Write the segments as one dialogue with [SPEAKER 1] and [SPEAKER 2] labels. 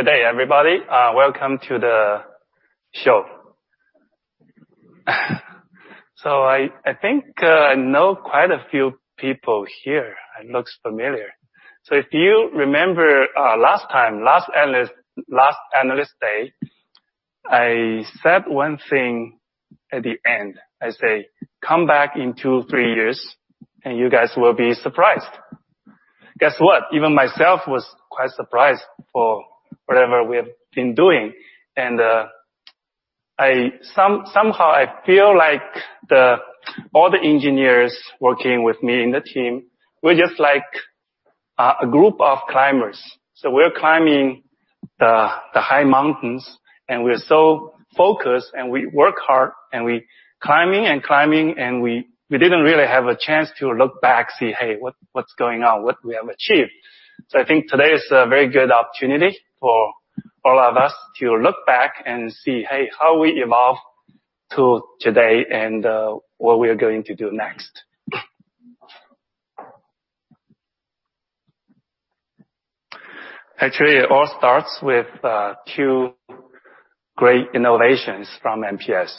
[SPEAKER 1] Good day, everybody. Welcome to the show. I think I know quite a few people here. It looks familiar. If you remember last time, last Analyst Day, I said one thing at the end. I said, "Come back in two, three years, and you guys will be surprised." Guess what. Even myself was quite surprised for whatever we have been doing. Somehow I feel like all the engineers working with me in the team, we're just like a group of climbers. We're climbing the high mountains, and we are so focused, and we work hard, and we climbing and climbing, and we didn't really have a chance to look back, see, hey, what's going on? What we have achieved. I think today is a very good opportunity for all of us to look back and see, hey, how we evolve to today and what we are going to do next. Actually, it all starts with two great innovations from MPS.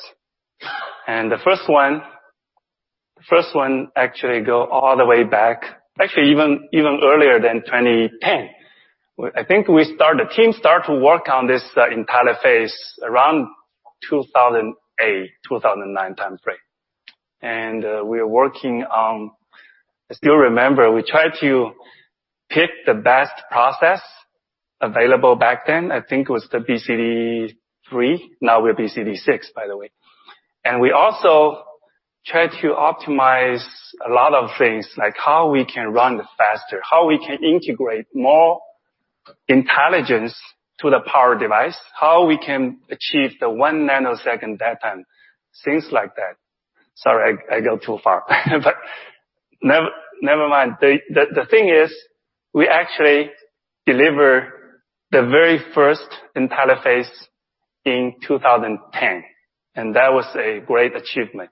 [SPEAKER 1] The first one actually go all the way back, actually even earlier than 2010. I think the team started to work on this Intelli-Phase around 2008, 2009 timeframe. I still remember, we tried to pick the best process available back then. I think it was the BCD3, now we're BCD6, by the way. We also tried to optimize a lot of things, like how we can run faster, how we can integrate more intelligence to the power device, how we can achieve the one nanosecond dead time, things like that. Sorry, I go too far. Never mind. The thing is, we actually delivered the very first Intelli-Phase in 2010. That was a great achievement.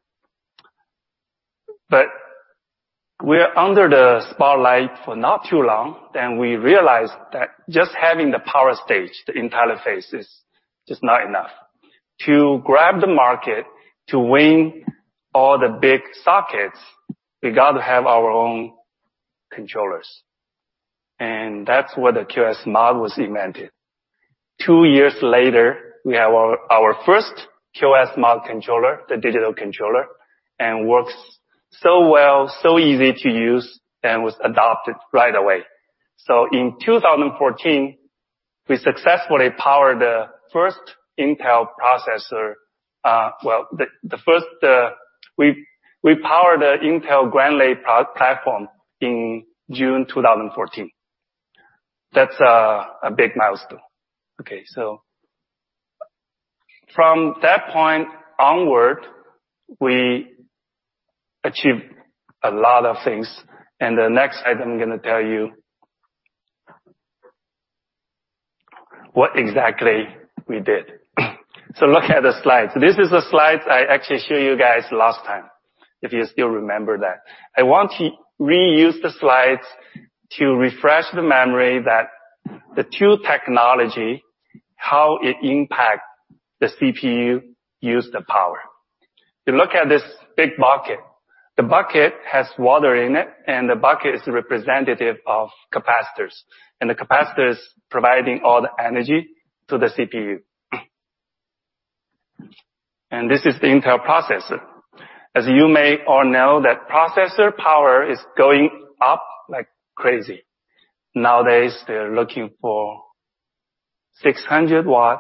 [SPEAKER 1] We're under the spotlight for not too long, then we realized that just having the power stage, the Intelli-Phase is just not enough. To grab the market, to win all the big sockets, we got to have our own controllers, and that's where the QSMod was invented. Two years later, we have our first QSMod controller, the digital controller, and it worked so well, so easy to use, and was adopted right away. In 2014, we successfully powered the first Intel processor, well, we powered the Intel Grantley platform in June 2014. That's a big milestone. From that point onward, we achieved a lot of things. The next item, I'm going to tell you what exactly we did. Look at the slides. This is the slide I actually showed you guys last time, if you still remember that. I want to reuse the slide to refresh the memory that the two technologies, how it impacts the CPU use the power. You look at this big bucket. The bucket has water in it. The bucket is representative of capacitors. The capacitor is providing all the energy to the CPU. This is the Intel processor. As you may all know that processor power is going up like crazy. Nowadays, they're looking for 600 watt,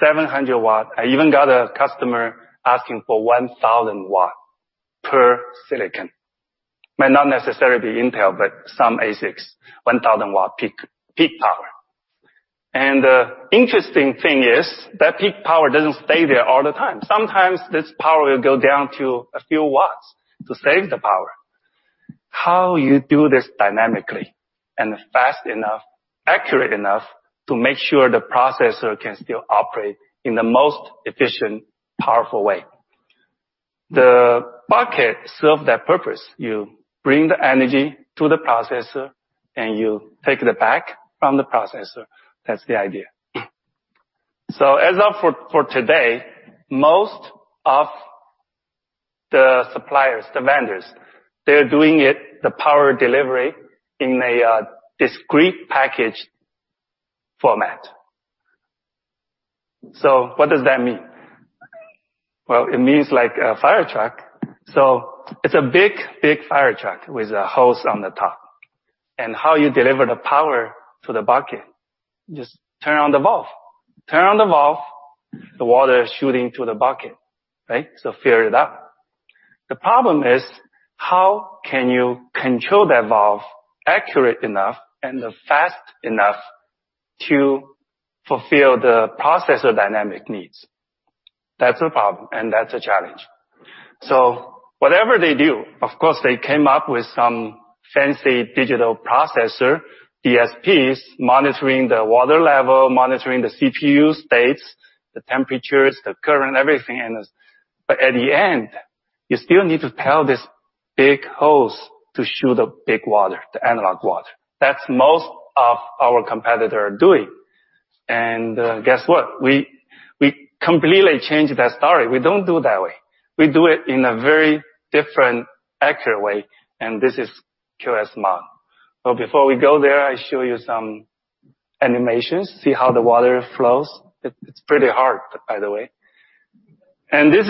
[SPEAKER 1] 700 watt. I even got a customer asking for 1,000 watt per silicon. Might not necessarily be Intel, but some ASICs 1,000 watt peak power. The interesting thing is that peak power doesn't stay there all the time. Sometimes this power will go down to a few watts to save the power. How you do this dynamically and fast enough, accurate enough to make sure the processor can still operate in the most efficient, powerful way? The bucket serves that purpose. You bring the energy to the processor, and you take it back from the processor. That's the idea. As of for today, most of the suppliers, the vendors, they're doing it, the power delivery, in a discrete package format. What does that mean? Well, it means like a fire truck. It's a big fire truck with a hose on the top. How you deliver the power to the bucket? Just turn on the valve. Turn on the valve, the water is shooting to the bucket. Right? Fill it up. The problem is how can you control that valve accurate enough and fast enough to fulfill the processor dynamic needs? That's a problem, and that's a challenge. Whatever they do, of course, they came up with some fancy digital processor, DSPs, monitoring the water level, monitoring the CPU states, the temperatures, the current, everything. At the end, you still need to pair this big hose to shoot a big water, the analog water. That's most of our competitors are doing. Guess what? We completely changed that story. We don't do it that way. We do it in a very different, accurate way, and this is QSMod. Before we go there, I show you some animations, see how the water flows. It's pretty hard, by the way. This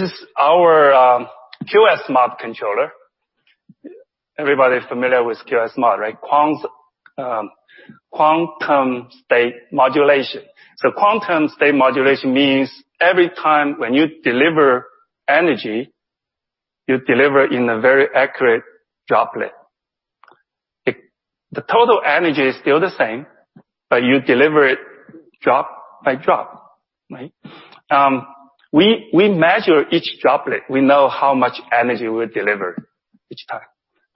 [SPEAKER 1] is our QSMod controller. Everybody familiar with QSMod, right? Quantum State Modulation. Quantum State Modulation means every time when you deliver energy, you deliver in a very accurate droplet. The total energy is still the same, but you deliver it drop by drop, right? We measure each droplet. We know how much energy we deliver each time.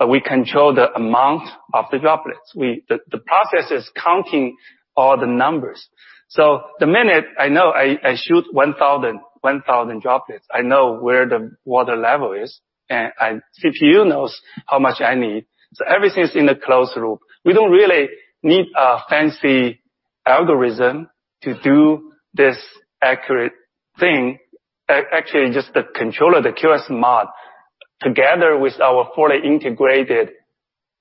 [SPEAKER 1] We control the amount of the droplets. The process is counting all the numbers. The minute I know I shoot 1,000 droplets, I know where the water level is, and CPU knows how much I need. Everything is in a closed loop. We don't really need a fancy algorithm to do this accurate thing. Actually, just the controller, the QSMod, together with our fully integrated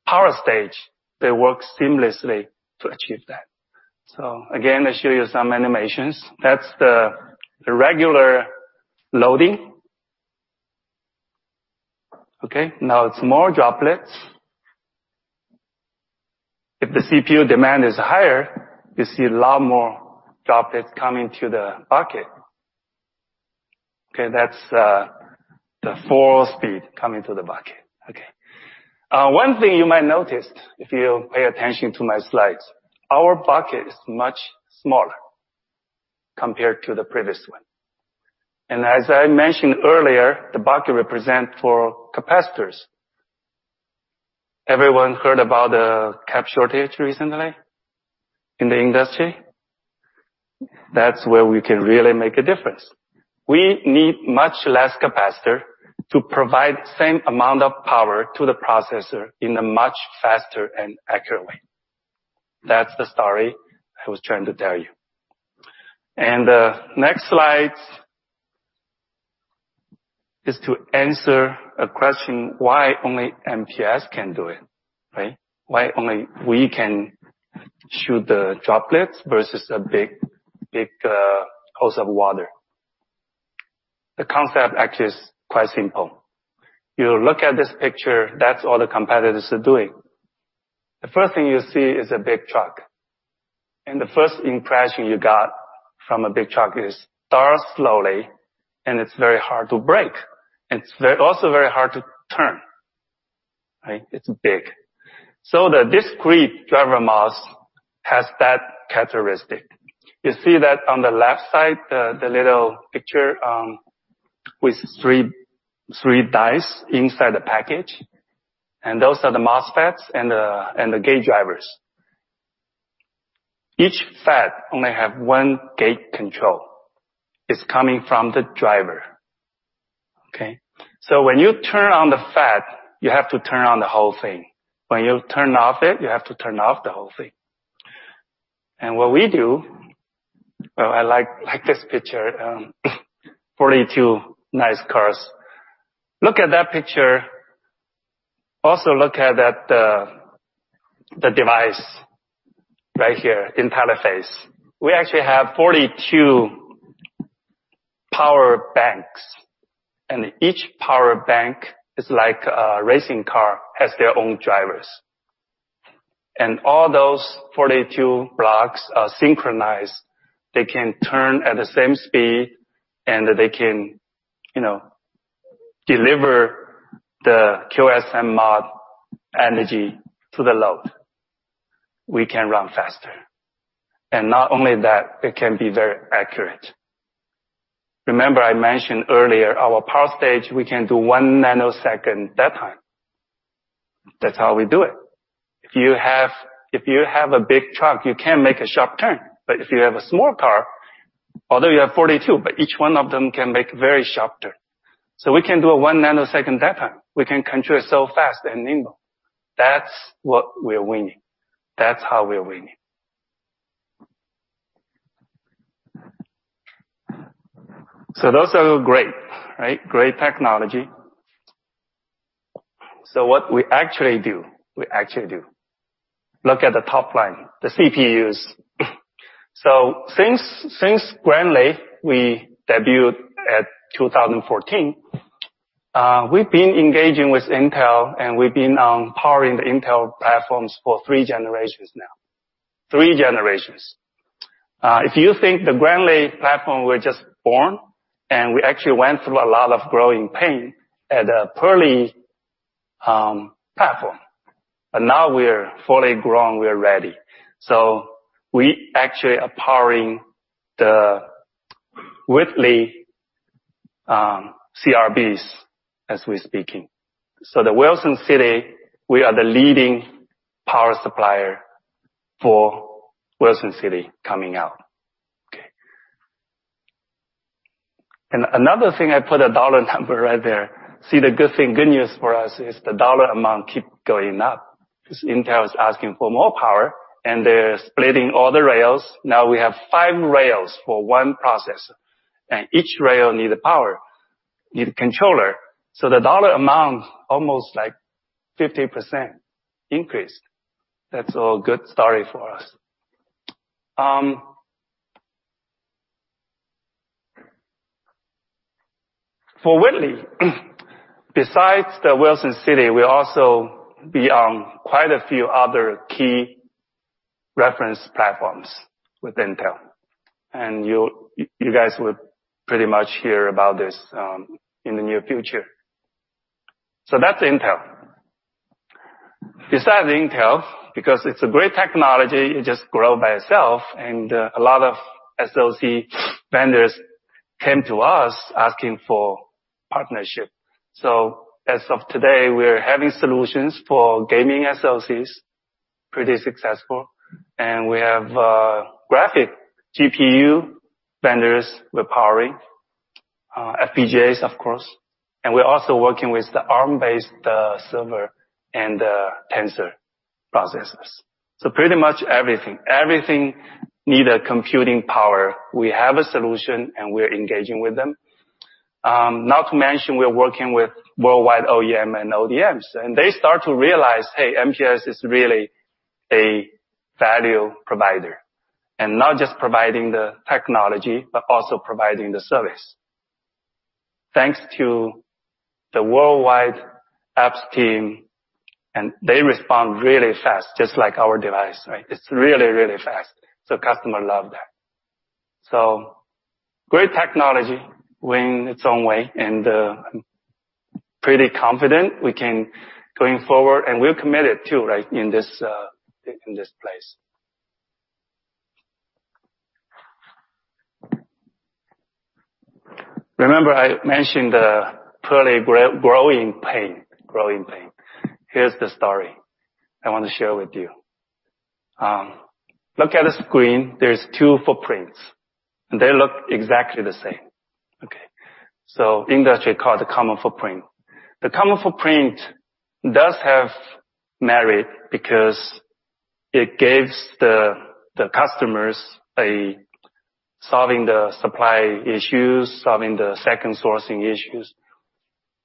[SPEAKER 1] power stage, they work seamlessly to achieve that. Again, I show you some animations. That's the regular loading. Now it's more droplets. If the CPU demand is higher, you see a lot more droplets coming to the bucket. That's the full speed coming to the bucket. One thing you might notice if you pay attention to my slides, our bucket is much smaller compared to the previous one. As I mentioned earlier, the bucket represents for capacitors. Everyone heard about the cap shortage recently in the industry? That's where we can really make a difference. We need much less capacitor to provide same amount of power to the processor in a much faster and accurate way. That's the story I was trying to tell you. The next slide is to answer a question, why only MPS can do it, right? Why only we can shoot the droplets versus a big hose of water. The concept actually is quite simple. You look at this picture, that's what all the competitors are doing. The first thing you see is a big truck. The first impression you got from a big truck is starts slowly, and it's very hard to break. It's also very hard to turn, right? It's big. The discrete driver MOS has that characteristic. You see that on the left side, the little picture, with 3 dice inside the package, and those are the MOSFETs and the gate drivers. Each FET only have 1 gate control. It's coming from the driver. Okay? When you turn on the FET, you have to turn on the whole thing. When you turn off it, you have to turn off the whole thing. What we do. Well, I like this picture, 42 nice cars. Look at that picture. Also look at the device right here, Intelli-Phase. We actually have 42 power banks, and each power bank is like a racing car, has their own drivers. All those 42 blocks are synchronized. They can turn at the same speed, and they can deliver the QSMod energy to the load. We can run faster. Not only that, it can be very accurate. Remember I mentioned earlier, our power stage, we can do 1 nanosecond dead time. That's how we do it. If you have a big truck, you can't make a sharp turn. But if you have a small car, although you have 42, but each one of them can make very sharp turn. We can do a 1-nanosecond dead time. We can control so fast and nimble. That's what we're winning. That's how we're winning. Those are great, right? Great technology. What we actually do. Look at the top line, the CPUs. Since Grantley, we debuted at 2014, we've been engaging with Intel, and we've been powering the Intel platforms for 3 generations now. 3 generations. If you think the Grantley platform was just born, and we actually went through a lot of growing pain at a Purley platform. But now we're fully grown, we're ready. We actually are powering the Whitley CRBs as we're speaking. The Wilson City, we are the leading power supplier for Wilson City coming out. Another thing, I put a dollar number right there. See, the good thing, good news for us is the dollar amount keep going up, because Intel is asking for more power, and they're splitting all the rails. Now we have 5 rails for 1 processor, and each rail need a power, need a controller. The dollar amount almost like 50% increased. That's all good story for us. For Whitley, besides the Wilson City, we also be on quite a few other key reference platforms with Intel. You guys will pretty much hear about this in the near future. That's Intel. Besides Intel, because it's a great technology, it just grow by itself, and a lot of SOC vendors came to us asking for partnership. As of today, we're having solutions for gaming SOCs, pretty successful. We have graphic GPU vendors we're powering, FPGAs of course, and we're also working with the Arm-based, the server and the tensor processors. Pretty much everything. Everything need a computing power. We have a solution, and we're engaging with them. Not to mention, we're working with worldwide OEM and ODMs, and they start to realize, hey, MPS is really a value provider. Not just providing the technology, but also providing the service. Thanks to the worldwide apps team, they respond really fast, just like our device. It's really fast, customer love that. Great technology went its own way, and I'm pretty confident we can, going forward, and we're committed too, in this place. Remember I mentioned Purley growing pain? Here's the story I want to share with you. Look at the screen, there's two footprints. They look exactly the same. Industry call it the common footprint. The common footprint does have merit, because it gives the customers a solving the supply issues, solving the second sourcing issues.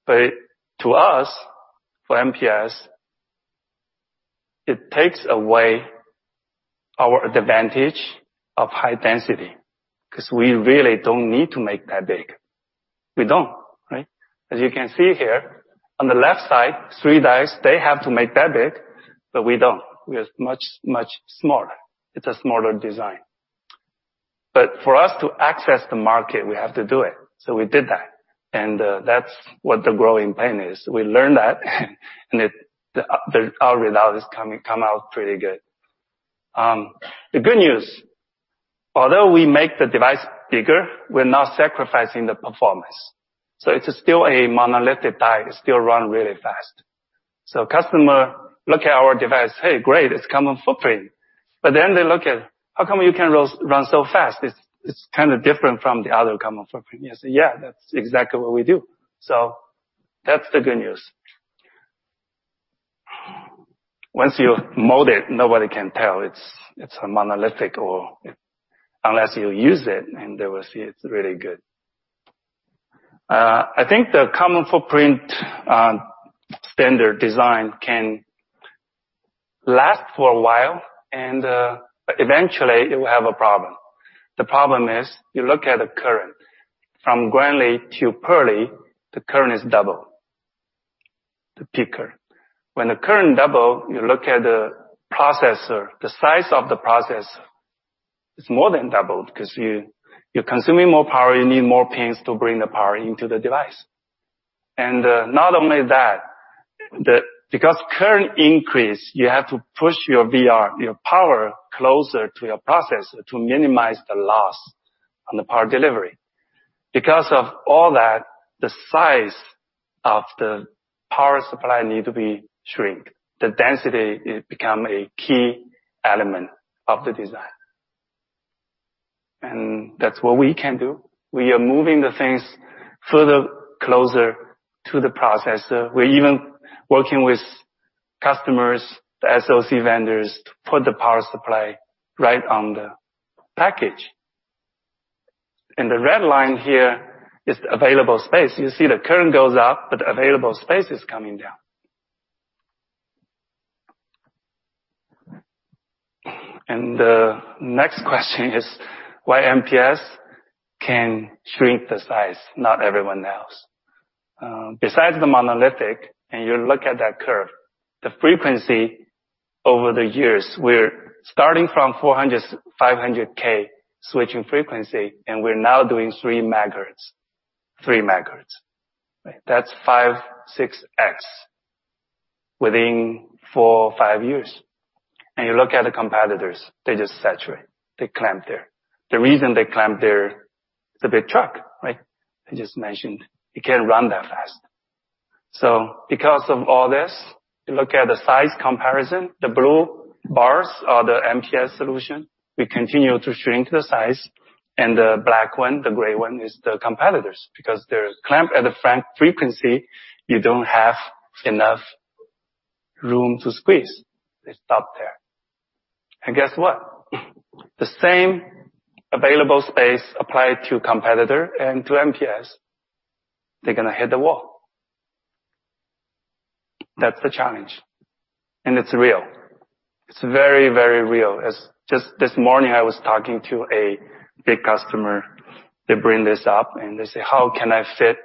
[SPEAKER 1] But to us, for MPS, it takes away our advantage of high density, because we really don't need to make that big. We don't. As you can see here, on the left side, three dice, they have to make that big, but we don't. We are much smaller. It's a smaller design. For us to access the market, we have to do it. We did that, and that's what the growing pain is. We learned that, and our result has come out pretty good. The good news, although we make the device bigger, we're not sacrificing the performance. It's still a monolithic die, it still run really fast. Customer look at our device, “Hey, great, it's common footprint.” They look at how come you can run so fast? It's kind of different from the other common footprint. You say, “Yeah, that's exactly what we do.” That's the good news. Once you mold it, nobody can tell it's a monolithic or, unless you use it, and they will see it's really good. I think the common footprint standard design can last for a while, and eventually, it will have a problem. The problem is, you look at the current. From Grantley to Purley, the current is double, the peak current. When the current double, you look at the processor, the size of the processor is more than doubled, because you're consuming more power, you need more pins to bring the power into the device. Not only that, because current increase, you have to push your VR, your power closer to your processor to minimize the loss on the power delivery. Because of all that, the size of the power supply need to be shrink. The density become a key element of the design. That's what we can do. We are moving the things further closer to the processor. We're even working with customers, the SOC vendors, to put the power supply right on the package. The red line here is the available space. You see the current goes up, but the available space is coming down. The next question is why MPS can shrink the size, not everyone else? Besides the monolithic, and you look at that curve, the frequency over the years, we're starting from 400, 500 K switching frequency, and we're now doing three megahertz. Three megahertz. That's five, six X within four, five years. You look at the competitors, they just saturate. They clamp there. The reason they clamp there is a big hurdle. I just mentioned, it can't run that fast. Because of all this, you look at the size comparison, the blue bars are the MPS solution. We continue to shrink the size and the black one, the gray one, is the competitors, because they're clamped at the switching frequency, you don't have enough room to squeeze. They stop there. Guess what? The same available space applied to competitor and to MPS, they're going to hit the wall. That's the challenge. It's real. It's very, very real. Just this morning, I was talking to a big customer. They bring this up and they say, "How can I fit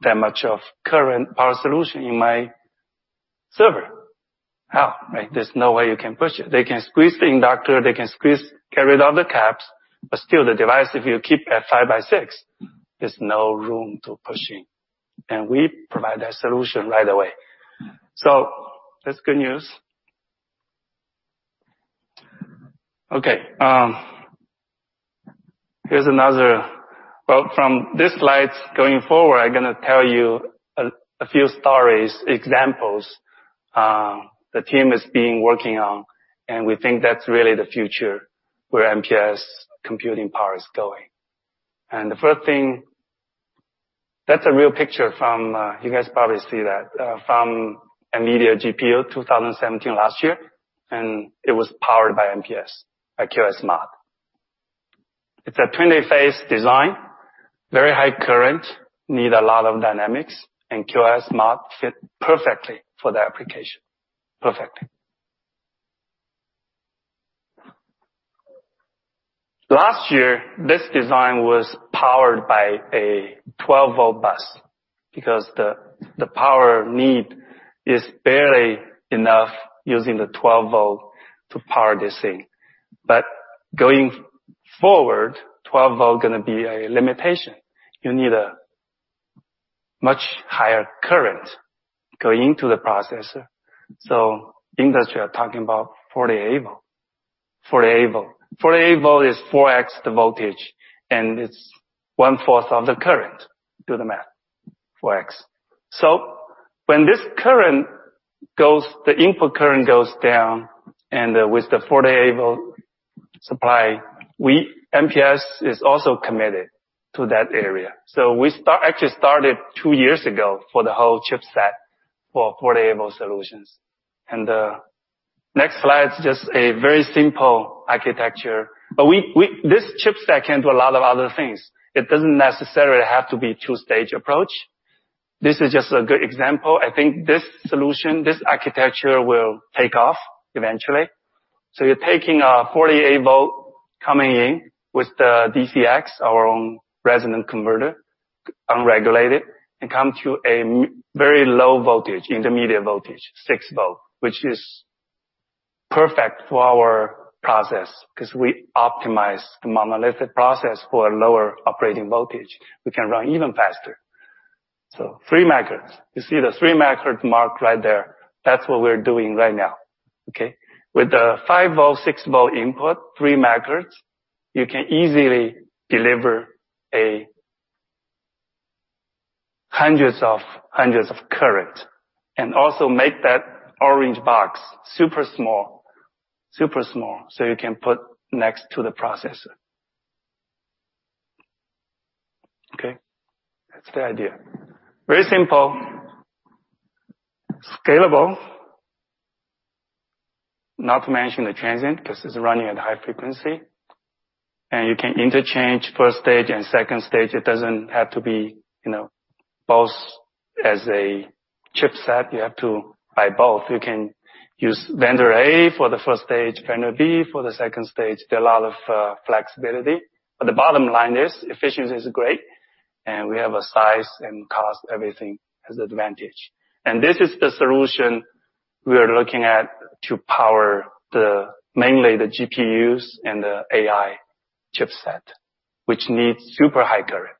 [SPEAKER 1] that much of current power solution in my server?" There's no way you can push it. They can squeeze the inductor, they can get rid of the caps, but still the device, if you keep at 5 by 6, there's no room to push in. We provide that solution right away. That's good news. Okay. Here's another. Well, from this slide going forward, I'm going to tell you a few stories, examples, the team has been working on, and we think that's really the future where MPS computing power is going. The first thing, that's a real picture, you guys probably see that, from a Nvidia GPU 2017 last year, and it was powered by MPS, by QSMod. It's a 20 phase design, very high current, need a lot of dynamics, and QSMod fit perfectly for the application. Perfectly. Last year, this design was powered by a 12 volt bus, because the power need is barely enough using the 12 volt to power this thing. Going forward, 12 volt going to be a limitation. You need a much higher current going into the processor. Industry are talking about 48 volt. 48 volt. 48 volt is 4x the voltage, and it's one-fourth of the current. Do the math. 4x. When the input current goes down and with the 48 volt supply, MPS is also committed to that area. We actually started two years ago for the whole chipset for 48 volt solutions. The next slide is just a very simple architecture. This chipset can do a lot of other things. It doesn't necessarily have to be 2-stage approach. This is just a good example. I think this solution, this architecture will take off eventually. You're taking a 48 volt coming in with the DCX, our own resonant converter, unregulated, and come to a very low voltage, intermediate voltage, 6 volt, which is perfect for our process because we optimize the monolithic process for a lower operating voltage. We can run even faster. 3 megahertz. You see the 3 megahertz mark right there. That's what we're doing right now. Okay. With the 5 volt, 6 volt input, 3 megahertz, you can easily deliver hundreds of hundreds of current, and also make that orange box super small, so you can put next to the processor. Okay. That's the idea. Very simple. Scalable. Not to mention the transient, because it's running at a high frequency. You can interchange 1st stage and 2nd stage. It doesn't have to be both as a chipset, you have to buy both. You can use vendor A for the 1st stage, vendor B for the 2nd stage. There are a lot of flexibility. The bottom line is, efficiency is great, and we have a size and cost, everything has advantage. This is the solution we are looking at to power mainly the GPUs and the AI chipset, which needs super high current.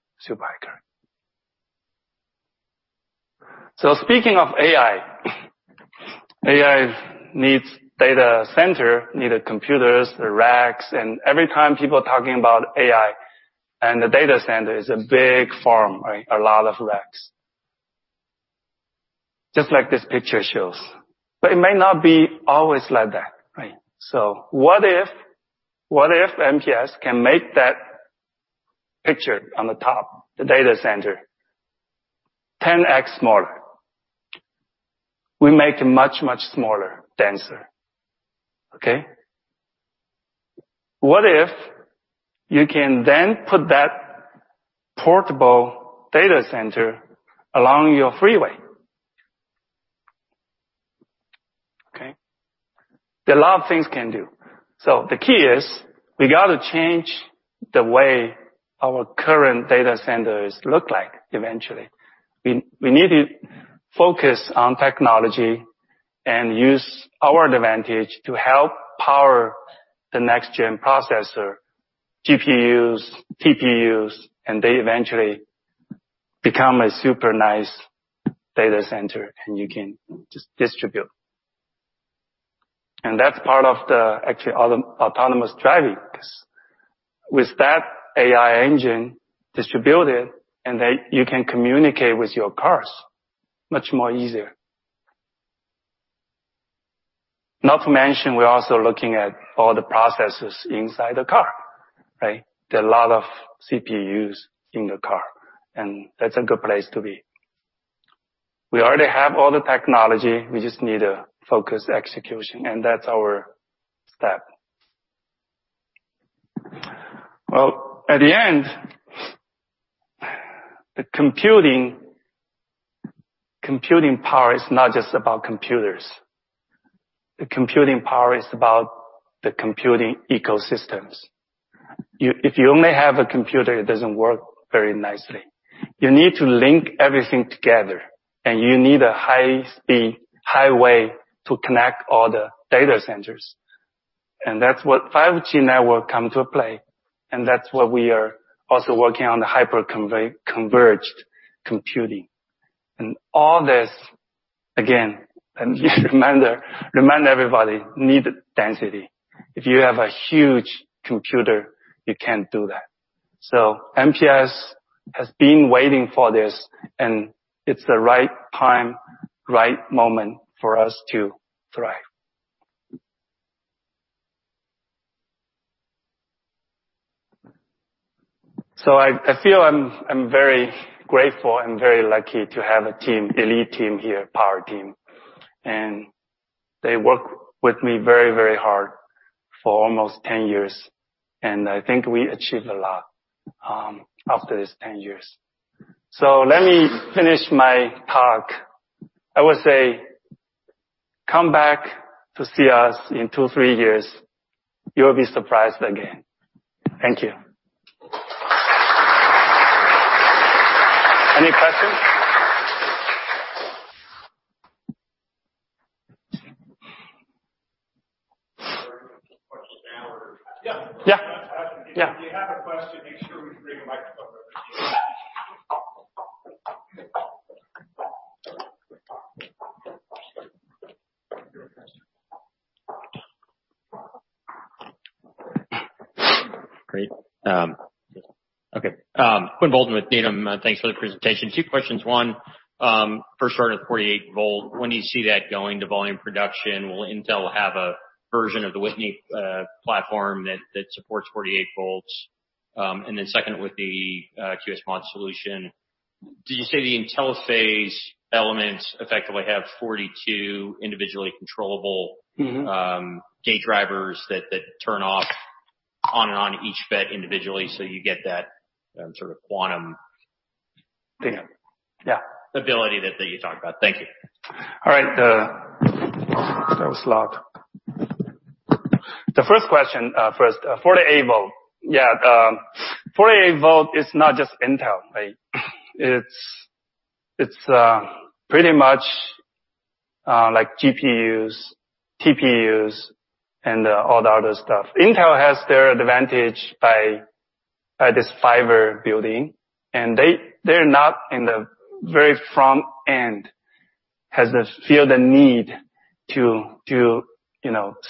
[SPEAKER 1] Speaking of AI needs data center, needs computers, the racks, every time people are talking about AI, the data center is a big farm, right? A lot of racks. Just like this picture shows. It may not be always like that, right? What if MPS can make that picture on the top, the data center, 10X smaller? We make it much, much smaller, denser. What if you can put that portable data center along your freeway? There are a lot of things it can do. The key is, we got to change the way our current data centers look like eventually. We need to focus on technology and use our advantage to help power the next-gen processor, GPUs, TPUs, and they eventually become a super nice data center and you can just distribute. That's part of the actual autonomous driving, because with that AI engine distributed, you can communicate with your cars much more easier. Not to mention, we're also looking at all the processes inside the car, right? There are a lot of CPUs in the car, and that's a good place to be. We already have all the technology. We just need to focus execution, and that's our step. At the end, the computing power is not just about computers. The computing power is about the computing ecosystems. If you only have a computer, it doesn't work very nicely. You need to link everything together, and you need a high-speed highway to connect all the data centers. That's what 5G network come to play, that's why we are also working on the hyper-converged computing. All this, again, let me remind everybody, need density. If you have a huge computer, you can't do that. MPS has been waiting for this, and it's the right time, right moment for us to thrive. I feel I'm very grateful and very lucky to have a team, elite team here, power team, and they work with me very hard for almost 10 years, and I think we achieved a lot after these 10 years. Let me finish my talk. I would say, come back to see us in 2, 3 years. You'll be surprised again. Thank you. Any questions?
[SPEAKER 2] Questions now or Yeah. Yeah. If you have a question, make sure you bring a microphone over to you.
[SPEAKER 3] Great. Okay. Quinn Bolton with Needham. Thanks for the presentation. Two questions. One, first started with 48-volt. When do you see that going to volume production? Will Intel have a version of the Whitley platform that supports 48 volts? Second, with the QSMod solution, did you say the Intelli-Phase elements effectively have 42 individually controllable- gate drivers that turn off on and on each FET individually, You get that sort of quantum-
[SPEAKER 1] Thing. Yeah
[SPEAKER 3] ability that you talked about. Thank you.
[SPEAKER 1] All right. That was loud. The first question first, 48 volt. Yeah, 48 volt is not just Intel, right? It's pretty much like GPUs, TPUs, and all the other stuff. Intel has their advantage by this fiber building, and they're not in the very front end, has feel the need to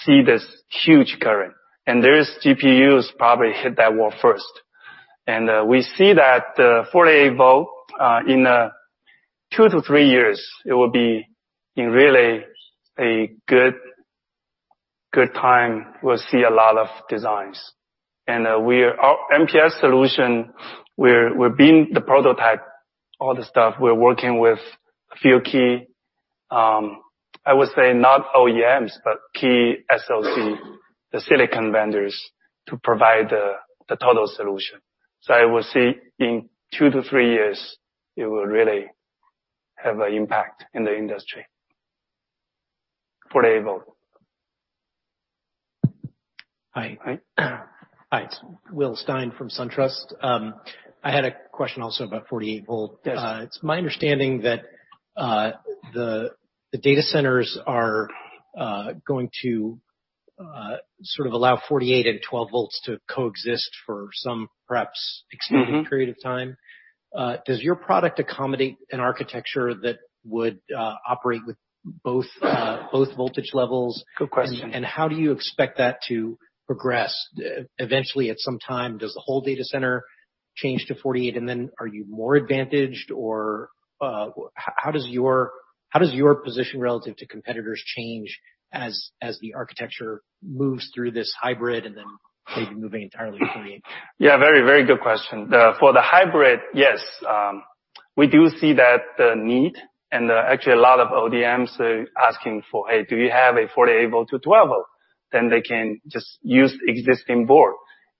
[SPEAKER 1] see this huge current. Those GPUs probably hit that wall first. We see that 48 volt, in two to three years, it will be in really a good time. We'll see a lot of designs. Our MPS solution, we're building the prototype, all the stuff. We're working with a few key, I would say not OEMs, but key SoC, the silicon vendors to provide the total solution. I will see in two to three years, it will really have an impact in the industry, 48 volt.
[SPEAKER 4] Hi.
[SPEAKER 1] Hi.
[SPEAKER 4] Hi, it's William Stein from SunTrust. I had a question also about 48 volt.
[SPEAKER 1] Yes.
[SPEAKER 4] It's my understanding that the data centers are going to sort of allow 48 and 12 volts to coexist for some, perhaps extended period of time. Does your product accommodate an architecture that would operate with both voltage levels?
[SPEAKER 1] Good question.
[SPEAKER 4] How do you expect that to progress? Eventually, at some time, does the whole data center change to 48, then are you more advantaged, or how does your position relative to competitors change as the architecture moves through this hybrid then maybe moving entirely to 48?
[SPEAKER 1] Very good question. For the hybrid, yes. We do see that need, actually a lot of ODMs are asking for, "Hey, do you have a 48 volt to 12 volt?" They can just use existing board.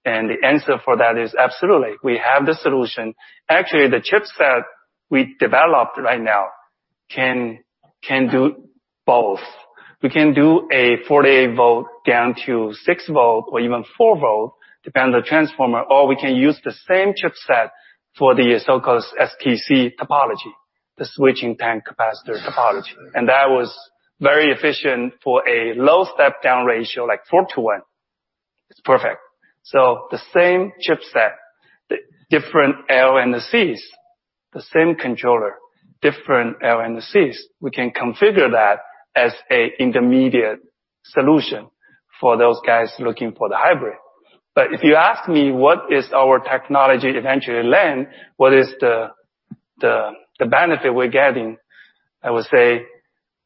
[SPEAKER 1] The answer for that is absolutely. We have the solution. Actually, the chipset we developed right now can do both. We can do a 48 volt down to six volt or even four volt, depend on the transformer, or we can use the same chipset for the so-called STC topology, the switching tank capacitor topology. That was very efficient for a low step-down ratio, like 4 to 1. It's perfect. The same chipset, different L and the Cs, the same controller, different L and the Cs. We can configure that as an intermediate solution for those guys looking for the hybrid. If you ask me, what is our technology eventually land? What is the benefit we're getting? I would say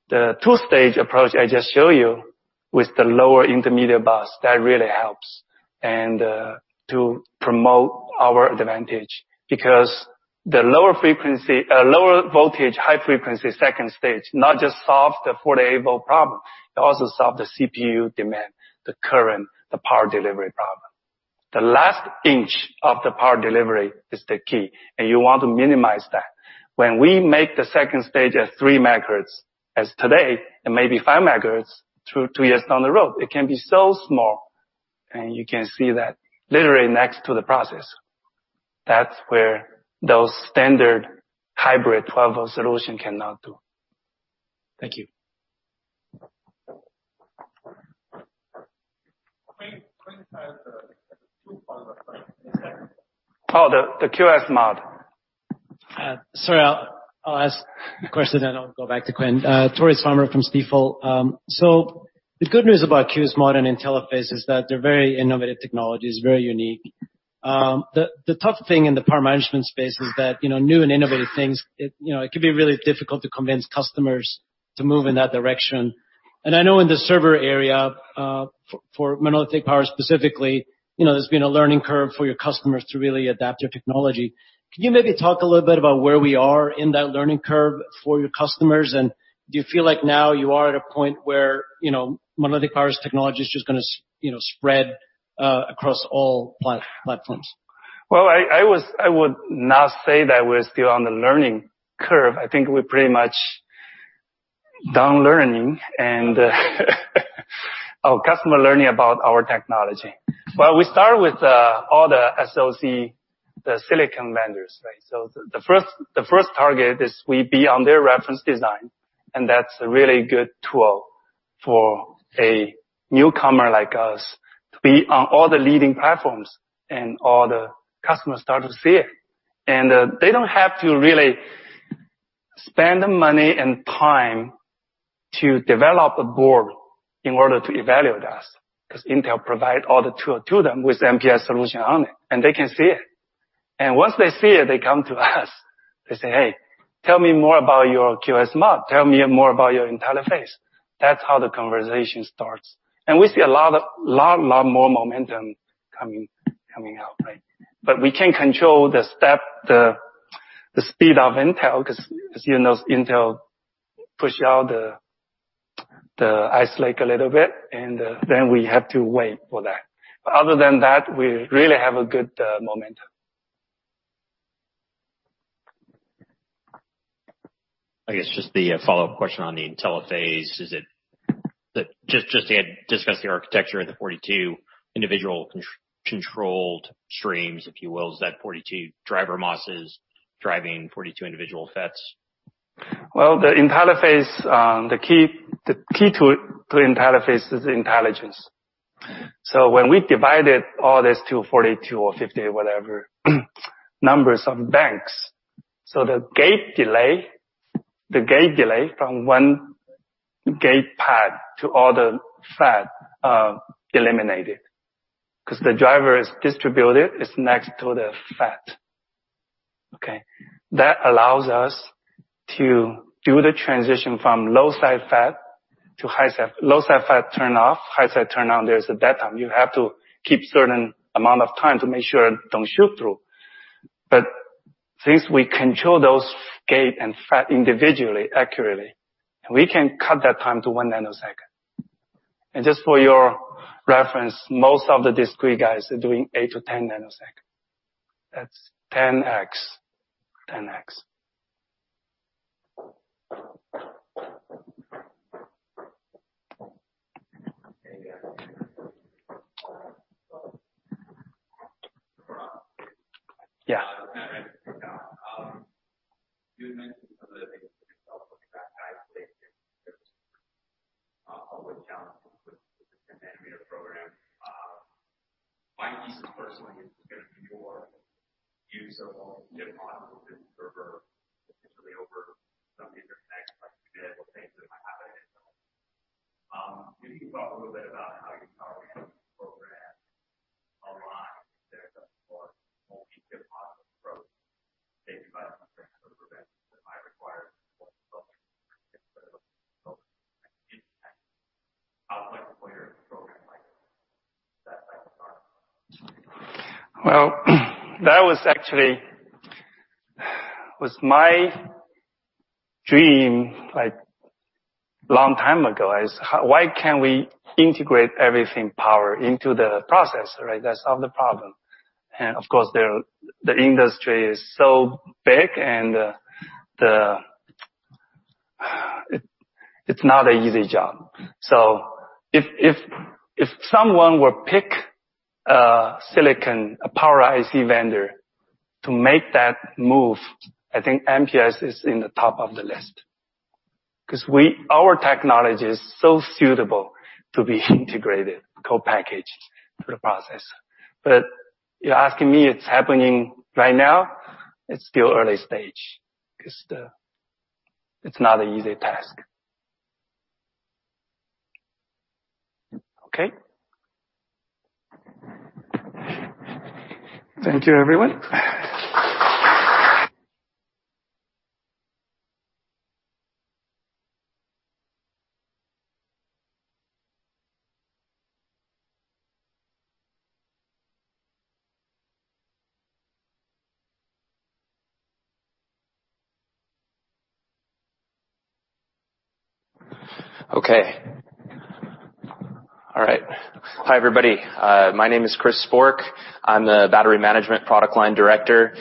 [SPEAKER 1] the two-stage approach I just showed you with the lower intermediate bus, that really helps, and to promote our advantage. The lower voltage, high frequency second stage, not just solves the 48-volt problem, it also solves the CPU demand, the current, the power delivery problem. The last inch of the power delivery is the key, and you want to minimize that. When we make the second stage at 3 MHz as today, and maybe 5 MHz two years down the road, it can be so small, and you can see that literally next to the process. That's where those standard hybrid 12-volt solution cannot do.
[SPEAKER 5] Thank you.
[SPEAKER 2] Quinn has two follow-ups, right? The QSMod.
[SPEAKER 5] Sorry, I'll ask the question, then I'll go back to Quinn. Tore Svanberg from Stifel. The good news about QSMod and Intelli-Phase is that they're very innovative technologies, very unique. The tough thing in the power management space is that new and innovative things, it can be really difficult to convince customers to move in that direction. I know in the server area, for Monolithic Power Systems specifically, there's been a learning curve for your customers to really adapt your technology. Can you maybe talk a little bit about where we are in that learning curve for your customers? Do you feel like now you are at a point where Monolithic Power Systems' technology is just going to spread across all platforms?
[SPEAKER 1] Well, I would not say that we're still on the learning curve. I think we're pretty much done learning and our customer learning about our technology. We start with all the SOC, the silicon vendors, right? The first target is we be on their reference design, and that's a really good tool for a newcomer like us to be on all the leading platforms and all the customers start to see it. They don't have to really spend the money and time to develop a board in order to evaluate us, because Intel provide all the tool to them with MPS solution on it, and they can see it. Once they see it, they come to us. They say, "Hey, tell me more about your QSMod. Tell me more about your Intelli-Phase." That's how the conversation starts. We see a lot more momentum coming out, right? We can't control the step, the speed of Intel, because as you know, Intel push out the Ice Lake a little bit, and then we have to wait for that. Other than that, we really have a good momentum.
[SPEAKER 3] I guess just the follow-up question on the Intelli-Phase is it, just to discuss the architecture of the 42 individual controlled streams, if you will. Is that 42 driver MOSFETs driving 42 individual FETs?
[SPEAKER 1] The key to Intelli-Phase is intelligence. When we divided all this to 42 or 50, whatever numbers of banks, the gate delay from one gate pad to all the FET eliminated, because the driver is distributed, it's next to the FET. Okay? That allows us to do the transition from low-side FET turn off, high-side turn on. There's a dead time. You have to keep certain amount of time to make sure it don't shoot through. Since we control those gate and FET individually, accurately, we can cut that time to one nanosecond. Just for your reference, most of the discrete guys are doing eight to 10 nanosecond. That's 10x.
[SPEAKER 2] There you go. Yeah.
[SPEAKER 3] You had mentioned some of the things that always challenges with the 10-nanometer program. My thesis personally is just going to be more use of all the chip models in server, potentially over some interconnects, like you said, or things that might happen. If you can talk a little bit about how you program a lot more chip models approach taken by some of the preventions that might require how might the player program like that type of target?
[SPEAKER 1] That was actually was my dream a long time ago, is why can't we integrate everything power into the process, right? That solve the problem. Of course, the industry is so big and it's not an easy job. If someone were pick a silicon, a power IC vendor to make that move, I think MPS is in the top of the list. Our technology is so suitable to be integrated, co-packaged to the process. You're asking me, it's happening right now? It's still early stage, because it's not an easy task. Okay? Thank you everyone.
[SPEAKER 6] Okay. All right. Hi everybody. My name is Chris Sporck. I'm the Battery Management Product Line Director.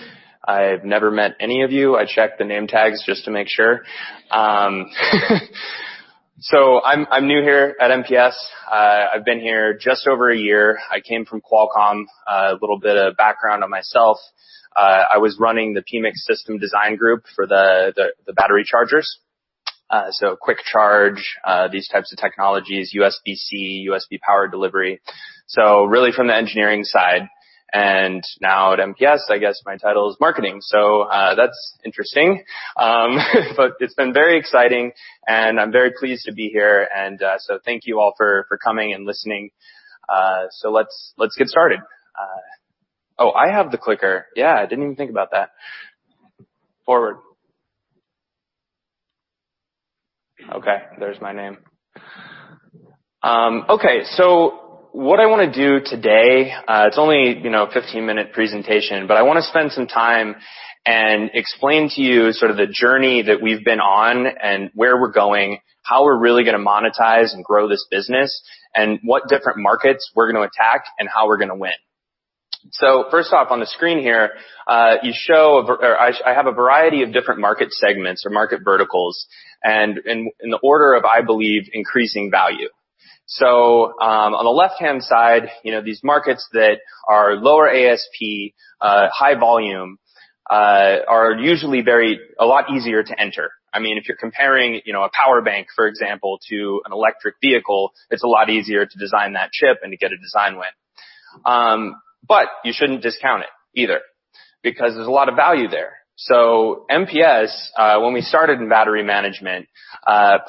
[SPEAKER 6] I've never met any of you. I checked the name tags just to make sure. I'm new here at MPS. I've been here just over a year. I came from Qualcomm. A little bit of background on myself. I was running the PMIC System Design Group for the battery chargers. Quick Charge, these types of technologies, USB-C, USB power delivery. Really from the engineering side. Now at MPS, I guess my title is marketing. That's interesting. It's been very exciting, and I'm very pleased to be here. Thank you all for coming and listening. Let's get started. Oh, I have the clicker. Yeah, I didn't even think about that. Forward. Okay. There's my name. What I want to do today, it's only a 15-minute presentation, but I want to spend some time and explain to you sort of the journey that we've been on and where we're going, how we're really going to monetize and grow this business, and what different markets we're going to attack, and how we're going to win. First off, on the screen here, I have a variety of different market segments or market verticals, and in the order of, I believe, increasing value. On the left-hand side, these markets that are lower ASP, high volume, are usually a lot easier to enter. If you're comparing a power bank, for example, to an electric vehicle, it's a lot easier to design that chip and to get a design win. You shouldn't discount it either, because there's a lot of value there. MPS, when we started in battery management,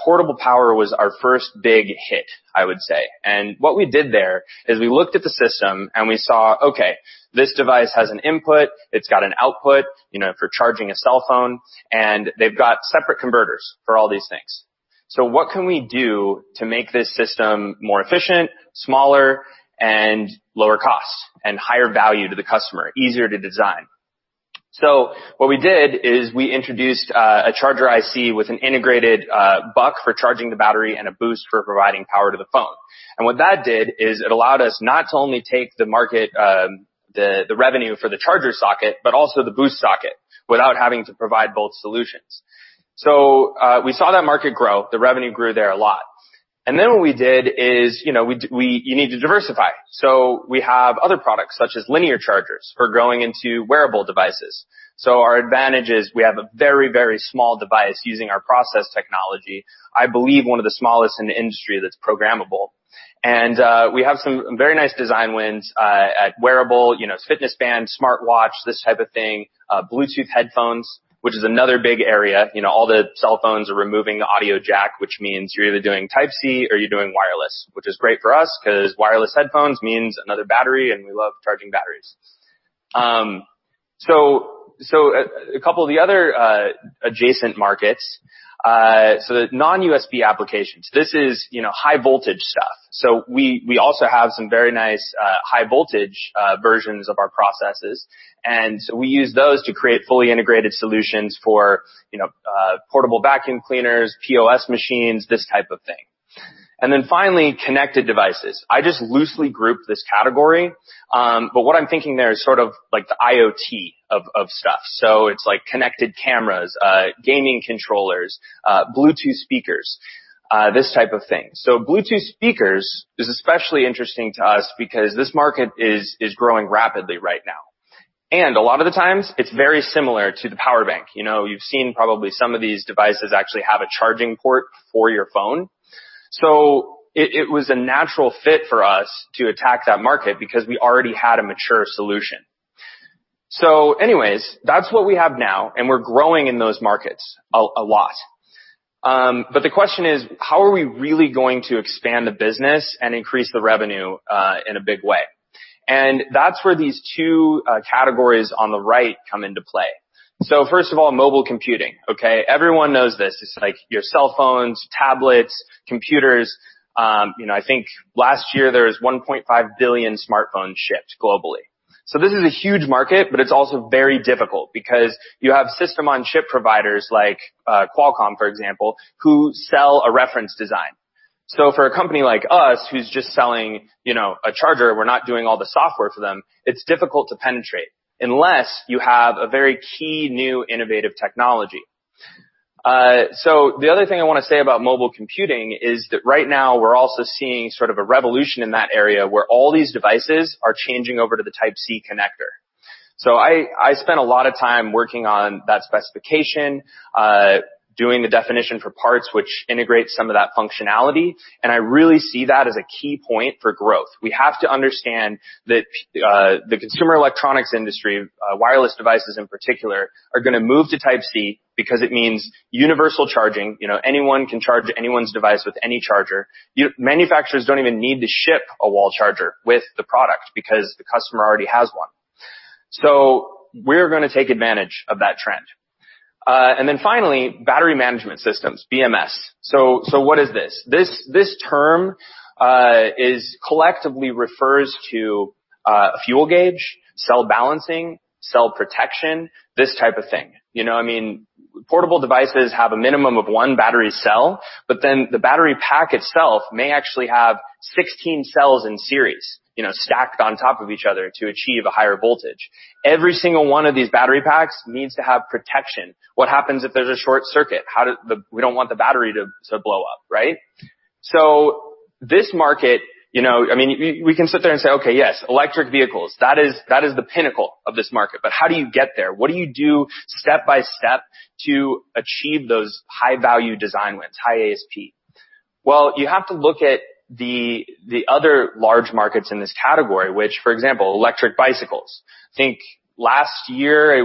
[SPEAKER 6] portable power was our first big hit, I would say. What we did there is we looked at the system, and we saw, okay, this device has an input, it's got an output, for charging a cell phone, and they've got separate converters for all these things. What can we do to make this system more efficient, smaller, and lower cost, and higher value to the customer, easier to design? What we did is we introduced a charger IC with an integrated buck for charging the battery and a boost for providing power to the phone. What that did is it allowed us not to only take the revenue for the charger socket, but also the boost socket without having to provide both solutions. We saw that market grow. The revenue grew there a lot. What we did is, you need to diversify. We have other products, such as linear chargers for growing into wearable devices. Our advantage is we have a very, very small device using our process technology. I believe one of the smallest in the industry that's programmable. We have some very nice design wins at wearable, it's fitness band, smartwatch, this type of thing, Bluetooth headphones, which is another big area. All the cell phones are removing the audio jack, which means you're either doing Type-C or you're doing wireless, which is great for us because wireless headphones means another battery, and we love charging batteries. A couple of the other adjacent markets, the non-USB applications, this is high voltage stuff. We also have some very nice, high voltage versions of our processes, and we use those to create fully integrated solutions for portable vacuum cleaners, POS machines, this type of thing. Finally, connected devices. I just loosely grouped this category, but what I'm thinking there is sort of like the IoT of stuff. It's like connected cameras, gaming controllers, Bluetooth speakers, this type of thing. Bluetooth speakers is especially interesting to us because this market is growing rapidly right now. A lot of the times, it's very similar to the power bank. You've seen probably some of these devices actually have a charging port for your phone. It was a natural fit for us to attack that market because we already had a mature solution. Anyways, that's what we have now, and we're growing in those markets a lot. The question is: how are we really going to expand the business and increase the revenue in a big way? That's where these two categories on the right come into play. First of all, mobile computing, okay? Everyone knows this. It's like your cell phones, tablets, computers. I think last year there was $1.5 billion smartphones shipped globally. This is a huge market, but it's also very difficult, because you have system on chip providers like Qualcomm, for example, who sell a reference design. For a company like us who's just selling a charger, we're not doing all the software for them, it's difficult to penetrate unless you have a very key new innovative technology. The other thing I want to say about mobile computing is that right now we're also seeing sort of a revolution in that area where all these devices are changing over to the Type-C connector. I spent a lot of time working on that specification, doing the definition for parts which integrate some of that functionality, and I really see that as a key point for growth. We have to understand that the consumer electronics industry, wireless devices in particular, are going to move to Type-C because it means universal charging. Anyone can charge anyone's device with any charger. Manufacturers don't even need to ship a wall charger with the product because the customer already has one. We're going to take advantage of that trend. Finally, battery management systems, BMS. What is this? This term collectively refers to a fuel gauge, cell balancing, cell protection, this type of thing. Portable devices have a minimum of one battery cell, but then the battery pack itself may actually have 16 cells in series, stacked on top of each other to achieve a higher voltage. Every single one of these battery packs needs to have protection. What happens if there's a short circuit? We don't want the battery to blow up, right? This market, we can sit there and say, okay, yes, electric vehicles. That is the pinnacle of this market. How do you get there? What do you do step by step to achieve those high-value design wins, high ASP? Well, you have to look at the other large markets in this category, which, for example, electric bicycles. I think last year,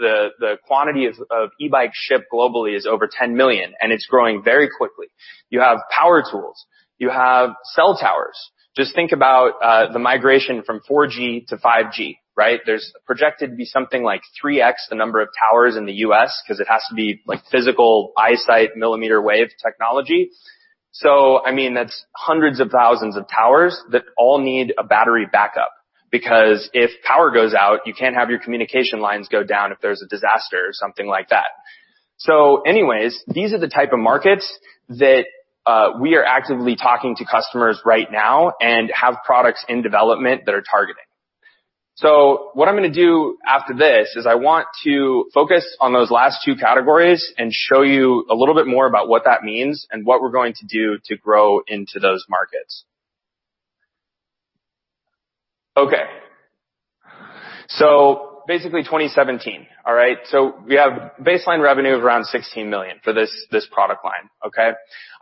[SPEAKER 6] the quantity of e-bikes shipped globally is over 10 million, and it's growing very quickly. You have power tools. You have cell towers. Just think about the migration from 4G to 5G, right? There's projected to be something like 3X the number of towers in the U.S. because it has to be physical eyesight millimeter wave technology. That's hundreds of thousands of towers that all need a battery backup, because if power goes out, you can't have your communication lines go down if there's a disaster or something like that. Anyways, these are the type of markets that we are actively talking to customers right now and have products in development that are targeting. What I'm going to do after this is I want to focus on those last two categories and show you a little bit more about what that means and what we're going to do to grow into those markets. Okay. Basically 2017. All right? We have baseline revenue of around $16 million for this product line, okay?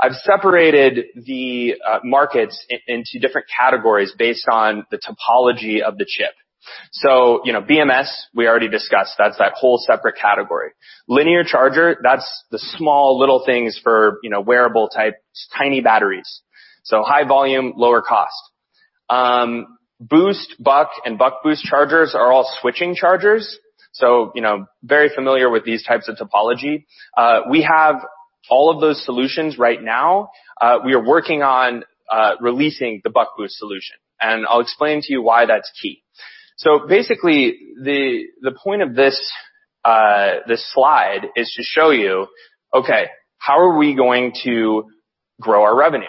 [SPEAKER 6] I've separated the markets into different categories based on the topology of the chip. BMS, we already discussed, that's that whole separate category. Linear charger, that's the small little things for wearable type, tiny batteries. High volume, lower cost. Boost, buck, and buck boost chargers are all switching chargers, so very familiar with these types of topology. We have all of those solutions right now. We are working on releasing the buck boost solution, and I'll explain to you why that's key. Basically, the point of this slide is to show you, okay, how are we going to grow our revenue?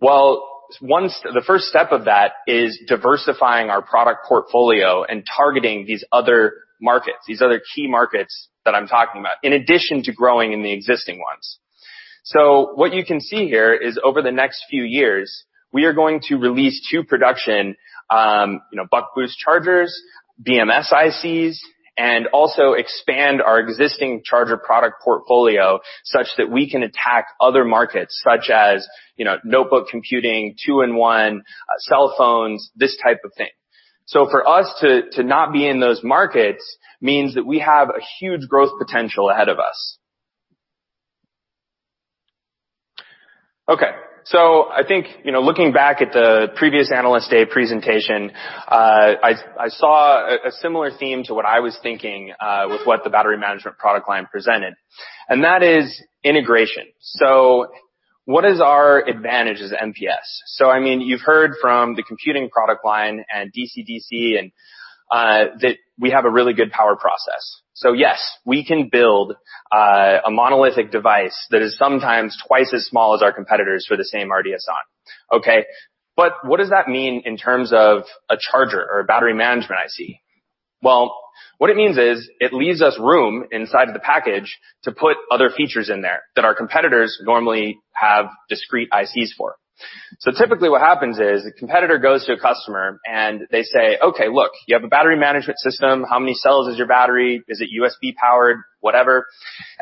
[SPEAKER 6] Well, the first step of that is diversifying our product portfolio and targeting these other markets, these other key markets that I'm talking about, in addition to growing in the existing ones. What you can see here is over the next few years, we are going to release two production, buck boost chargers, BMS ICs, and also expand our existing charger product portfolio such that we can attack other markets such as notebook computing, 2-in-1, cell phones, this type of thing. For us to not be in those markets means that we have a huge growth potential ahead of us. Okay. I think, looking back at the previous Analyst Day presentation, I saw a similar theme to what I was thinking, with what the battery management product line presented, and that is integration. What is our advantage as MPS? You've heard from the computing product line and DC-to-DC, that we have a really good power process. Yes, we can build a monolithic device that is sometimes twice as small as our competitors for the same RDS(on). Okay, but what does that mean in terms of a charger or a battery management IC? Well, what it means is it leaves us room inside of the package to put other features in there that our competitors normally have discrete ICs for. Typically what happens is the competitor goes to a customer, and they say, "Okay, look, you have a battery management system. How many cells is your battery? Is it USB-powered? Whatever.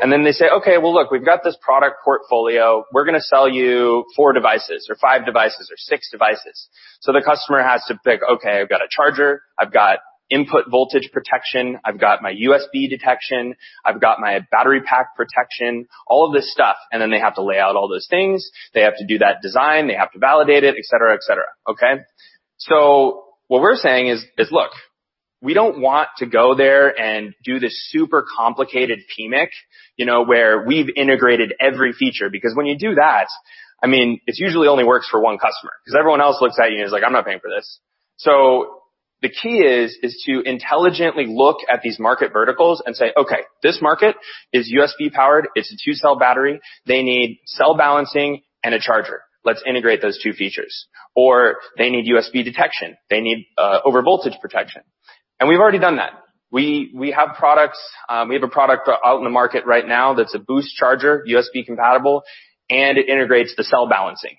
[SPEAKER 6] They say, "Okay, well look, we've got this product portfolio. We're going to sell you four devices or five devices or six devices." The customer has to pick, okay, I've got a charger, I've got input voltage protection, I've got my USB detection, I've got my battery pack protection, all of this stuff. They have to lay out all those things. They have to do that design. They have to validate it, et cetera. Okay. What we're saying is, look, we don't want to go there and do this super complicated PMIC, where we've integrated every feature, because when you do that, it usually only works for one customer because everyone else looks at you and is like, "I'm not paying for this." The key is to intelligently look at these market verticals and say, "Okay, this market is USB-powered. It's a two-cell battery. They need cell balancing and a charger. Let's integrate those two features." They need USB detection. They need overvoltage protection. We've already done that. We have a product out in the market right now that's a boost charger, USB compatible, and it integrates the cell balancing,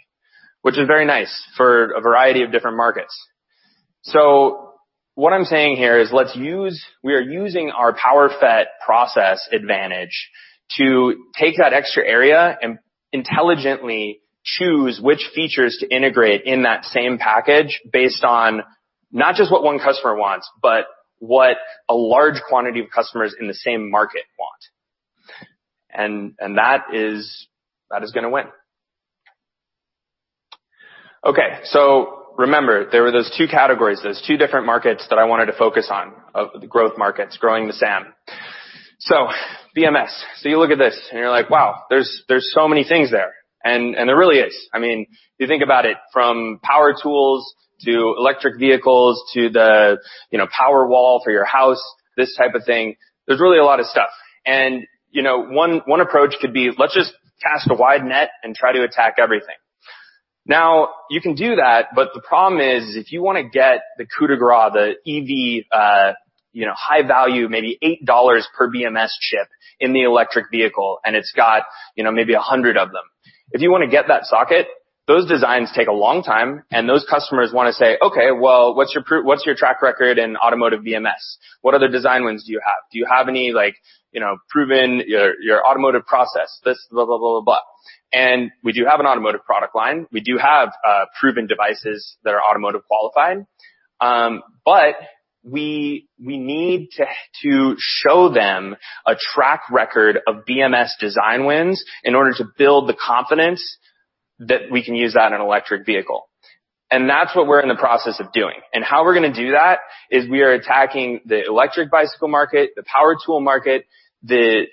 [SPEAKER 6] which is very nice for a variety of different markets. What I'm saying here is, we are using our PowerFET process advantage to take that extra area and intelligently choose which features to integrate in that same package based on not just what one customer wants, but what a large quantity of customers in the same market want. That is going to win. Okay. Remember, there were those two categories, those two different markets that I wanted to focus on, of the growth markets, growing the SAM. BMS. You look at this and you're like, "Wow, there's so many things there." There really is. You think about it, from power tools to electric vehicles, to the power wall for your house, this type of thing, there's really a lot of stuff. One approach could be, let's just cast a wide net and try to attack everything. Now, you can do that, but the problem is, if you want to get the coup de grace, the EV high value, maybe $8 per BMS chip in the electric vehicle, and it's got maybe 100 of them. If you want to get that socket, those designs take a long time, and those customers want to say, "Okay, well, what's your track record in automotive BMS? What other design wins do you have? Do you have any proven your automotive process?" This blah, blah, blah. We do have an automotive product line. We do have proven devices that are automotive qualified. We need to show them a track record of BMS design wins in order to build the confidence that we can use that in an electric vehicle. That's what we're in the process of doing. How we're going to do that, is we are attacking the electric bicycle market, the power tool market, the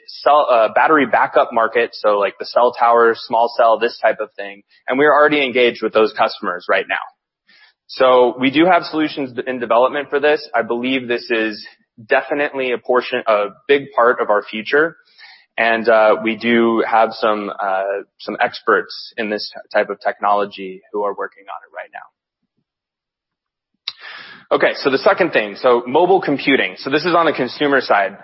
[SPEAKER 6] battery backup market, like the cell tower, small cell, this type of thing, and we are already engaged with those customers right now. We do have solutions in development for this. I believe this is definitely a big part of our future, and we do have some experts in this type of technology who are working on it right now. The second thing. Mobile computing. This is on the consumer side.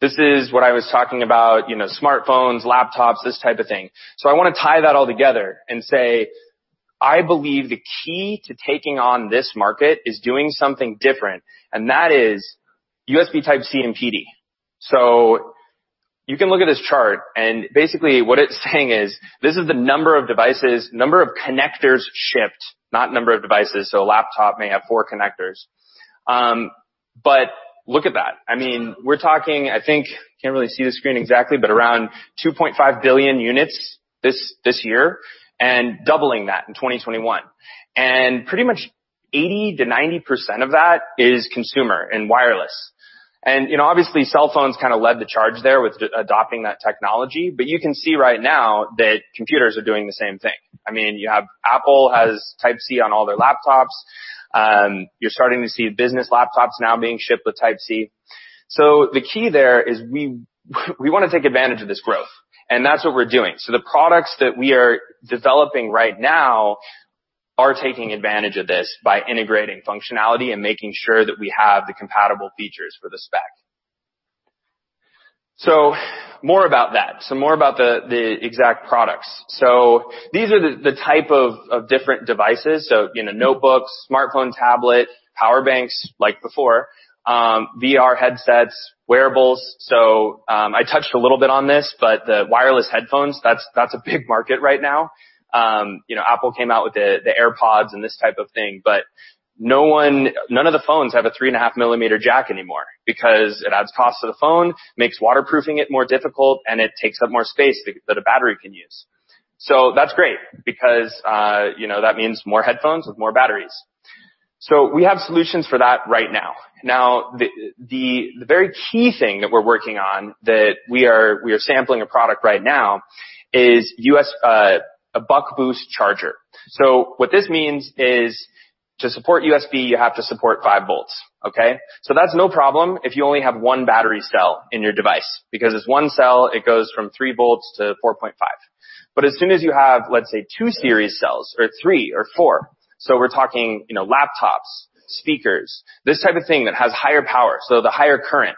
[SPEAKER 6] This is what I was talking about, smartphones, laptops, this type of thing. I want to tie that all together and say, I believe the key to taking on this market is doing something different, and that is USB Type-C and PD. You can look at this chart, and basically what it's saying is, this is the number of connectors shipped, not number of devices. A laptop may have four connectors. Look at that. We're talking, I think, can't really see the screen exactly, but around 2.5 billion units this year, and doubling that in 2021. Pretty much 80%-90% of that is consumer and wireless. Obviously, cell phones kind of led the charge there with adopting that technology, but you can see right now that computers are doing the same thing. Apple has Type-C on all their laptops. You're starting to see business laptops now being shipped with Type-C. The key there is we want to take advantage of this growth, and that's what we're doing. The products that we are developing right now are taking advantage of this by integrating functionality and making sure that we have the compatible features for the spec. More about that. More about the exact products. These are the type of different devices. Notebooks, smartphone, tablet, power banks, like before, VR headsets, wearables. I touched a little bit on this, but the wireless headphones, that's a big market right now. Apple came out with the AirPods and this type of thing, but none of the phones have a three-and-a-half millimeter jack anymore because it adds cost to the phone, makes waterproofing it more difficult, and it takes up more space that a battery can use. That's great because, that means more headphones with more batteries. We have solutions for that right now. The very key thing that we're working on that we are sampling a product right now, is a buck-boost charger. What this means is, to support USB, you have to support five volts, okay? That's no problem if you only have one battery cell in your device, because it's one cell, it goes from three volts to 4.5. As soon as you have, let's say, two series cells or three or four, we're talking laptops, speakers, this type of thing that has higher power. The higher current.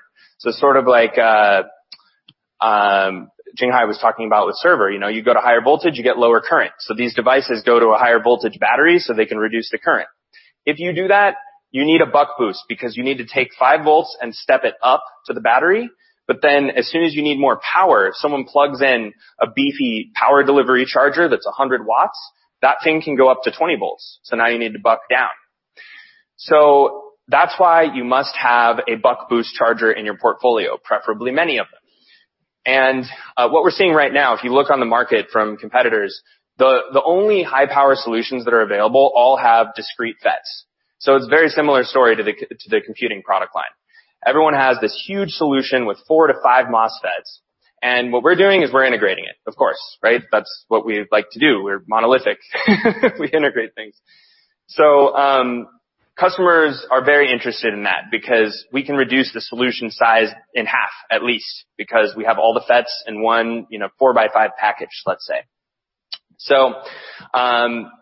[SPEAKER 6] Sort of like Jinghai was talking about with server, you go to higher voltage, you get lower current. These devices go to a higher voltage battery so they can reduce the current. If you do that, you need a buck boost because you need to take five volts and step it up to the battery. As soon as you need more power, if someone plugs in a beefy power delivery charger that's 100 watts, that thing can go up to 20 volts, now you need to buck down. That's why you must have a buck-boost charger in your portfolio, preferably many of them. What we're seeing right now, if you look on the market from competitors, the only high-power solutions that are available all have discrete FETs. It's a very similar story to the computing product line. Everyone has this huge solution with four to five MOSFETs, and what we're doing is we're integrating it, of course, right? That's what we like to do. We're monolithic. We integrate things. Customers are very interested in that because we can reduce the solution size in half, at least, because we have all the FETs in one four-by-five package, let's say.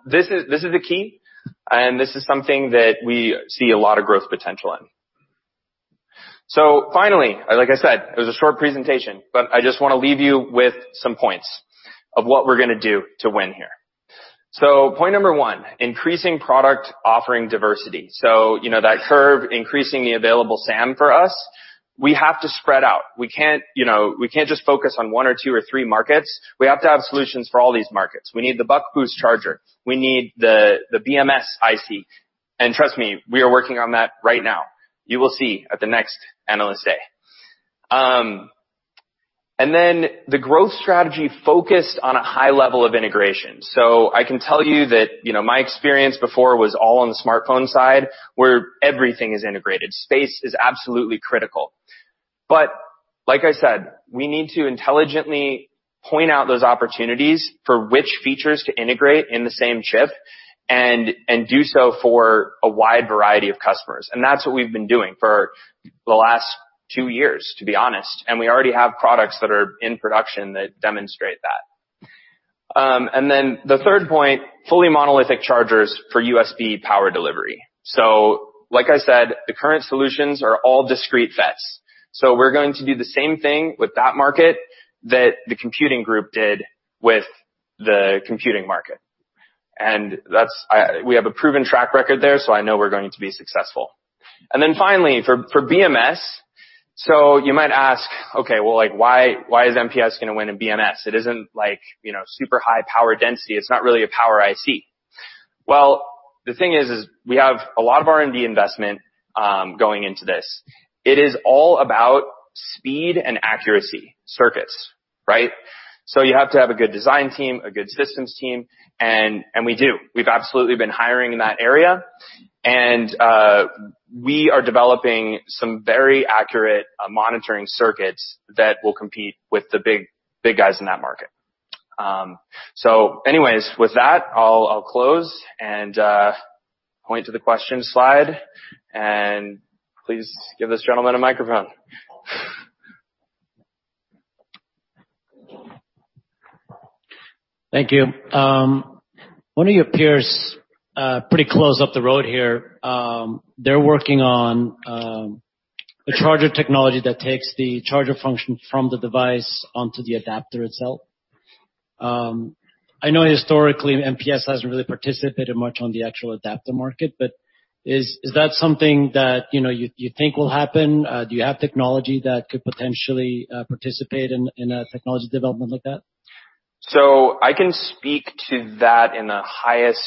[SPEAKER 6] This is the key, and this is something that we see a lot of growth potential in. Finally, like I said, it was a short presentation, but I just want to leave you with some points of what we're going to do to win here. Point number 1, increasing product offering diversity. That curve, increasing the available SAM for us, we have to spread out. We can't just focus on one or two or three markets. We have to have solutions for all these markets. We need the buck-boost charger. We need the BMS IC. Trust me, we are working on that right now. You will see at the next Analyst Day. The growth strategy focused on a high level of integration. I can tell you that, my experience before was all on the smartphone side, where everything is integrated. Space is absolutely critical. Like I said, we need to intelligently point out those opportunities for which features to integrate in the same chip and do so for a wide variety of customers. That's what we've been doing for the last two years, to be honest, and we already have products that are in production that demonstrate that. The 3rd point, fully monolithic chargers for USB Power Delivery. Like I said, the current solutions are all discrete FETs. We're going to do the same thing with that market that the computing group did with the computing market. We have a proven track record there, so I know we're going to be successful. Finally, for BMS, you might ask, okay, well, why is MPS going to win in BMS? It isn't super high power density. It's not really a power IC. The thing is, we have a lot of R&D investment going into this. It is all about speed and accuracy circuits, right? You have to have a good design team, a good systems team, and we do. We've absolutely been hiring in that area, and we are developing some very accurate monitoring circuits that will compete with the big guys in that market. Anyways, with that, I'll close and point to the question slide, and please give this gentleman a microphone.
[SPEAKER 5] Thank you. One of your peers pretty close up the road here, they're working on a charger technology that takes the charger function from the device onto the adapter itself. I know historically, MPS hasn't really participated much on the actual adapter market. Is that something that you think will happen? Do you have technology that could potentially participate in a technology development like that?
[SPEAKER 6] I can speak to that in the highest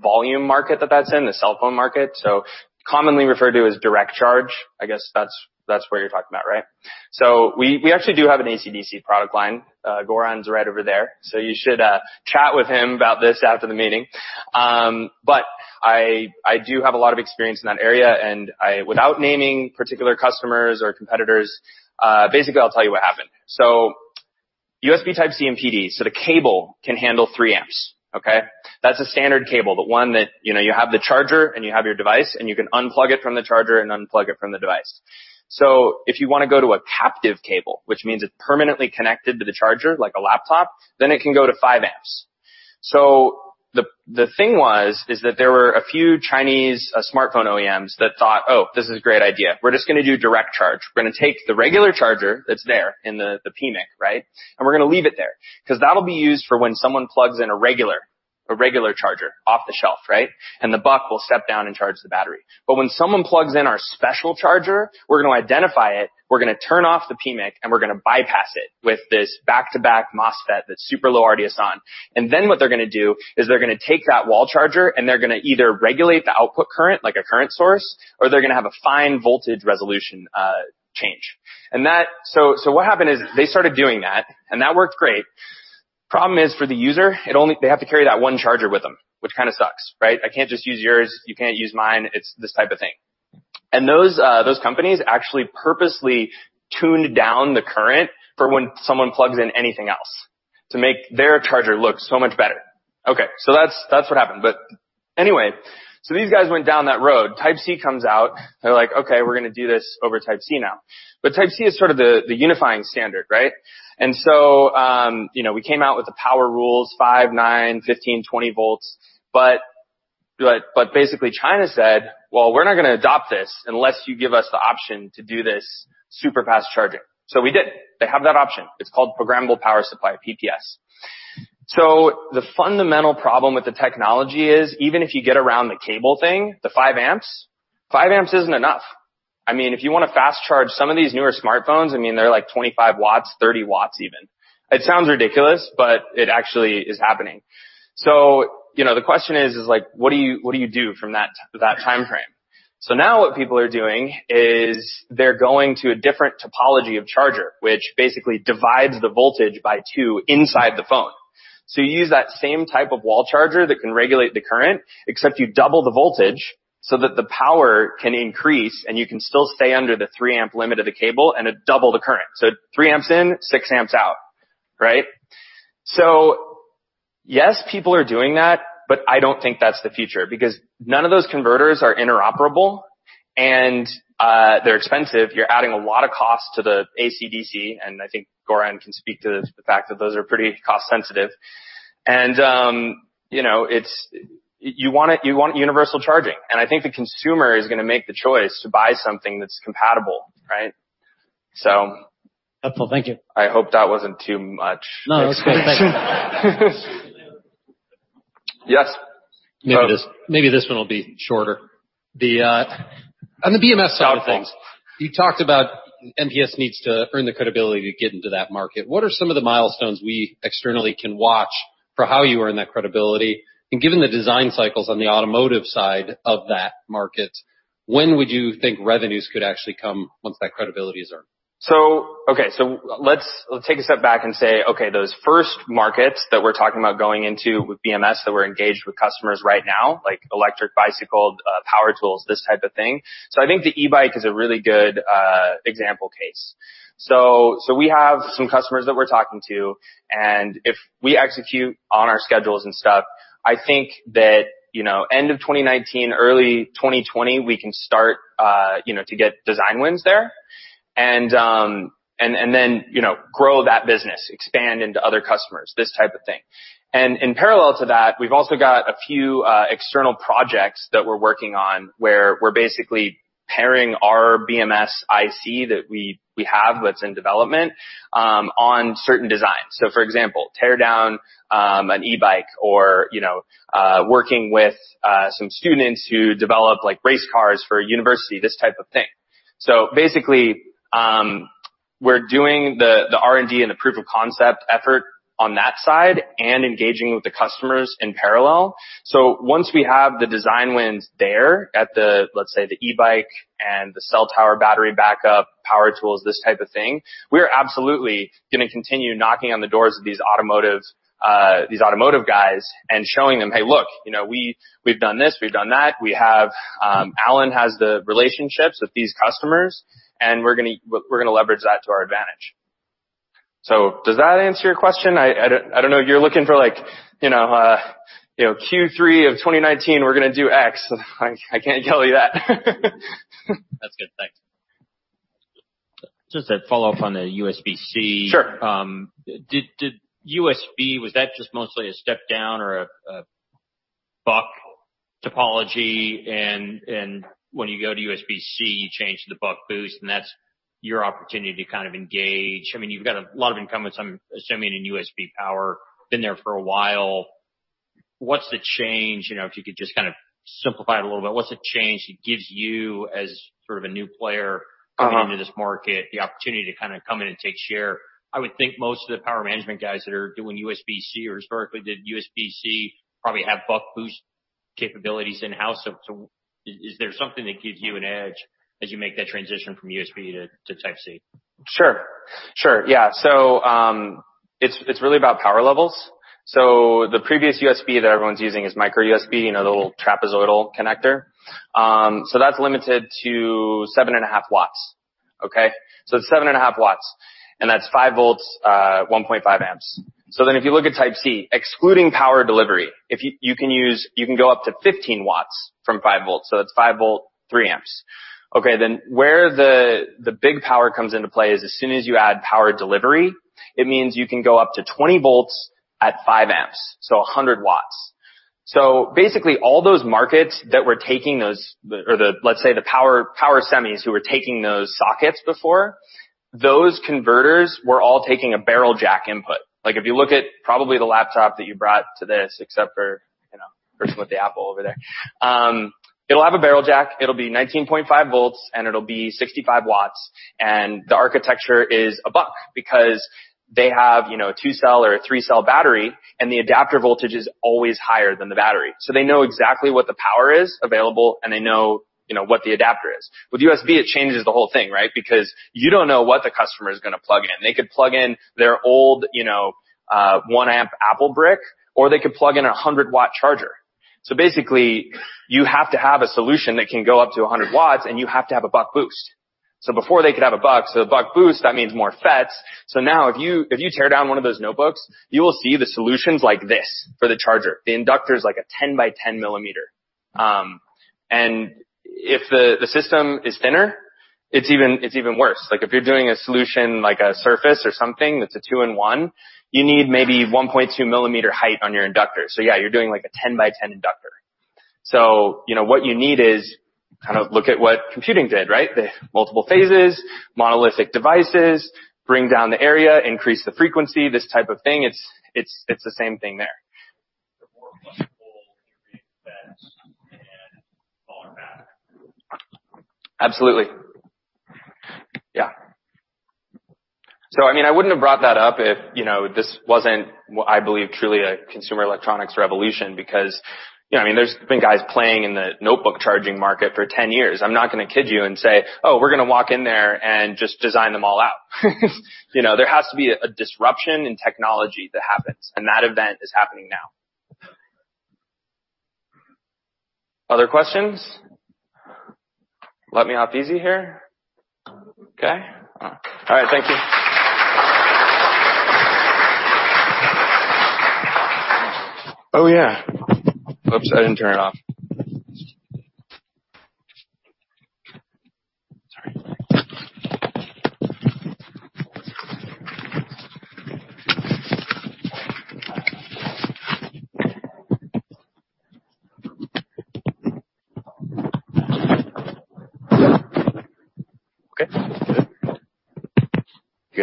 [SPEAKER 6] volume market that that's in, the cell phone market, commonly referred to as direct charge. I guess that's what you're talking about, right? We actually do have an AC/DC product line. Goran's right over there. You should chat with him about this after the meeting. I do have a lot of experience in that area, and without naming particular customers or competitors, basically, I'll tell you what happened. USB Type C and PD, the cable can handle 3 amps, okay? That's a standard cable, the one that you have the charger, and you have your device, and you can unplug it from the charger and unplug it from the device. If you want to go to a captive cable, which means it's permanently connected to the charger, like a laptop, then it can go to 5 amps. The thing was, is that there were a few Chinese smartphone OEMs that thought, "Oh, this is a great idea. We're just going to do direct charge. We're going to take the regular charger that's there in the PMIC, right? We're going to leave it there because that'll be used for when someone plugs in a regular charger off the shelf, right? The buck will step down and charge the battery. When someone plugs in our special charger, we're going to identify it, we're going to turn off the PMIC, and we're going to bypass it with this back-to-back MOSFET that's super low RDSon. What they're going to do is they're going to take that wall charger, and they're going to either regulate the output current like a current source, or they're going to have a fine voltage resolution change. What happened is they started doing that, and that worked great. Problem is, for the user, they have to carry that one charger with them, which kind of sucks, right? I can't just use yours. You can't use mine. It's this type of thing. Those companies actually purposely tuned down the current for when someone plugs in anything else to make their charger look so much better. That's what happened, but anyway, these guys went down that road. Type-C comes out. They're like, "Okay, we're going to do this over Type-C now." Type-C is sort of the unifying standard, right? We came out with the power rules, five, nine, 15, 20 volts. Basically, China said, "Well, we're not going to adopt this unless you give us the option to do this super fast charging." We did. They have that option. It's called programmable power supply, PPS. The fundamental problem with the technology is even if you get around the cable thing, the 5 amps, 5 amps isn't enough. If you want to fast charge some of these newer smartphones, they're like 25 watts, 30 watts even. It sounds ridiculous, but it actually is happening. The question is, what do you do from that timeframe? Now what people are doing is they're going to a different topology of charger, which basically divides the voltage by two inside the phone. You use that same type of wall charger that can regulate the current, except you double the voltage so that the power can increase, and you can still stay under the 3-amp limit of the cable, and it double the current. 3 amps in, 6 amps out, right? Yes, people are doing that, but I don't think that's the future because none of those converters are interoperable, and they're expensive. You're adding a lot of cost to the AC/DC, and I think Goran can speak to the fact that those are pretty cost-sensitive. You want universal charging. I think the consumer is going to make the choice to buy something that's compatible, right? Helpful. Thank you.
[SPEAKER 5] I hope that wasn't too much. No, it was great. Thank you. Yes.
[SPEAKER 7] Maybe this one will be shorter. On the BMS side of things, you talked about MPS needs to earn the credibility to get into that market. What are some of the milestones we externally can watch for how you earn that credibility? Given the design cycles on the automotive side of that market, when would you think revenues could actually come once that credibility is earned?
[SPEAKER 6] Let's take a step back and say, okay, those first markets that we're talking about going into with BMS, that we're engaged with customers right now, like electric bicycle, power tools, this type of thing. I think the e-bike is a really good example case. We have some customers that we're talking to, and if we execute on our schedules and stuff, I think that end of 2019, early 2020, we can start to get design wins there. Then, grow that business, expand into other customers, this type of thing. In parallel to that, we've also got a few external projects that we're working on where we're basically pairing our BMS IC that we have that's in development, on certain designs. For example, tear down an e-bike or working with some students who develop race cars for a university, this type of thing. Basically, we're doing the R&D and the proof of concept effort on that side and engaging with the customers in parallel. Once we have the design wins there at the, let's say, the e-bike and the cell tower battery backup, power tools, this type of thing, we are absolutely going to continue knocking on the doors of these automotive guys and showing them, "Hey, look, we've done this, we've done that." Alan has the relationships with these customers, and we're going to leverage that to our advantage. Does that answer your question? I don't know if you're looking for Q3 of 2019, we're going to do X. I can't tell you that.
[SPEAKER 7] That's good, thanks.
[SPEAKER 3] Just a follow-up on the USB-C.
[SPEAKER 6] Sure.
[SPEAKER 3] USB, was that just mostly a step down or a buck topology? When you go to USB-C, you change the buck-boost and that's your opportunity to kind of engage. You've got a lot of incumbents, I'm assuming, in USB power, been there for a while. If you could just kind of simplify it a little bit, what's the change it gives you as sort of a new player- coming into this market, the opportunity to kind of come in and take share? I would think most of the power management guys that are doing USB-C or historically did USB-C probably have buck-boost capabilities in-house. Is there something that gives you an edge as you make that transition from USB to Type-C?
[SPEAKER 6] Sure. Yeah. It's really about power levels. The previous USB that everyone's using is micro USB, the little trapezoidal connector. That's limited to 7.5 watts. Okay? It's 7.5 watts, and that's 5 volts, 1.5 amps. If you look at Type-C, excluding power delivery, you can go up to 15 watts from 5 volts, that's 5 volt, 3 amps. Okay. Where the big power comes into play is as soon as you add power delivery, it means you can go up to 20 volts at 5 amps, 100 watts. All those markets that were taking those, or let's say the power semis who were taking those sockets before, those converters were all taking a barrel jack input. If you look at probably the laptop that you brought to this, except for the person with the Apple over there, it'll have a barrel jack, it'll be 19.5 volts, and it'll be 65 watts. The architecture is a buck because they have a 2-cell or a 3-cell battery, and the adapter voltage is always higher than the battery. They know exactly what the power is available, and they know what the adapter is. With USB, it changes the whole thing, right? Because you don't know what the customer is going to plug in. They could plug in their old 1-amp Apple brick, or they could plug in a 100-watt charger. You have to have a solution that can go up to 100 watts, and you have to have a buck-boost. Before they could have a buck, the buck-boost, that means more FETs. now if you tear down one of those notebooks, you will see the solution's like this for the charger. The inductor is like a 10 by 10 millimeter. If the system is thinner, it's even worse. If you're doing a solution like a Surface or something that's a two-in-one, you need maybe 1.2-millimeter height on your inductor. yeah, you're doing a 10 by 10 inductor. what you need is, kind of look at what computing did, right? The multiple phases, monolithic devices, bring down the area, increase the frequency, this type of thing. It's the same thing there.
[SPEAKER 7] The more flexible you make the FETs and smaller package.
[SPEAKER 6] Absolutely. Yeah. I wouldn't have brought that up if this wasn't what I believe truly a consumer electronics revolution because there's been guys playing in the notebook charging market for 10 years. I'm not going to kid you and say, "Oh, we're going to walk in there and just design them all out." There has to be a disruption in technology that happens, and that event is happening now. Other questions? Let me off easy here. Okay. All right. Thank you. Oh, yeah. Oops, I didn't turn it off.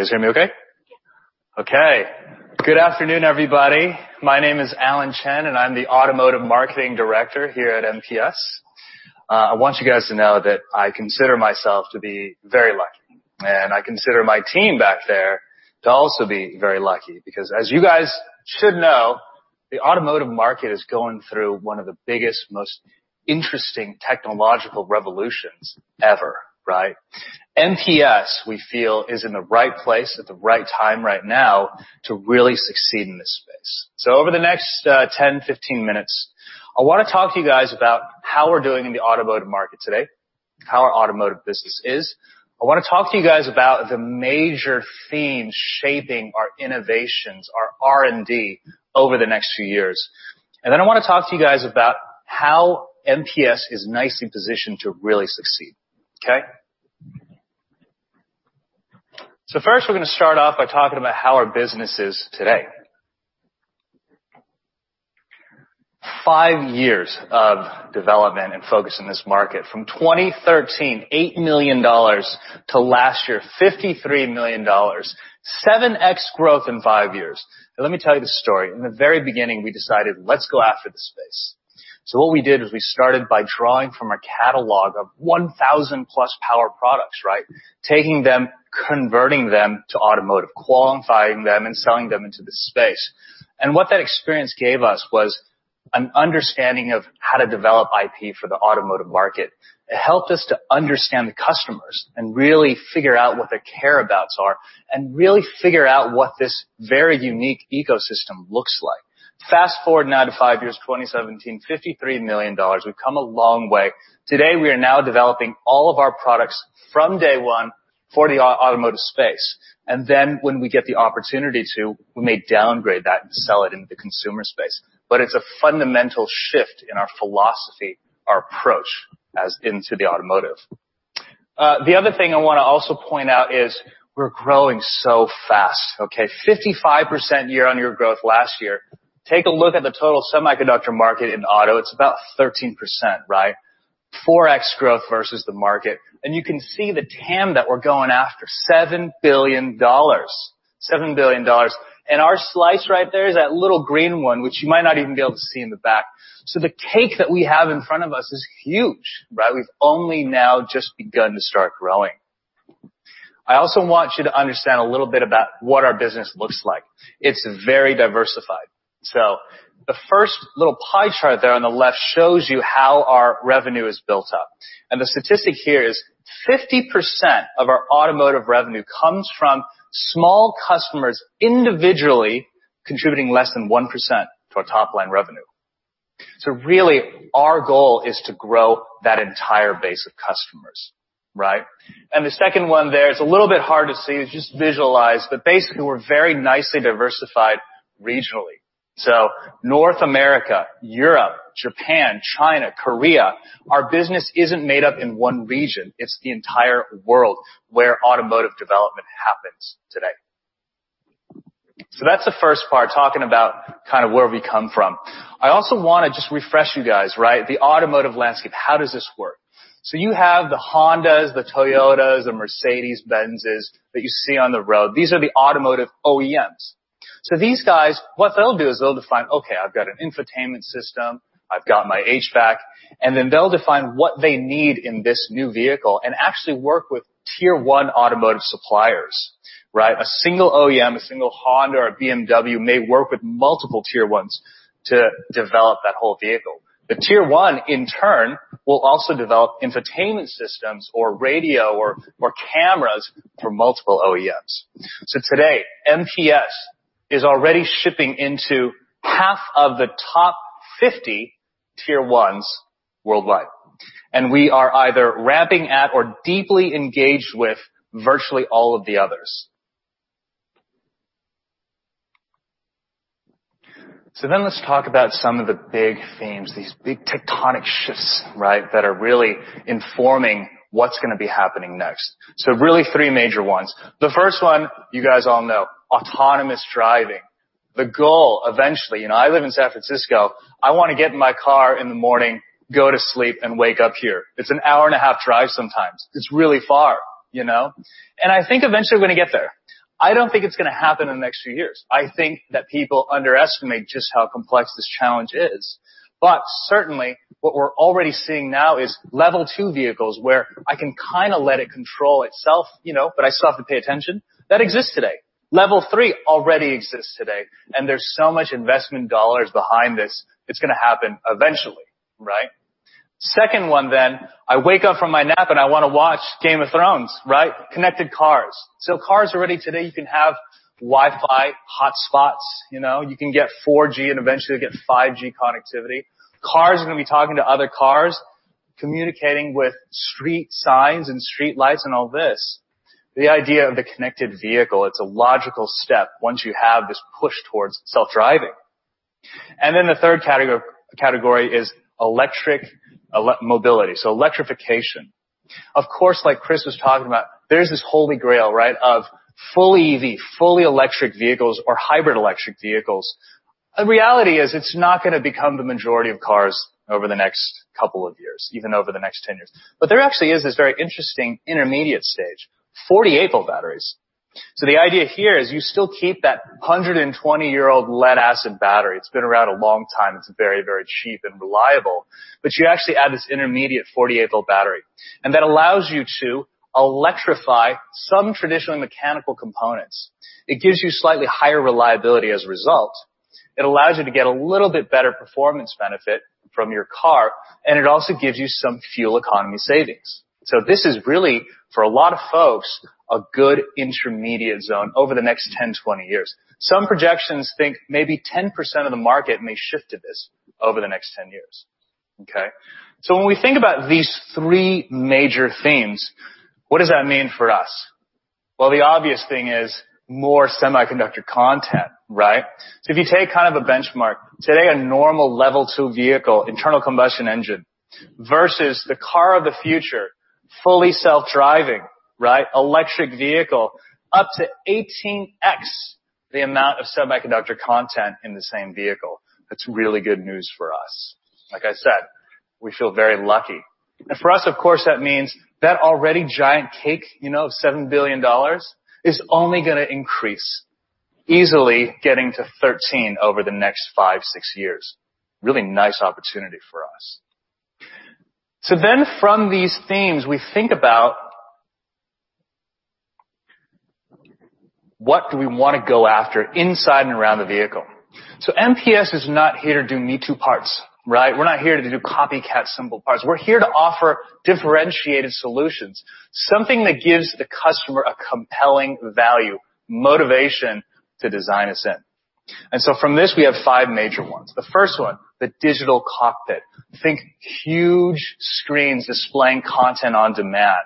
[SPEAKER 8] Okay. You guys hear me okay?
[SPEAKER 9] Yeah.
[SPEAKER 8] Good afternoon, everybody. My name is Alan Chen, and I'm the automotive marketing director here at MPS. I want you guys to know that I consider myself to be very lucky, and I consider my team back there to also be very lucky. As you guys should know, the automotive market is going through one of the biggest, most interesting technological revolutions ever, right? MPS, we feel, is in the right place at the right time right now to really succeed in this space. Over the next 10, 15 minutes, I want to talk to you guys about how we're doing in the automotive market today, how our automotive business is. I want to talk to you guys about the major themes shaping our innovations, our R&D over the next few years. I want to talk to you guys about how MPS is nicely positioned to really succeed. Okay? First, we're going to start off by talking about how our business is today. Five years of development and focus in this market. From 2013, $8 million to last year, $53 million. 7x growth in five years. Let me tell you this story. In the very beginning, we decided, let's go after this space. What we did is we started by drawing from a catalog of 1,000-plus power products, right? Taking them, converting them to automotive, qualifying them, and selling them into this space. What that experience gave us was an understanding of how to develop IP for the automotive market. It helped us to understand the customers and really figure out what their care abouts are and really figure out what this very unique ecosystem looks like. Fast-forward to five years, 2017, $53 million. We've come a long way. Today, we are now developing all of our products from day one for the automotive space. When we get the opportunity to, we may downgrade that and sell it into the consumer space. It's a fundamental shift in our philosophy, our approach as into the automotive. The other thing I want to also point out is we're growing so fast, okay? 55% year-over-year growth last year. Take a look at the total semiconductor market in auto. It's about 13%, right? 4x growth versus the market. You can see the TAM that we're going after, $7 billion. $7 billion. Our slice right there is that little green one, which you might not even be able to see in the back. The cake that we have in front of us is huge, right? We've only now just begun to start growing. I also want you to understand a little bit about what our business looks like. It's very diversified. The first little pie chart there on the left shows you how our revenue is built up. The statistic here is 50% of our automotive revenue comes from small customers individually contributing less than 1% to our top-line revenue. Really, our goal is to grow that entire base of customers, right? The second one there, it's a little bit hard to see, just visualize, but basically, we're very nicely diversified regionally. North America, Europe, Japan, China, Korea. Our business isn't made up in one region. It's the entire world where automotive development happens today. That's the first part, talking about kind of where we come from. I also want to just refresh you guys, right? The automotive landscape, how does this work? You have the Hondas, the Toyotas, the Mercedes-Benzes that you see on the road. These are the automotive OEMs. These guys, what they'll do is they'll define, okay, I've got an infotainment system, I've got my HVAC, and then they'll define what they need in this new vehicle and actually work with tier 1 automotive suppliers, right? A single OEM, a single Honda or a BMW may work with multiple tier 1s to develop that whole vehicle. The tier 1, in turn, will also develop infotainment systems or radio or cameras for multiple OEMs. Today, MPS is already shipping into half of the top 50 tier 1s worldwide, and we are either ramping at or deeply engaged with virtually all of the others. Let's talk about some of the big themes, these big tectonic shifts, right, that are really informing what's going to be happening next. Really three major ones. The first one you guys all know, autonomous driving. The goal eventually, and I live in San Francisco, I want to get in my car in the morning, go to sleep, and wake up here. It's an hour-and-a-half drive sometimes. It's really far. I think eventually we're going to get there. I don't think it's going to happen in the next few years. I think that people underestimate just how complex this challenge is. Certainly, what we're already seeing now is level 2 vehicles where I can kind of let it control itself, but I still have to pay attention. That exists today. Level 3 already exists today, and there's so much investment dollars behind this, it's going to happen eventually, right? Second one, I wake up from my nap and I want to watch "Game of Thrones," right? Connected cars. Cars already today, you can have Wi-Fi hotspots. You can get 4G and eventually get 5G connectivity. Cars are going to be talking to other cars, communicating with street signs and streetlights and all this. The idea of the connected vehicle, it's a logical step once you have this push towards self-driving. The third category is electric mobility, so electrification. Of course, like Chris was talking about, there's this holy grail of fully EV, fully electric vehicles or hybrid electric vehicles. The reality is it's not going to become the majority of cars over the next couple of years, even over the next 10 years. There actually is this very interesting intermediate stage, 48-volt batteries. The idea here is you still keep that 120-year-old lead-acid battery. It's been around a long time, it's very cheap and reliable. You actually add this intermediate 48-volt battery, and that allows you to electrify some traditionally mechanical components. It gives you slightly higher reliability as a result. It allows you to get a little bit better performance benefit from your car, and it also gives you some fuel economy savings. This is really, for a lot of folks, a good intermediate zone over the next 10, 20 years. Some projections think maybe 10% of the market may shift to this over the next 10 years. Okay. When we think about these three major themes, what does that mean for us? The obvious thing is more semiconductor content, right. If you take a benchmark, today a normal level 2 vehicle, internal combustion engine, versus the car of the future, fully self-driving, electric vehicle, up to 18x the amount of semiconductor content in the same vehicle. That's really good news for us. Like I said, we feel very lucky. For us, of course, that means that already giant cake of $7 billion is only going to increase, easily getting to $13 billion over the next five, six years. Really nice opportunity for us. From these themes, we think about what do we want to go after inside and around the vehicle. MPS is not here to do me-too parts. We're not here to do copycat simple parts. We're here to offer differentiated solutions, something that gives the customer a compelling value, motivation to design us in. From this, we have five major ones. The first one, the digital cockpit. Think huge screens displaying content on demand,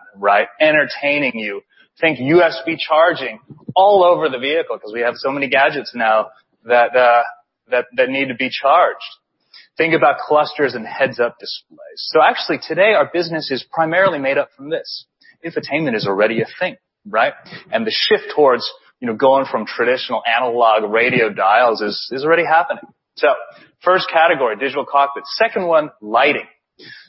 [SPEAKER 8] entertaining you. Think USB charging all over the vehicle because we have so many gadgets now that need to be charged. Think about clusters and heads-up displays. Actually today our business is primarily made up from this. Infotainment is already a thing. The shift towards going from traditional analog radio dials is already happening. First category, digital cockpit. Second one, lighting.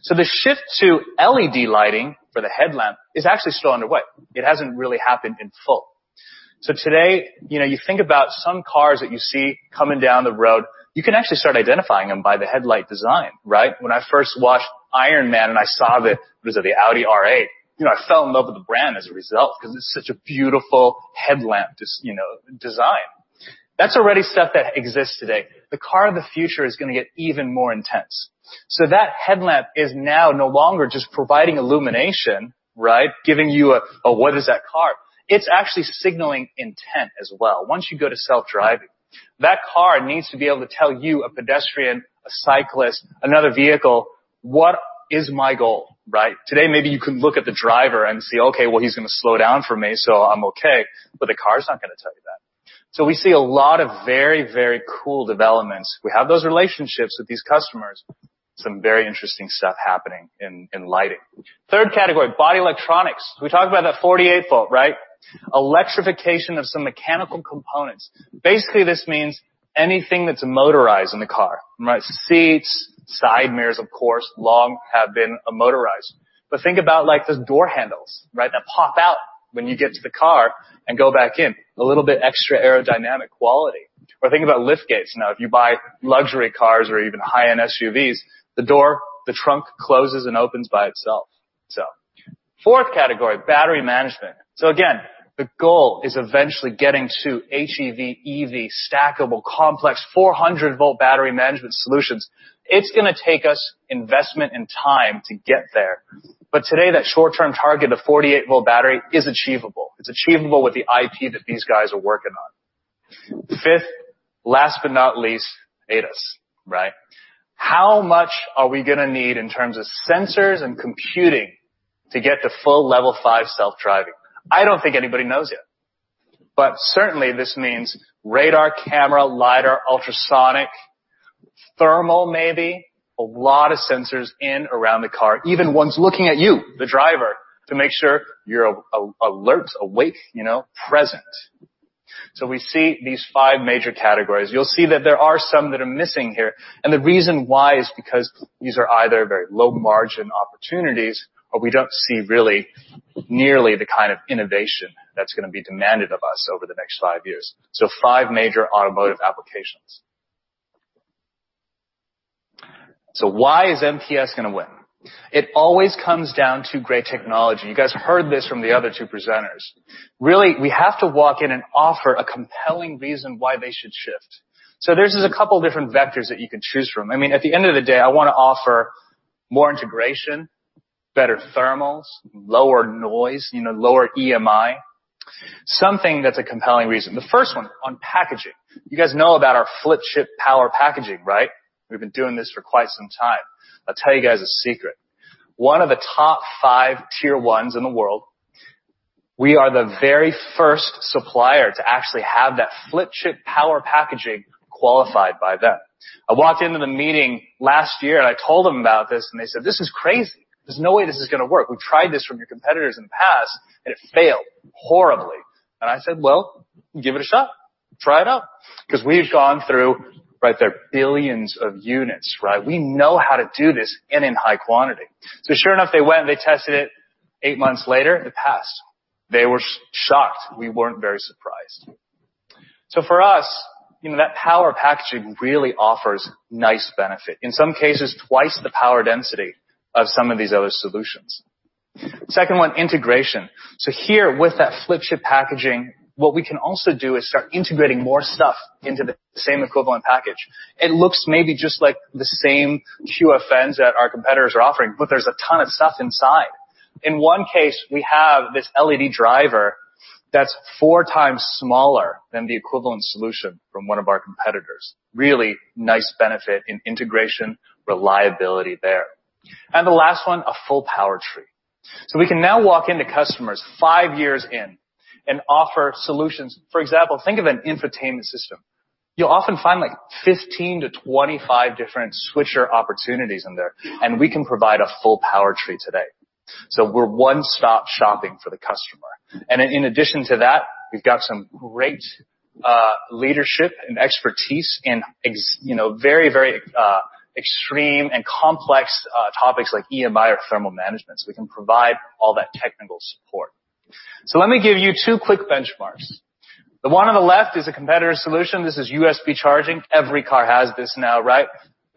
[SPEAKER 8] The shift to LED lighting for the headlamp is actually still underway. It hasn't really happened in full. Today, you think about some cars that you see coming down the road, you can actually start identifying them by the headlight design. When I first watched "Iron Man" and I saw the, was it the Audi R8, I fell in love with the brand as a result because it's such a beautiful headlamp design. That's already stuff that exists today. The car of the future is going to get even more intense. That headlamp is now no longer just providing illumination, giving you a, "Oh, what is that car?" It's actually signaling intent as well. Once you go to self-driving, that car needs to be able to tell you, a pedestrian, a cyclist, another vehicle, what is my goal. Today, maybe you can look at the driver and say, "Okay, well, he's going to slow down for me, so I'm okay," the car's not going to tell you that. We see a lot of very cool developments. We have those relationships with these customers, some very interesting stuff happening in lighting. Third category, body electronics. We talked about that 48 volt. Electrification of some mechanical components. Basically, this means anything that's motorized in the car. Seats, side mirrors, of course, long have been motorized. Think about those door handles that pop out when you get to the car and go back in. A little bit extra aerodynamic quality. Think about lift gates now. If you buy luxury cars or even high-end SUVs, the door, the trunk closes and opens by itself. Fourth category, battery management. Again, the goal is eventually getting to HEV, EV, stackable, complex 400-volt battery management solutions. It's going to take us investment and time to get there. Today that short-term target of 48-volt battery is achievable. It's achievable with the IP that these guys are working on. Fifth, last but not least, ADAS. How much are we going to need in terms of sensors and computing to get to full level 5 self-driving? I don't think anybody knows yet. Certainly, this means radar, camera, lidar, ultrasonic, thermal maybe, a lot of sensors in around the car, even ones looking at you, the driver, to make sure you're alert, awake, present. We see these five major categories. You'll see that there are some that are missing here, the reason why is because these are either very low-margin opportunities, or we don't see really nearly the kind of innovation that's going to be demanded of us over the next five years. Five major automotive applications. Why is MPS going to win? It always comes down to great technology. You guys heard this from the other two presenters. Really, we have to walk in and offer a compelling reason why they should shift. There's just a couple different vectors that you can choose from. At the end of the day, I want to offer more integration, better thermals, lower noise, lower EMI, something that's a compelling reason. The first one on packaging. You guys know about our Flip chip power packaging. We've been doing this for quite some time. I'll tell you guys a secret. One of the top five tier ones in the world We are the very first supplier to actually have that Flip chip power packaging qualified by them. I walked into the meeting last year and I told them about this and they said, "This is crazy. There's no way this is going to work. We've tried this from your competitors in the past and it failed horribly." I said, "Well, give it a shot. Try it out." Because we've gone through right there billions of units, right? We know how to do this and in high quantity. Sure enough, they went and they tested it. Eight months later, it passed. They were shocked. We weren't very surprised. For us, that power packaging really offers nice benefit, in some cases, twice the power density of some of these other solutions. Second one, integration. Here with that Flip chip packaging, what we can also do is start integrating more stuff into the same equivalent package. It looks maybe just like the same QFNs that our competitors are offering, but there's a ton of stuff inside. In one case, we have this LED driver that's four times smaller than the equivalent solution from one of our competitors. Really nice benefit in integration, reliability there. The last one, a full power tree. We can now walk into customers five years in and offer solutions. For example, think of an infotainment system. You'll often find 15 to 25 different switcher opportunities in there, we can provide a full power tree today. We're one-stop shopping for the customer. In addition to that, we've got some great leadership and expertise in very, very extreme and complex topics like EMI or thermal management. We can provide all that technical support. Let me give you two quick benchmarks. The one on the left is a competitor solution. This is USB charging. Every car has this now, right?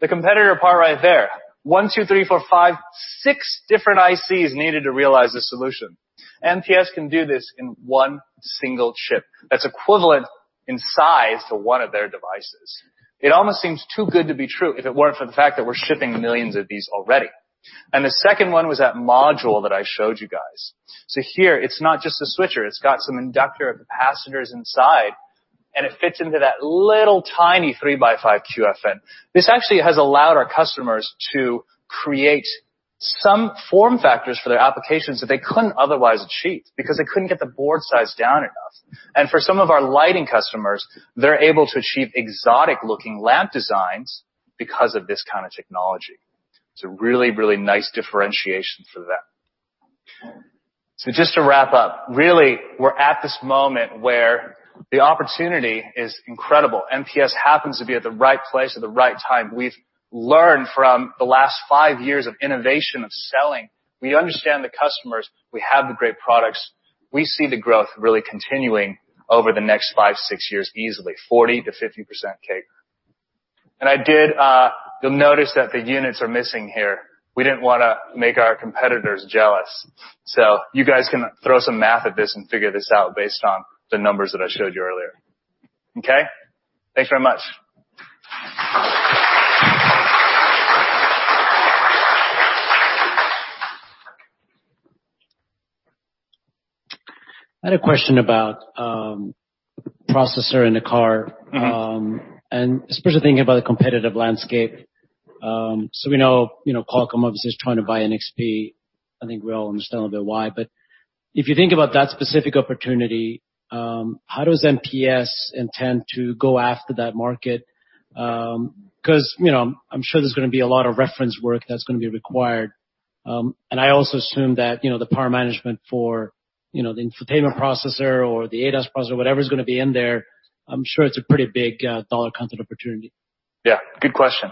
[SPEAKER 8] The competitor part right there, one, two, three, four, five, six different ICs needed to realize this solution. MPS can do this in one single chip that's equivalent in size to one of their devices. It almost seems too good to be true if it weren't for the fact that we're shipping millions of these already. The second one was that module that I showed you guys. Here, it's not just a switcher. It's got some inductor capacitors inside, and it fits into that little tiny three by five QFN. This actually has allowed our customers to create some form factors for their applications that they couldn't otherwise achieve because they couldn't get the board size down enough. For some of our lighting customers, they're able to achieve exotic-looking lamp designs because of this kind of technology. It's a really, really nice differentiation for them. Just to wrap up, really, we're at this moment where the opportunity is incredible. MPS happens to be at the right place at the right time. We've learned from the last five years of innovation, of selling. We understand the customers. We have the great products. We see the growth really continuing over the next five, six years, easily 40%-50% CAGR. You'll notice that the units are missing here. We didn't want to make our competitors jealous. You guys can throw some math at this and figure this out based on the numbers that I showed you earlier. Okay? Thanks very much.
[SPEAKER 5] I had a question about processor in the car. Especially thinking about the competitive landscape. We know Qualcomm obviously is trying to buy NXP. I think we all understand a little bit why. If you think about that specific opportunity, how does MPS intend to go after that market? Because I'm sure there's going to be a lot of reference work that's going to be required. I also assume that the power management for the infotainment processor or the ADAS processor, whatever's going to be in there, I'm sure it's a pretty big dollar content opportunity.
[SPEAKER 8] Good question.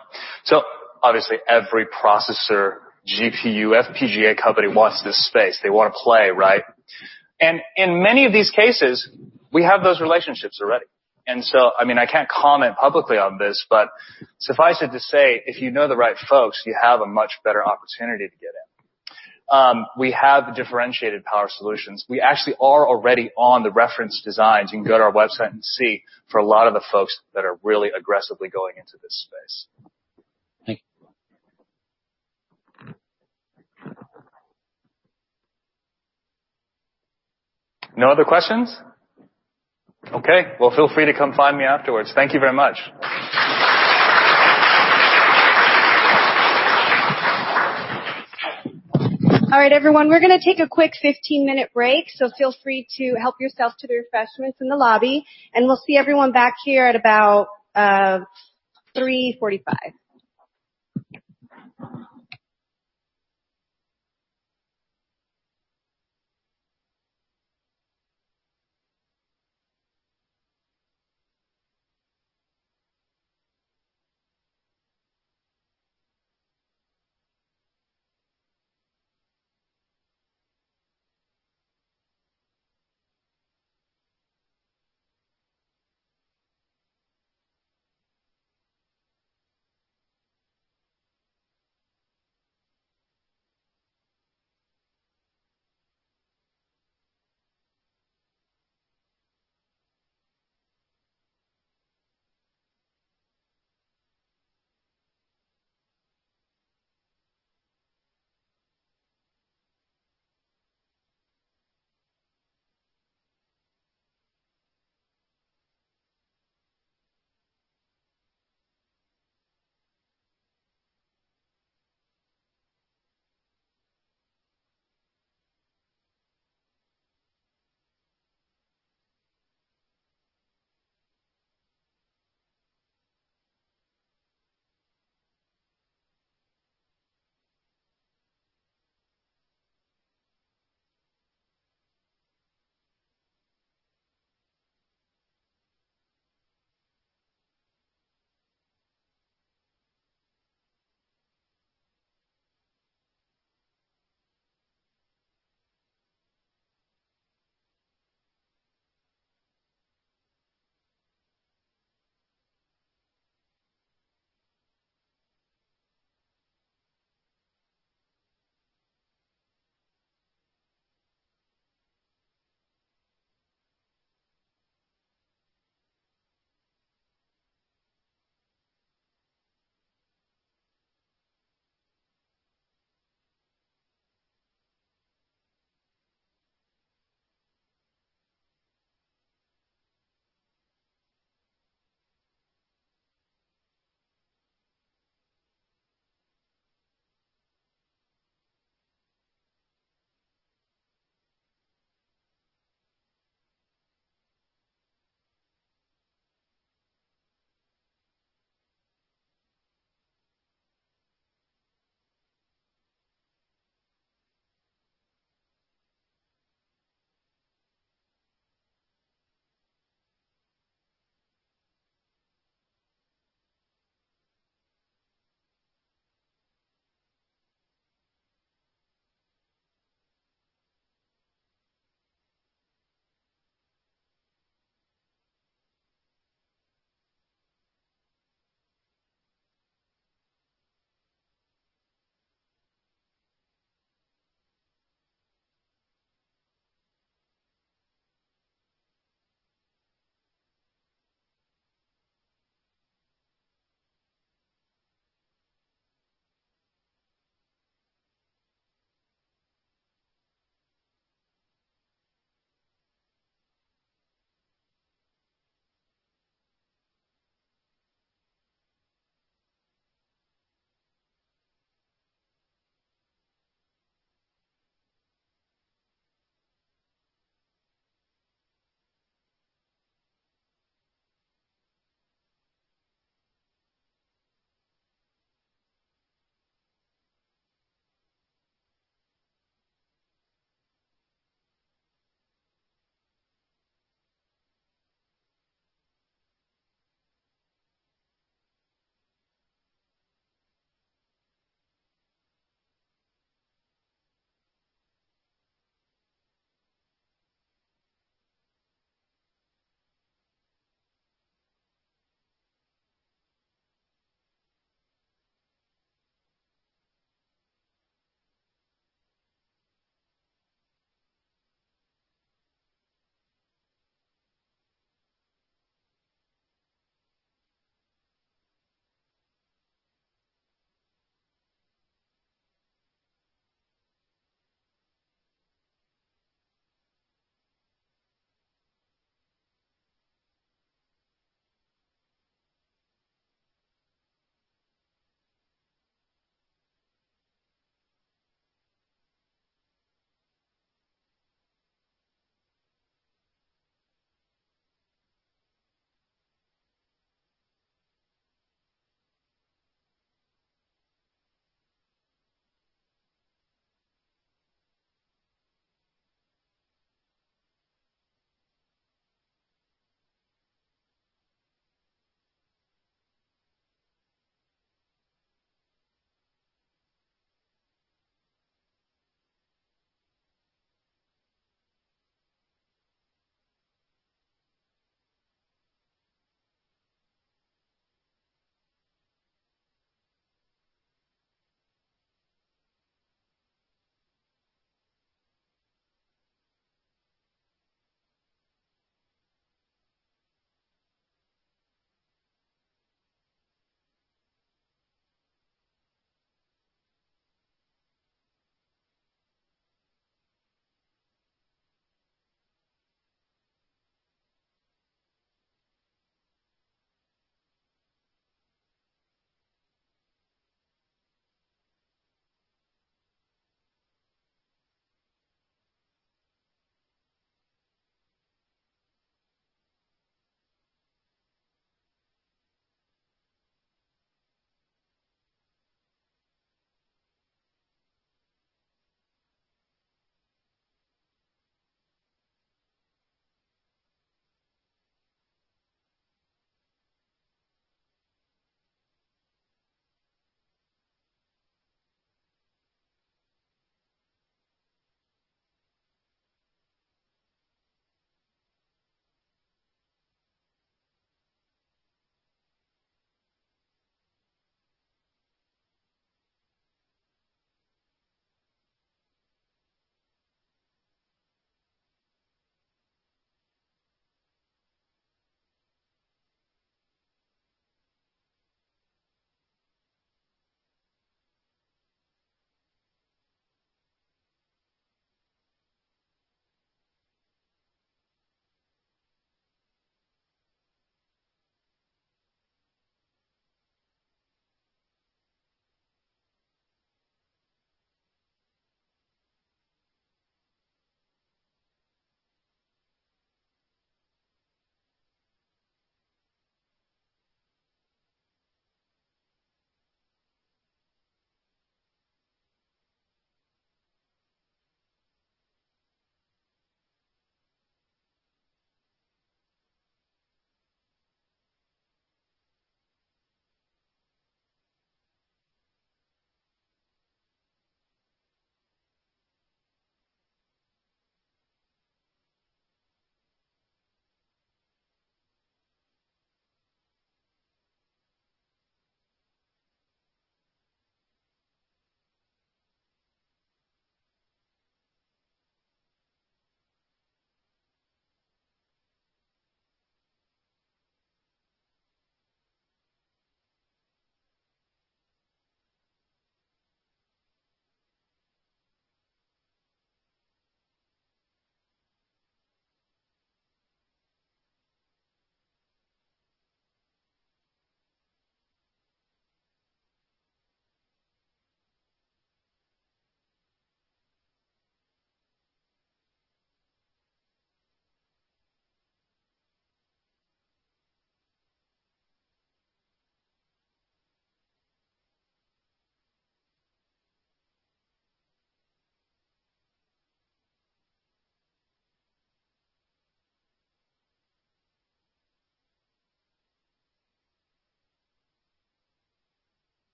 [SPEAKER 8] Obviously, every processor, GPU, FPGA company wants this space. They want to play, right? In many of these cases, we have those relationships already. I can't comment publicly on this, but suffice it to say, if you know the right folks, you have a much better opportunity to get in. We have the differentiated power solutions. We actually are already on the reference designs. You can go to our website and see for a lot of the folks that are really aggressively going into this space.
[SPEAKER 5] Thank you.
[SPEAKER 8] No other questions? Okay. Feel free to come find me afterwards. Thank you very much.
[SPEAKER 1] Everyone, we're going to take a quick 15-minute break, feel free to help yourself to the refreshments in the lobby, and we'll see everyone back here at about 3:45.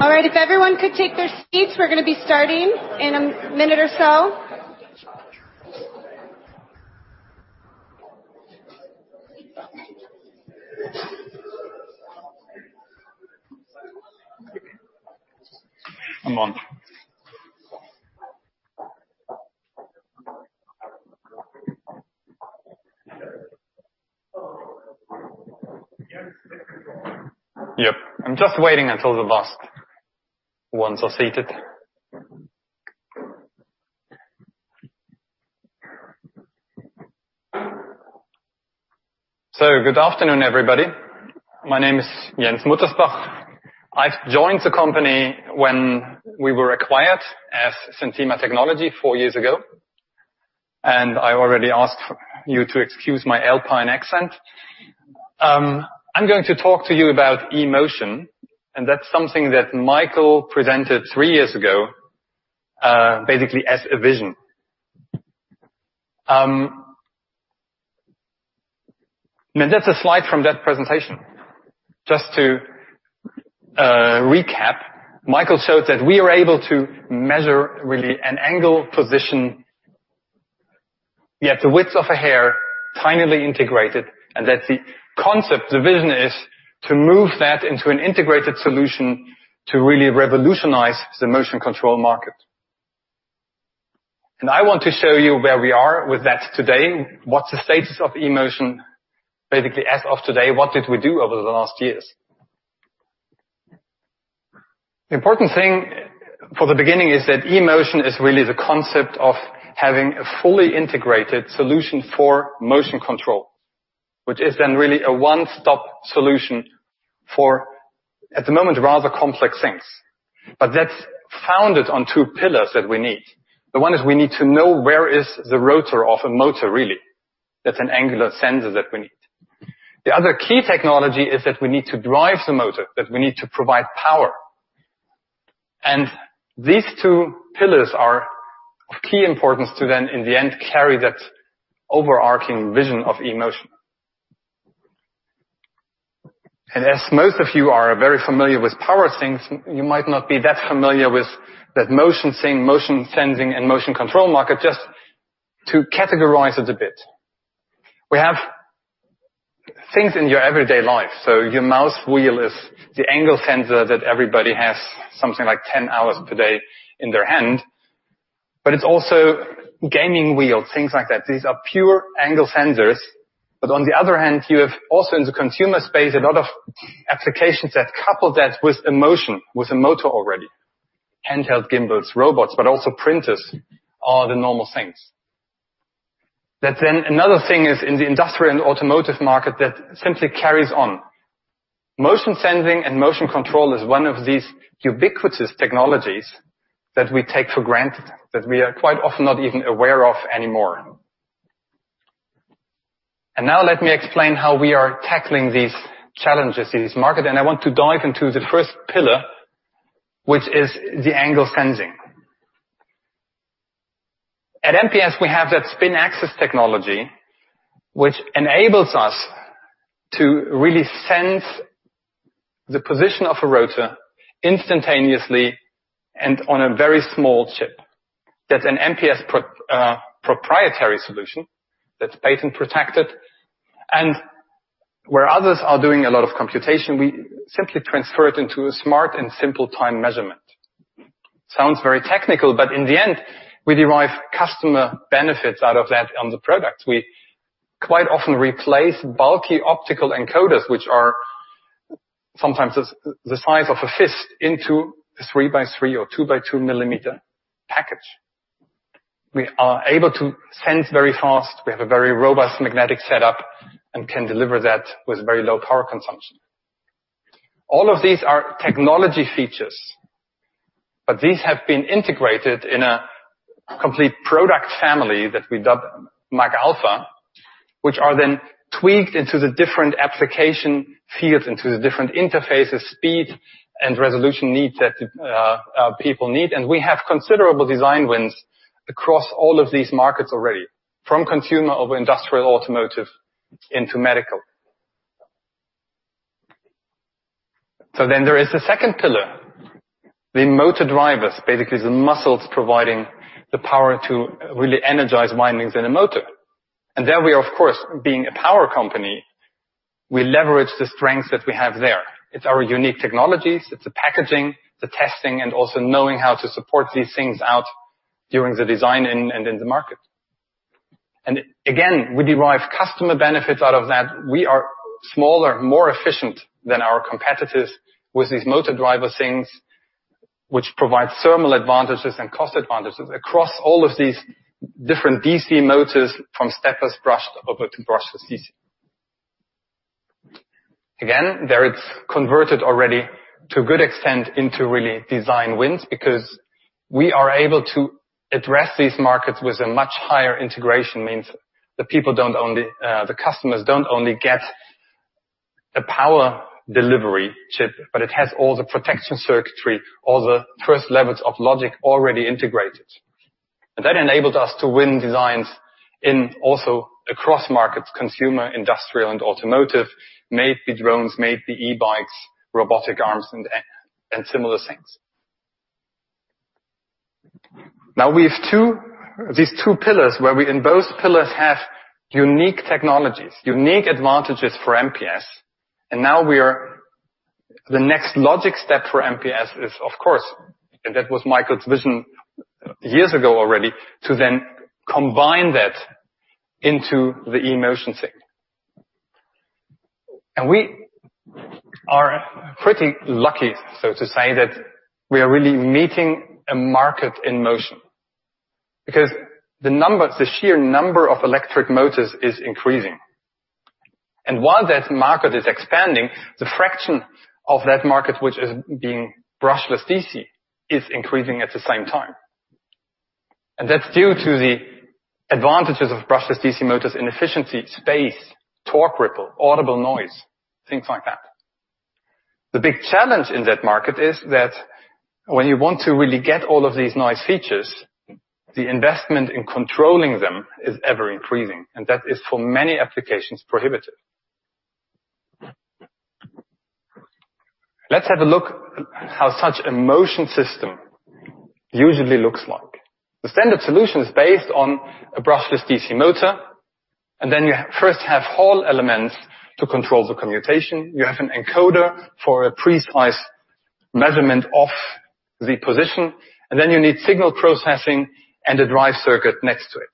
[SPEAKER 1] If everyone could take their seats, we're going to be starting in a minute or so.
[SPEAKER 10] I'm on. Yep. I'm just waiting until the last ones are seated. Good afternoon, everybody. My name is Jens Muttersbach. I joined the company when we were acquired as Sensima Technology four years ago. I already asked you to excuse my Alpine accent. I'm going to talk to you about eMotion, that's something that Michael presented three years ago, basically as a vision. That's a slide from that presentation. Just to recap, Michael showed that we are able to measure really an angle position, yet the width of a hair, finally integrated, the concept, the vision is, to move that into an integrated solution to really revolutionize the motion control market. I want to show you where we are with that today. What's the status of eMotion basically as of today? What did we do over the last years? The important thing for the beginning is that eMotion is really the concept of having a fully integrated solution for motion control, which is then really a one-stop solution for, at the moment, rather complex things. That's founded on two pillars that we need. The one is we need to know where is the rotor of a motor, really. That's an angular sensor that we need. The other key technology is that we need to drive the motor, that we need to provide power. These two pillars are of key importance to then, in the end, carry that overarching vision of eMotion. As most of you are very familiar with power things, you might not be that familiar with that motion thing, motion sensing and motion control market, just to categorize it a bit. We have things in your everyday life, your mouse wheel is the angle sensor that everybody has something like 10 hours per day in their hand, it's also gaming wheels, things like that. These are pure angle sensors. On the other hand, you have also in the consumer space, a lot of applications that couple that with a motion, with a motor already. Handheld gimbals, robots, also printers are the normal things. That another thing is in the industrial and automotive market that simply carries on. Motion sensing and motion control is one of these ubiquitous technologies that we take for granted, that we are quite often not even aware of anymore. Now let me explain how we are tackling these challenges in this market. I want to dive into the first pillar, which is the angle sensing. At MPS, we have that SpinAxis technology, which enables us to really sense the position of a rotor instantaneously and on a very small chip. That's an MPS proprietary solution that's patent-protected, and where others are doing a lot of computation, we simply transfer it into a smart and simple time measurement. Sounds very technical, but in the end, we derive customer benefits out of that on the product. We quite often replace bulky optical encoders, which are sometimes the size of a fist, into a three by three or two by two millimeter package. We are able to sense very fast. We have a very robust magnetic setup and can deliver that with very low power consumption. All of these are technology features, but these have been integrated in a complete product family that we dub MagAlpha, which are then tweaked into the different application fields, into the different interfaces, speed, and resolution needs that people need. We have considerable design wins across all of these markets already, from consumer, over industrial, automotive, into medical. There is the second pillar, the motor drivers, basically the muscles providing the power to really energize windings in a motor. There we are, of course, being a power company, we leverage the strengths that we have there. It's our unique technologies, it's the packaging, the testing, and also knowing how to support these things out during the design and in the market. Again, we derive customer benefits out of that. We are smaller, more efficient than our competitors with these motor driver things, which provide thermal advantages and cost advantages across all of these different DC motors from steppers brushed over to brushless DC. Again, there it's converted already to a good extent into really design wins because we are able to address these markets with a much higher integration means. The customers don't only get a power delivery chip, but it has all the protection circuitry, all the first levels of logic already integrated. That enabled us to win designs in also across markets, consumer, industrial, and automotive, maybe drones, maybe e-bikes, robotic arms, and similar things. We have these two pillars where we, in both pillars, have unique technologies, unique advantages for MPS. The next logic step for MPS is, of course, and that was Michael's vision years ago already, to then combine that into the eMotion thing. We are pretty lucky, so to say, that we are really meeting a market in motion because the sheer number of electric motors is increasing. While that market is expanding, the fraction of that market which is being brushless DC is increasing at the same time. That's due to the advantages of brushless DC motors in efficiency, space, torque ripple, audible noise, things like that. The big challenge in that market is that when you want to really get all of these nice features, the investment in controlling them is ever increasing, and that is, for many applications, prohibitive. Let's have a look how such a motion system usually looks like. The standard solution is based on a brushless DC motor, then you first have Hall elements to control the commutation. You have an encoder for a precise measurement of the position, then you need signal processing and a drive circuit next to it.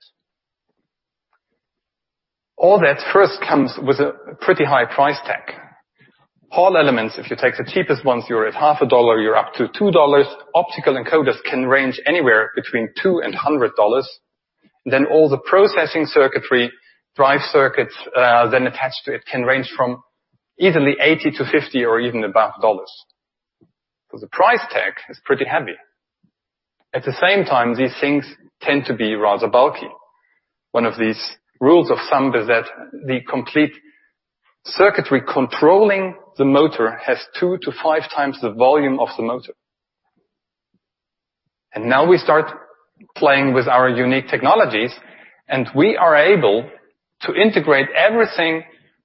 [SPEAKER 10] All that first comes with a pretty high price tag. Hall elements, if you take the cheapest ones, you're at half a dollar, you're up to $2. Optical encoders can range anywhere between $2 and $100. Then all the processing circuitry, drive circuits then attached to it can range from easily $80 to $50 or even above dollars. The price tag is pretty heavy. At the same time, these things tend to be rather bulky. One of these rules of thumb is that the complete circuitry controlling the motor has two to five times the volume of the motor. Now we start playing with our unique technologies, we are able to integrate everything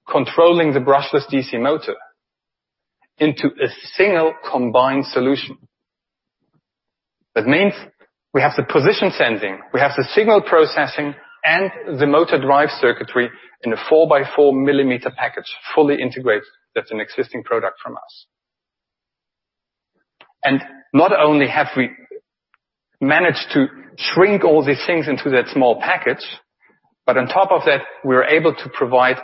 [SPEAKER 10] controlling the brushless DC motor into a single combined solution. That means we have the position sensing, we have the signal processing, and the motor drive circuitry in a four-by-four millimeter package, fully integrated. That's an existing product from us. Not only have we managed to shrink all these things into that small package, but on top of that, we're able to provide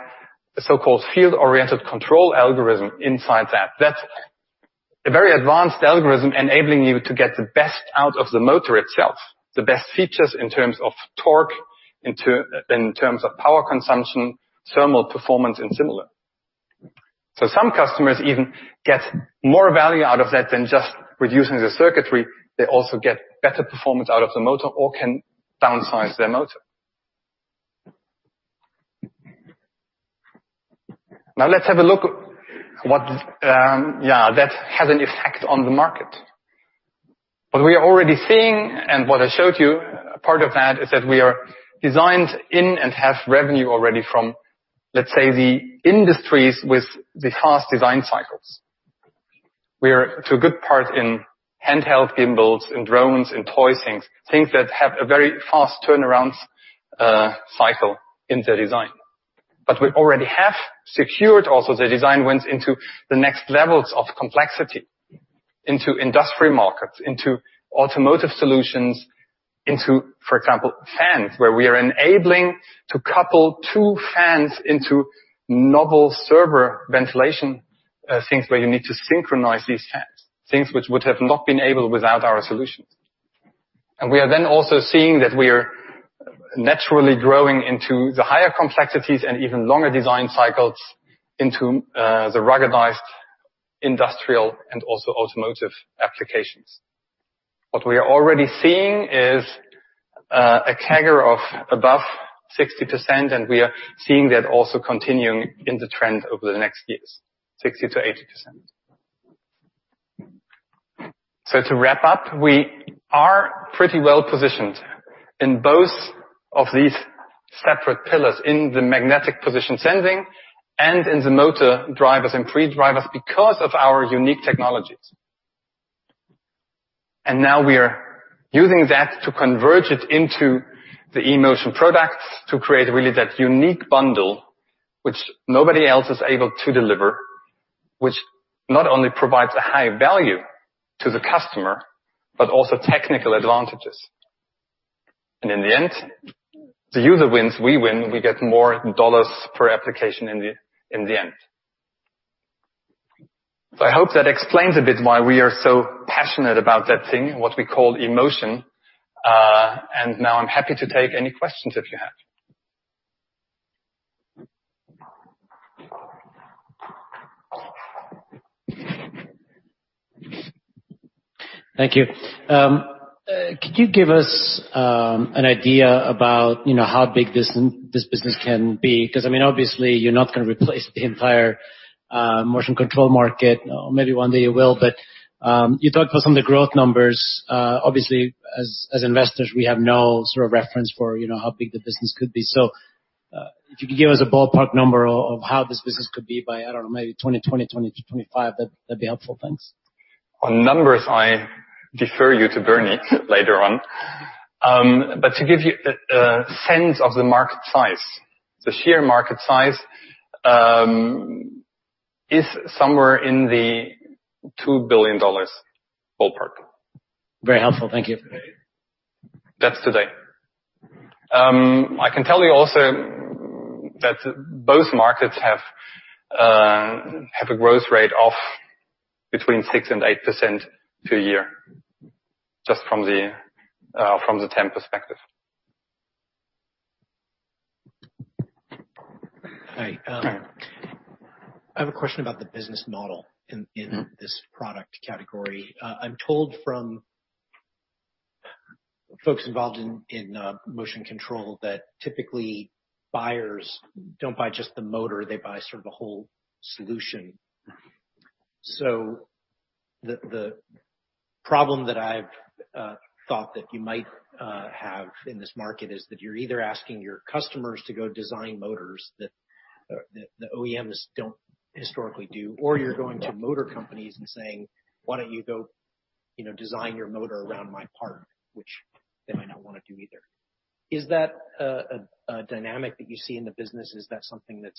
[SPEAKER 10] a so-called field-oriented control algorithm inside that. That's a very advanced algorithm enabling you to get the best out of the motor itself, the best features in terms of torque, in terms of power consumption, thermal performance, and similar. Some customers even get more value out of that than just reducing the circuitry. They also get better performance out of the motor or can downsize their motor. Let's have a look what that has an effect on the market. What we are already seeing, what I showed you, part of that is that we are designed in and have revenue already from, let's say, the industries with the fast design cycles. We are to a good part in handheld gimbals, in drones, in toy things that have a very fast turnaround cycle in their design. We already have secured also the design wins into the next levels of complexity, into industry markets, into automotive solutions, into, for example, fans, where we are enabling to couple two fans into novel server ventilation things where you need to synchronize these fans, things which would have not been able without our solutions. We are then also seeing that we are naturally growing into the higher complexities and even longer design cycles into the ruggedized industrial and also automotive applications. What we are already seeing is a CAGR of above 60%, we are seeing that also continuing in the trend over the next years, 60%-80%. To wrap up, we are pretty well positioned in both of these separate pillars, in the magnetic position sensing and in the motor drivers and pre-drivers because of our unique technologies. Now we are using that to converge it into the eMotion products to create really that unique bundle, which nobody else is able to deliver, which not only provides a high value to the customer, but also technical advantages. In the end, the user wins, we win, we get more dollars per application in the end. I hope that explains a bit why we are so passionate about that thing, what we call eMotion. Now I'm happy to take any questions if you have.
[SPEAKER 5] Thank you. Could you give us an idea about how big this business can be? Obviously you're not going to replace the entire motion control market. Maybe one day you will, but you talked about some of the growth numbers. Obviously, as investors, we have no reference for how big the business could be. If you could give us a ballpark number of how this business could be by, I don't know, maybe 2020 to 2025, that'd be helpful. Thanks.
[SPEAKER 10] On numbers, I defer you to Bernie later on. To give you a sense of the market size, the sheer market size is somewhere in the $2 billion ballpark.
[SPEAKER 5] Very helpful. Thank you.
[SPEAKER 10] That's today. I can tell you also that both markets have a growth rate of between 6% and 8% per year just from the TAM perspective.
[SPEAKER 4] Hi.
[SPEAKER 10] Hi.
[SPEAKER 4] I have a question about the business model in This product category. I'm told from folks involved in motion control that typically buyers don't buy just the motor, they buy sort of the whole solution. The problem that I've thought that you might have in this market is that you're either asking your customers to go design motors that the OEMs don't historically do, or you're going to motor companies and saying, "Why don't you go design your motor around my part?" Which they might not want to do either. Is that a dynamic that you see in the business? Is that something that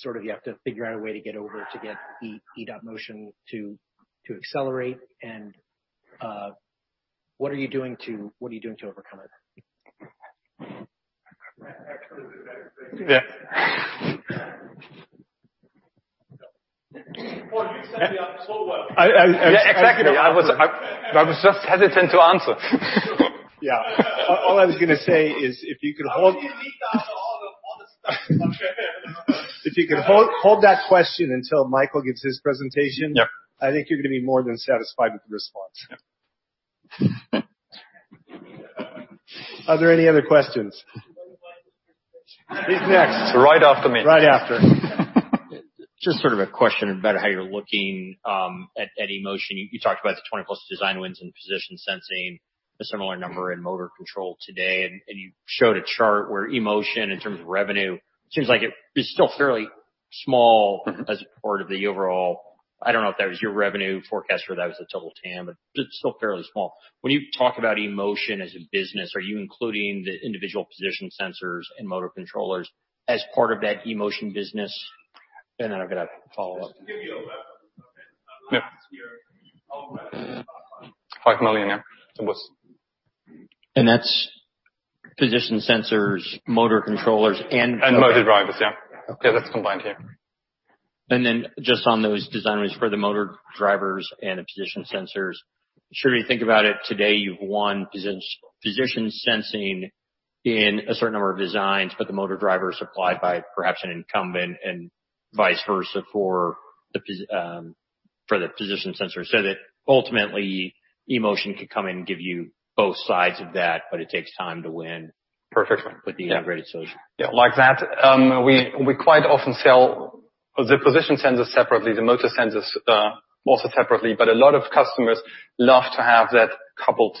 [SPEAKER 4] sort of you have to figure out a way to get over to get eMotion to accelerate? What are you doing to overcome it?
[SPEAKER 2] Actually, the better thing.
[SPEAKER 10] Yeah.
[SPEAKER 2] Well, you set me up so well.
[SPEAKER 10] Yeah, exactly. I was just hesitant to answer.
[SPEAKER 2] Yeah. All I was going to say is,
[SPEAKER 4] How did you leave out all the stuff?
[SPEAKER 2] If you could hold that question until Michael gives his presentation. Yep. I think you're gonna be more than satisfied with the response. Are there any other questions?
[SPEAKER 4] He's next.
[SPEAKER 10] Right after me.
[SPEAKER 11] Right after.
[SPEAKER 3] Just sort of a question about how you're looking at eMotion. You talked about the 20+ design wins in position sensing, a similar number in motor control today, You showed a chart where eMotion in terms of revenue, it seems like it is still fairly small- -as part of the overall, I don't know if that was your revenue forecast or that was the total TAM, It's still fairly small. When you talk about eMotion as a business, are you including the individual position sensors and motor controllers as part of that eMotion business? I've got a follow-up.
[SPEAKER 2] Just to give you a reference of it. Yeah. Last year, how much was-
[SPEAKER 10] $5 million, yeah. It was.
[SPEAKER 3] That's position sensors, motor controllers and-
[SPEAKER 10] Motor drivers, yeah.
[SPEAKER 3] Okay.
[SPEAKER 10] Yeah, that's combined, yeah.
[SPEAKER 3] Just on those design wins for the motor drivers and the position sensors, I'm sure you think about it today, you've won position sensing in a certain number of designs, but the motor drivers supplied by perhaps an incumbent and vice versa for the position sensor. That ultimately, eMotion could come in and give you both sides of that, but it takes time to win.
[SPEAKER 10] Perfectly.
[SPEAKER 3] With the integrated solution.
[SPEAKER 10] Yeah. Like that. We quite often sell the position sensors separately, the motor sensors, also separately, a lot of customers love to have that coupled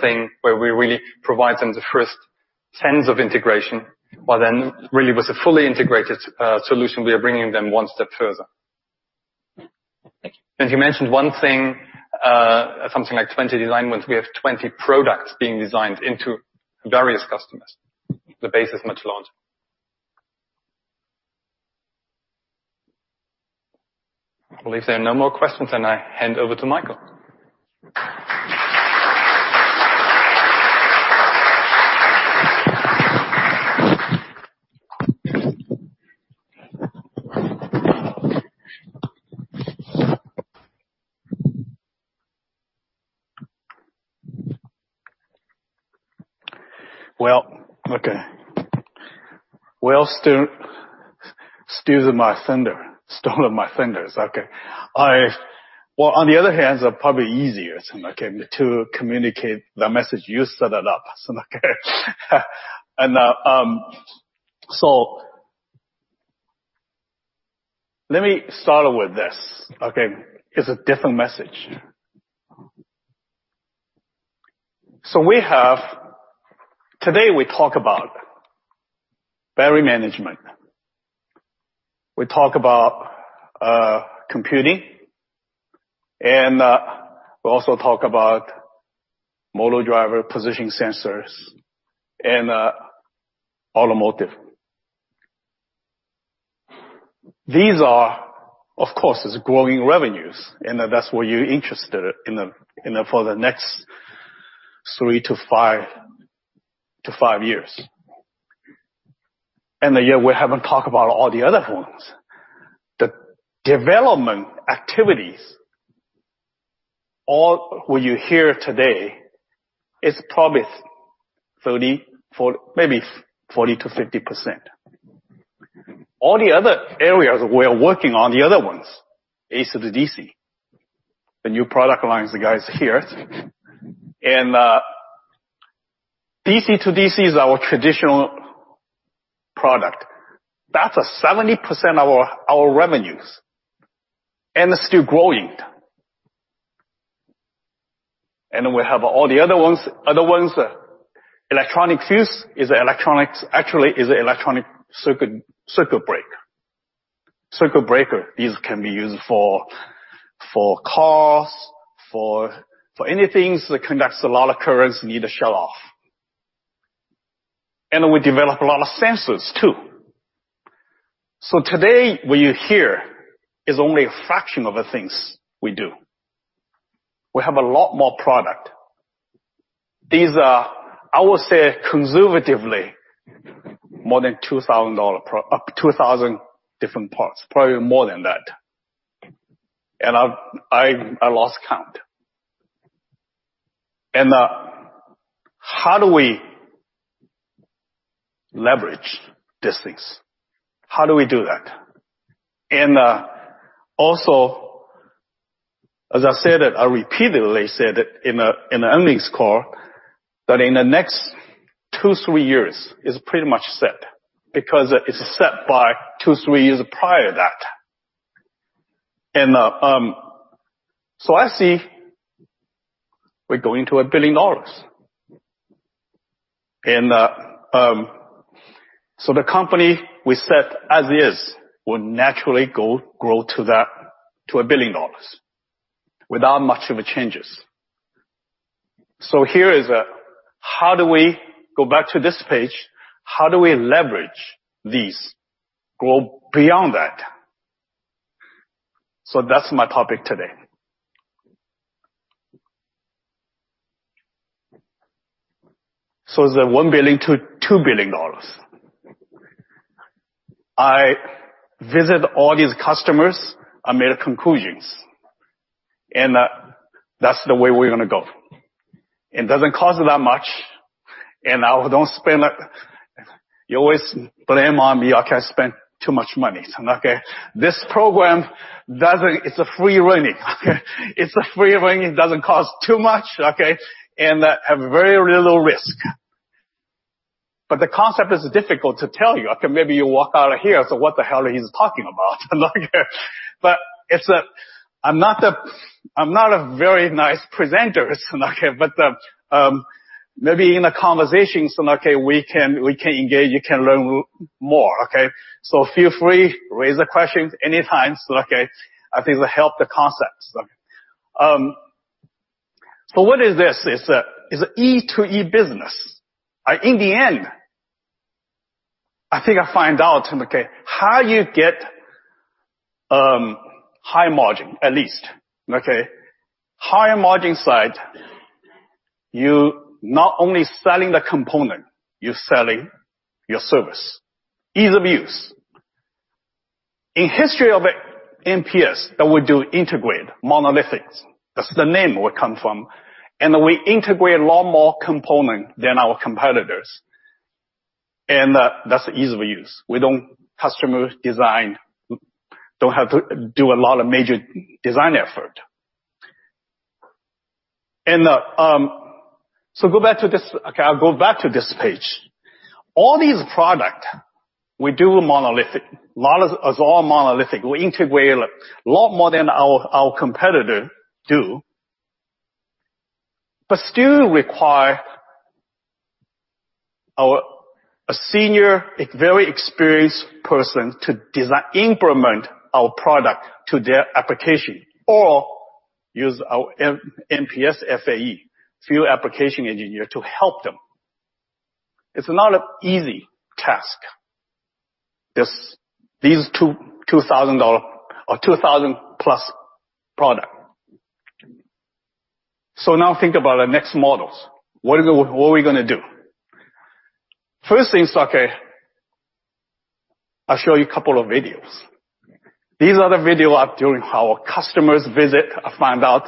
[SPEAKER 10] thing where we really provide them the first sense of integration, while really with a fully integrated solution, we are bringing them one step further.
[SPEAKER 3] Thank you.
[SPEAKER 10] You mentioned one thing, something like 20 design wins. We have 20 products being designed into various customers. The base is much larger. I believe there are no more questions, I hand over to Michael.
[SPEAKER 2] Well, okay. Well, Stefan stole my thunder. Okay. Well, on the other hand, it's probably easier to communicate the message. You set it up, okay. Let me start with this, okay? It's a different message. We have Today, we talk about battery management. We talk about computing, we also talk about motor driver position sensors and automotive. These are, of course, is growing revenues, that's what you're interested in for the next three to five years. Here, we haven't talked about all the other ones. The development activities, all what you hear today is probably 30%, maybe 40%-50%. All the other areas we are working on, the other ones, AC/DC, the new product lines, the guys here. DC-to-DC is our traditional product. That's 70% our revenues, it's still growing. We have all the other ones. Other ones, electronic fuse is electronics, actually is electronic circuit breaker. These can be used for cars, for anything that conducts a lot of currents need to shut off. We develop a lot of sensors, too. Today, what you hear is only a fraction of the things we do. We have a lot more product. These are, I would say, conservatively More than 2,000 different parts, probably more than that. I lost count. How do we leverage these things? How do we do that? Also, as I repeatedly said in the earnings call, that in the next two, three years is pretty much set, because it's set by two, three years prior to that. I see we're going to a $1 billion. The company we set as is, will naturally grow to $1 billion without much of a changes. How do we go back to this page? How do we leverage these to go beyond that? That's my topic today. The $1 billion to $2 billion. I visit all these customers, I made conclusions. That's the way we're going to go. It doesn't cost that much. You always blame on me, I spend too much money. I'm okay. This program, it's a free running. Okay? It's a free running. It doesn't cost too much, okay, and have very little risk. The concept is difficult to tell you. Okay, maybe you walk out of here, say, "What the hell he's talking about?" I'm not a very nice presenter. Maybe in the conversations, we can engage, you can learn more, okay? Feel free, raise the questions anytime. I think it will help the concepts. What is this? It's E2E business. In the end, I think I find out how you get high margin, at least. Higher margin side, you not only selling the component, you're selling your service. Ease of use. In history of MPS that we do integrate monolithics. That's the name we come from. We integrate a lot more component than our competitors. That's ease of use. Customer design don't have to do a lot of major design effort. I'll go back to this page. All these product, we do monolithic. It's all monolithic. We integrate a lot more than our competitor do. Still require a senior, a very experienced person to implement our product to their application. Or use our MPS FAE, field application engineer, to help them. It's not an easy task. These 2,000+ product. Now think about the next models. What are we going to do? First things, I'll show you a couple of videos. These are the video during our customers visit, I find out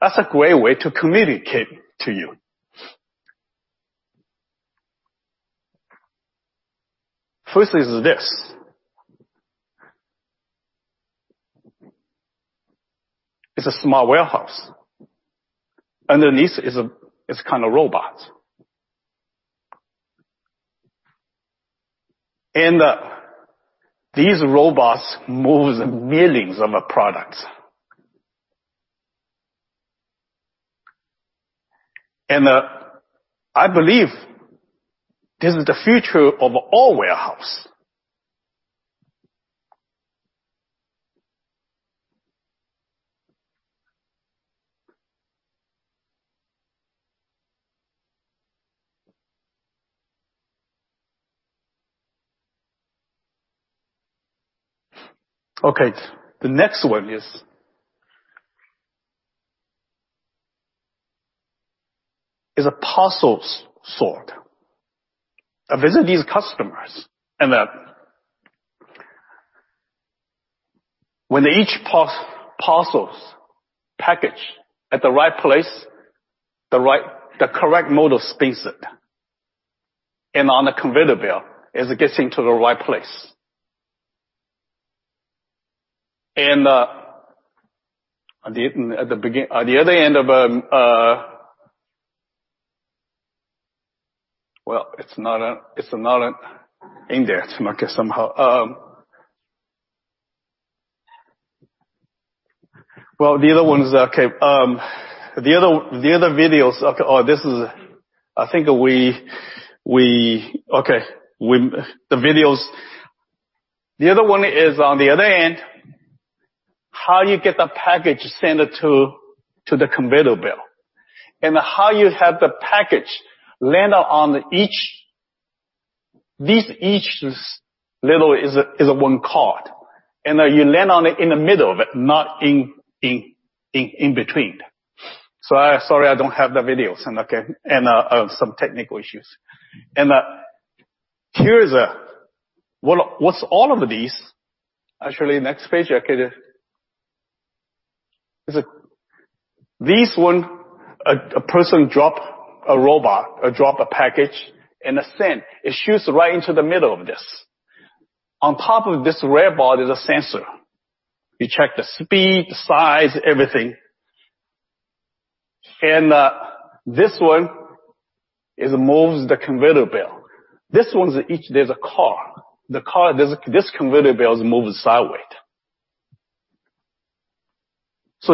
[SPEAKER 2] that's a great way to communicate to you. First is this. It's a small warehouse. Underneath it's kind of robots. These robots moves millions of products. I believe this is the future of all warehouse. Okay, the next one is a parcels sort. I visit these customers and when each parcels package at the right place, the correct model speeds it, and on a conveyor belt, is it gets into the right place. Well, it's not in there somehow. Well, the other videos. I think the other one is on the other end, how you get the package sent to the conveyor belt. How you have the package land on each. This each little is one cart. You land on it in the middle of it, not in between. Sorry, I don't have the videos, and some technical issues. Here is, what's all of these? Actually, next page. This one, a person drop a robot or drop a package, and it shoots right into the middle of this. On top of this red board is a sensor. It check the speed, the size, everything. This one, it moves the conveyor belt. This one, each there's a car. This conveyor belt moves sideways.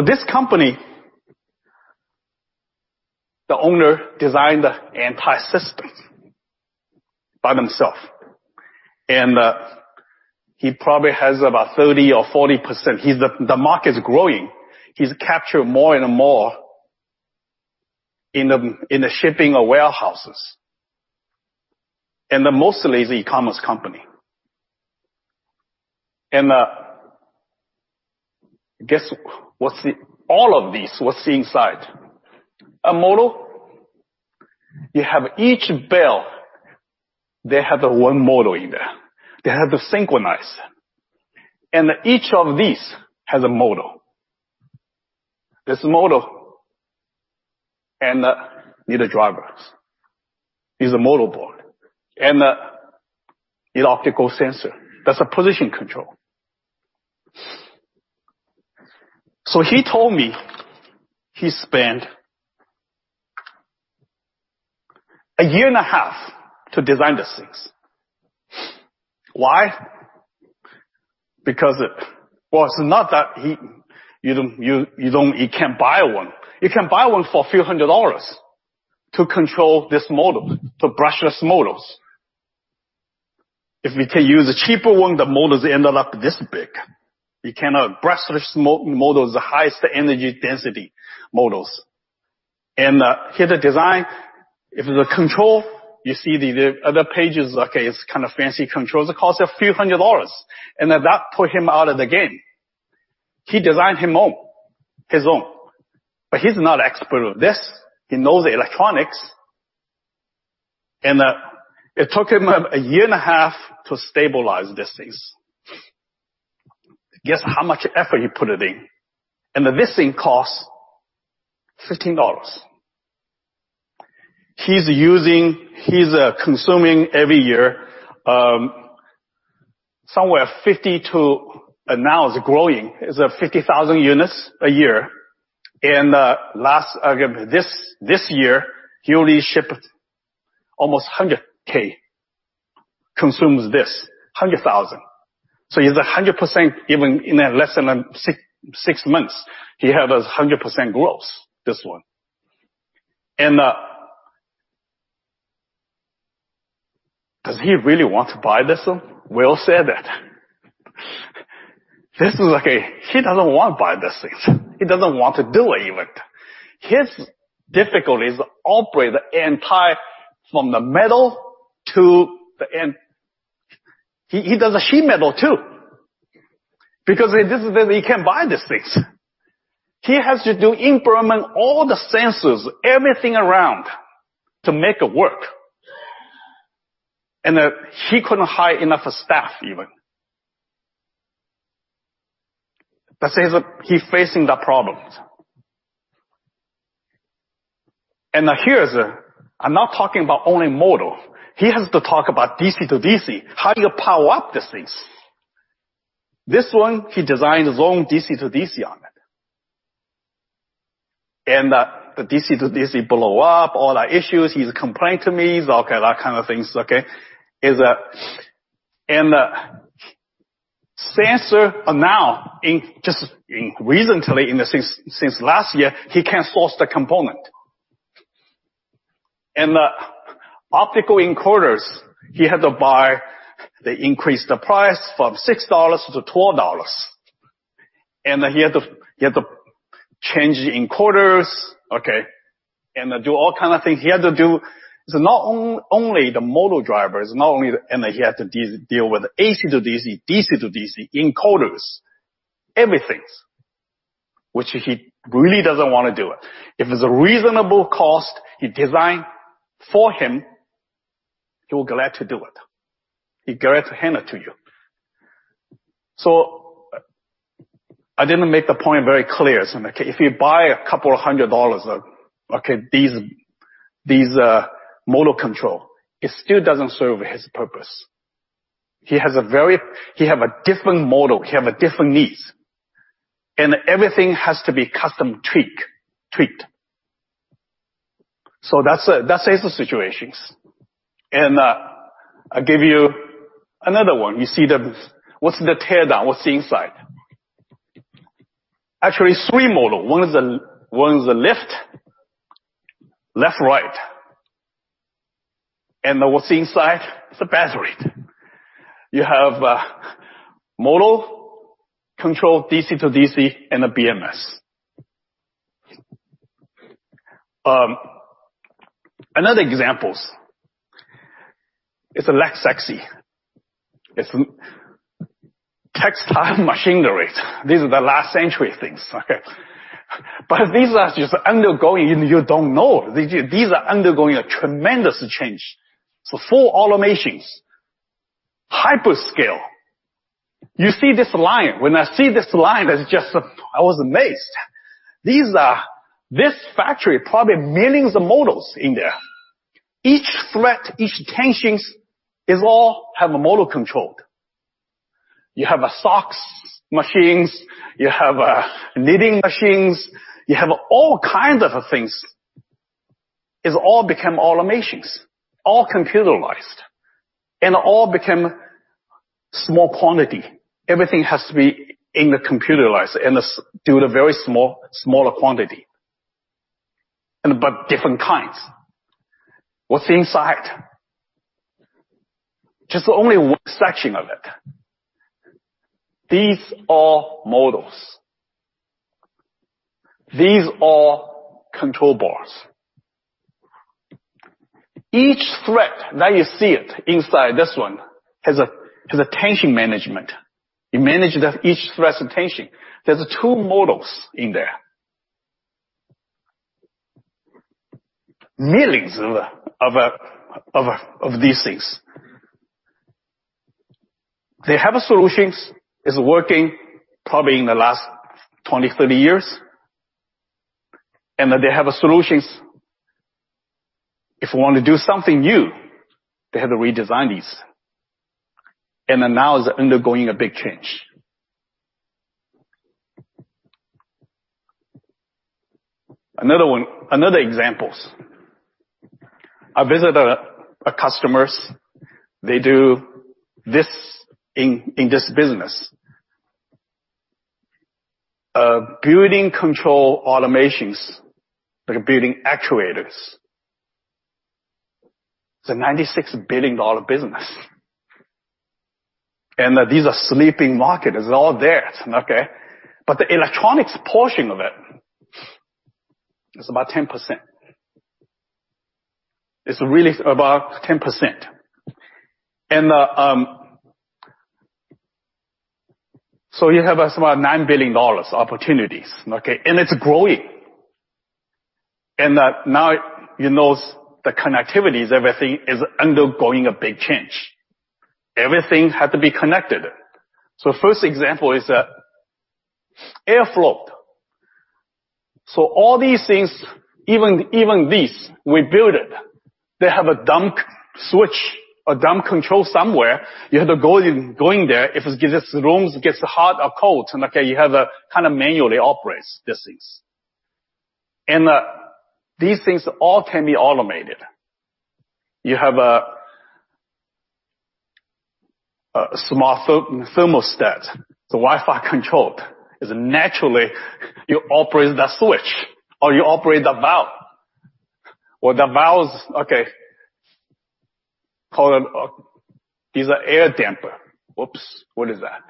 [SPEAKER 2] This company, the owner designed the entire system by themself, and he probably has about 30% or 40%. The market is growing. He's captured more and more in the shipping or warehouses. Mostly is e-commerce company. Guess, all of these, what's inside. A motor. You have each belt, they have one motor in there. They have to synchronize. Each of these has a motor. There's a motor and need a driver. There's a motor board and an optical sensor. That's a position control. He told me he spent a year and a half to design these things. Why? Because, well, it's not that he can't buy one. You can buy one for a few hundred dollars to control this motor, the brushless motors. If we can use a cheaper one, the motors end up this big. You cannot, brushless motors are the highest energy density motors. Here's the design. If the control, you see the other pages, okay, it's fancy controls. It cost a few hundred dollars. That put him out of the game. He designed his own. He's not expert of this. He knows electronics. It took him a year and a half to stabilize these things. Guess how much effort he put it in. This thing costs $15. He's consuming every year, somewhere 50 to, now it's growing, is 50,000 units a year. This year, he only shipped almost 100K. Consumes this, 100,000. He's 100%, even in less than six months, he has 100% growth, this one. Does he really want to buy this one? Will said that. This is like a, he doesn't want to buy these things. He doesn't want to do it, even. His difficulty is operate the entire, from the metal to the end. He does the sheet metal too, because he can't buy these things. He has to do implement all the sensors, everything around to make it work. He couldn't hire enough staff, even. That he's facing the problems. Here is, I'm not talking about only motor. He has to talk about DC to DC. How do you power up these things? This one, he designed his own DC to DC on it. The DC to DC blow up, all that issues, he's complained to me, that kind of things. Okay. Sensor now, just recently since last year, he can't source the component. Optical encoders, he had to buy, they increased the price from $6 to $12. He had to change the encoders, okay, and do all kind of things. He had to do, not only the motor drivers. He had to deal with AC to DC to DC encoders, everything. Which he really doesn't want to do it. If it's a reasonable cost, he design for him, he will glad to do it. He glad to hand it to you. I didn't make the point very clear. If you buy a couple of hundred dollars of these motor control, it still doesn't serve his purpose. He have a different motor. He have a different needs. Everything has to be custom tweaked. That's his situations. I give you another one. You see the, what's the tear down, what's inside. Actually three motor. One is the lift, left right. What's inside is a battery. You have motor control, DC to DC, and a BMS. Another examples It's less sexy. It's textile machinery. These are the last century things. These are just undergoing, and you don't know, these are undergoing a tremendous change. Full automations, hyperscale. You see this line. When I see this line, I was amazed. This factory, probably millions of motors in there. Each thread, each tension, all have a motor controlled. You have socks machines, you have knitting machines, you have all kinds of things. It's all become automations, all computerized, all become small quantity. Everything has to be in the computerized, do the very small, smaller quantity, but different kinds. What's inside? Just only one section of it. These are motors. These are control boards. Each thread that you see it inside this one, has a tension management. You manage that each thread's tension. There's two motors in there. Millions of these things. They have solutions, it's working probably in the last 20, 30 years. That they have solutions. If you want to do something new, they have to redesign these, now is undergoing a big change. Another example. I visit a customer, they do this in this business. Building control automations. They're building actuators. It's a $96 billion business. These are sleeping market. Okay? The electronics portion of it's about 10%. It's really about 10%. You have about $9 billion opportunities. Okay? It's growing. Now, you know the connectivity, everything is undergoing a big change. Everything had to be connected. First example is air flow. All these things, even this, we build it. They have a damp switch, a damp control somewhere. You have to go in, going there. If the rooms gets hot or cold, okay, you have to manually operate these things. These things all can be automated. You have a small thermostat. It's Wi-Fi controlled. Naturally, you operate the switch, or you operate the valve, or the valve's, okay, call it, is an air damper. Whoops. What is that?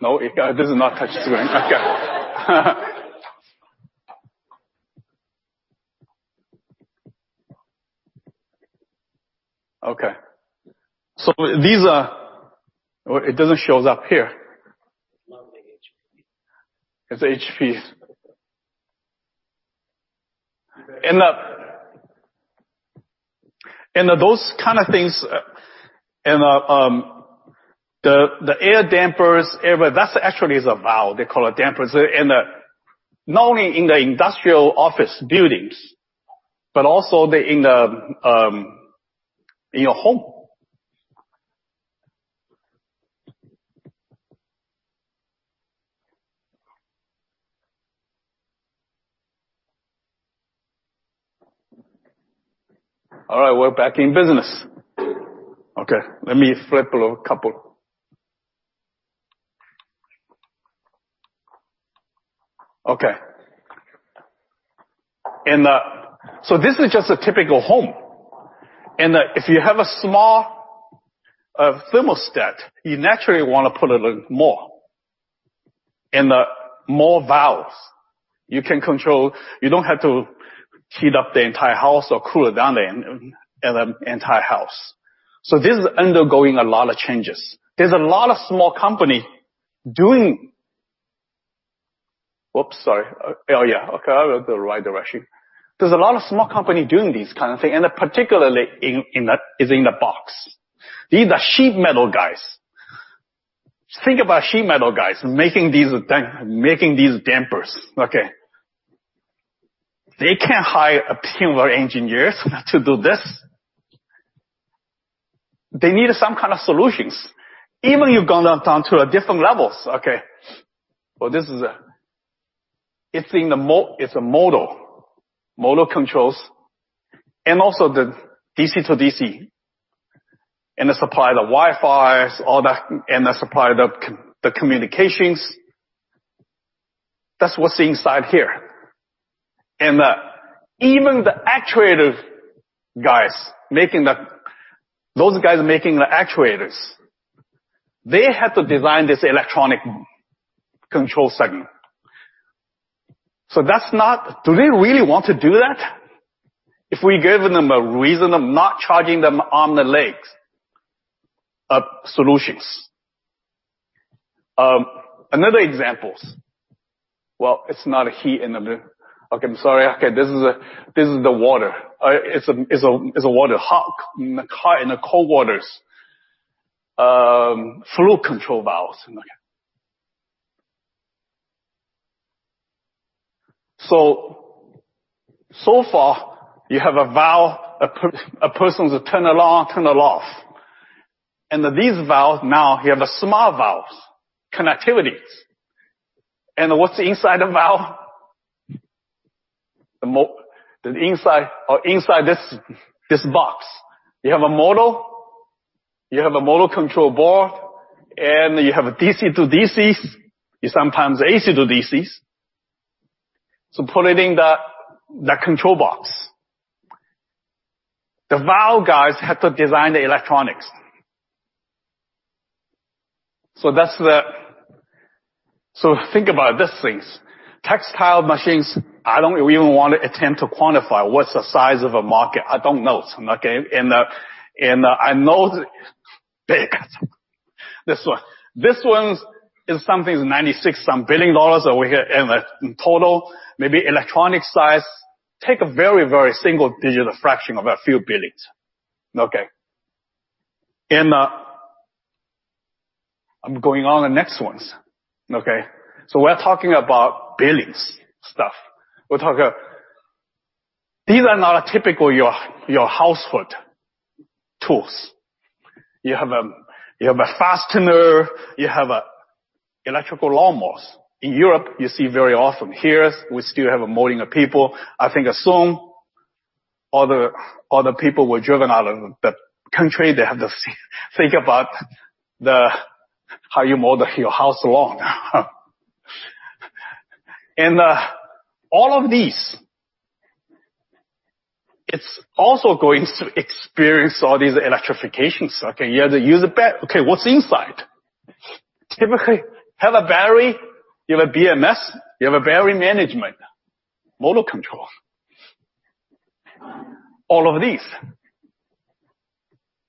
[SPEAKER 2] No, it does not touch screen. Okay. Okay. These are It doesn't show up here.
[SPEAKER 1] It's not the HP.
[SPEAKER 2] It's HP. Those kind of things, and the air dampers, that actually is a valve. They call it dampers. Not only in the industrial office buildings, but also in your home. All right, we're back in business. Okay, let me flip a couple. Okay. This is just a typical home. If you have a small thermostat, you naturally want to put a little more. The more valves you can control, you don't have to heat up the entire house or cool down the entire house. This is undergoing a lot of changes. There's a lot of small company doing. Whoops, sorry. Oh, yeah. Okay. I will go right direction. There's a lot of small company doing these kind of thing, particularly is in the box. These are sheet metal guys. Think about sheet metal guys making these dampers. Okay. They can't hire a team of engineers to do this. They need some kind of solutions. Even you've gone down to different levels. Okay. Well, it's a motor. Motor controls. Also the DC-to-DC, and the supply, the Wi-Fis, all that, the supply, the communications. That's what's inside here. Even the actuator guys, those guys making the actuators, they had to design this electronic control segment. Do they really want to do that? If we give them a reason of not charging them on the legs of solutions. Another example. Well, it's not. Okay, I'm sorry. Okay, this is the water. It's a water. Hot in the cold waters. Flow control valves. Okay. Far, you have a valve a person turn on, turn off. These valves now, you have smart valves, connectivities. What's inside the valve? Inside this box, you have a motor, you have a motor control board, you have a DC-to-DCs, you sometimes AC-to-DCs. Put it in that control box. The valve guys have to design the electronics. Think about these things. Textile machines, I don't even want to attempt to quantify what's the size of a market. I don't know, okay? I know it's big. This one is something $96 some billion over here in the total, maybe electronic size. Take a very, very single-digit fraction of a few billions. Okay. I'm going on the next ones. Okay? We're talking about billions stuff. These are not a typical your household tools. You have a fastener, you have a electrical lawnmowers. In Europe, you see very often. Here, we still have a mowing people. I think soon, other people were driven out of the country. They have to think about how you mow your house lawn. All of these, it's also going to experience all these electrifications. Okay? You have to use a bat. Okay, what's inside? Typically, you have a battery, you have a BMS, you have a battery management motor control. All of these.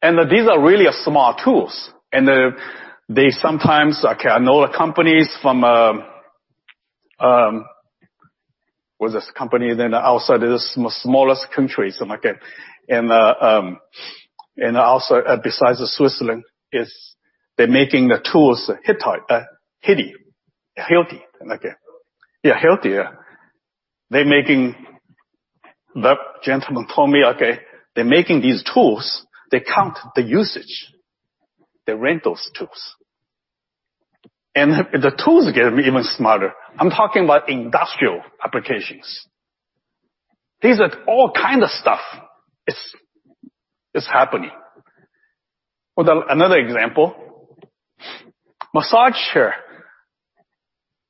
[SPEAKER 2] These are really smart tools. They sometimes. Okay, what is this company then outside of the smallest country? Again. Also, besides Switzerland, they're making the tools Hilti. Yeah, Hilti, yeah. The gentleman told me, okay, they're making these tools. They count the usage. They rent those tools. The tools get even smarter. I'm talking about industrial applications. These are all kind of stuff is happening. With another example, massage chair.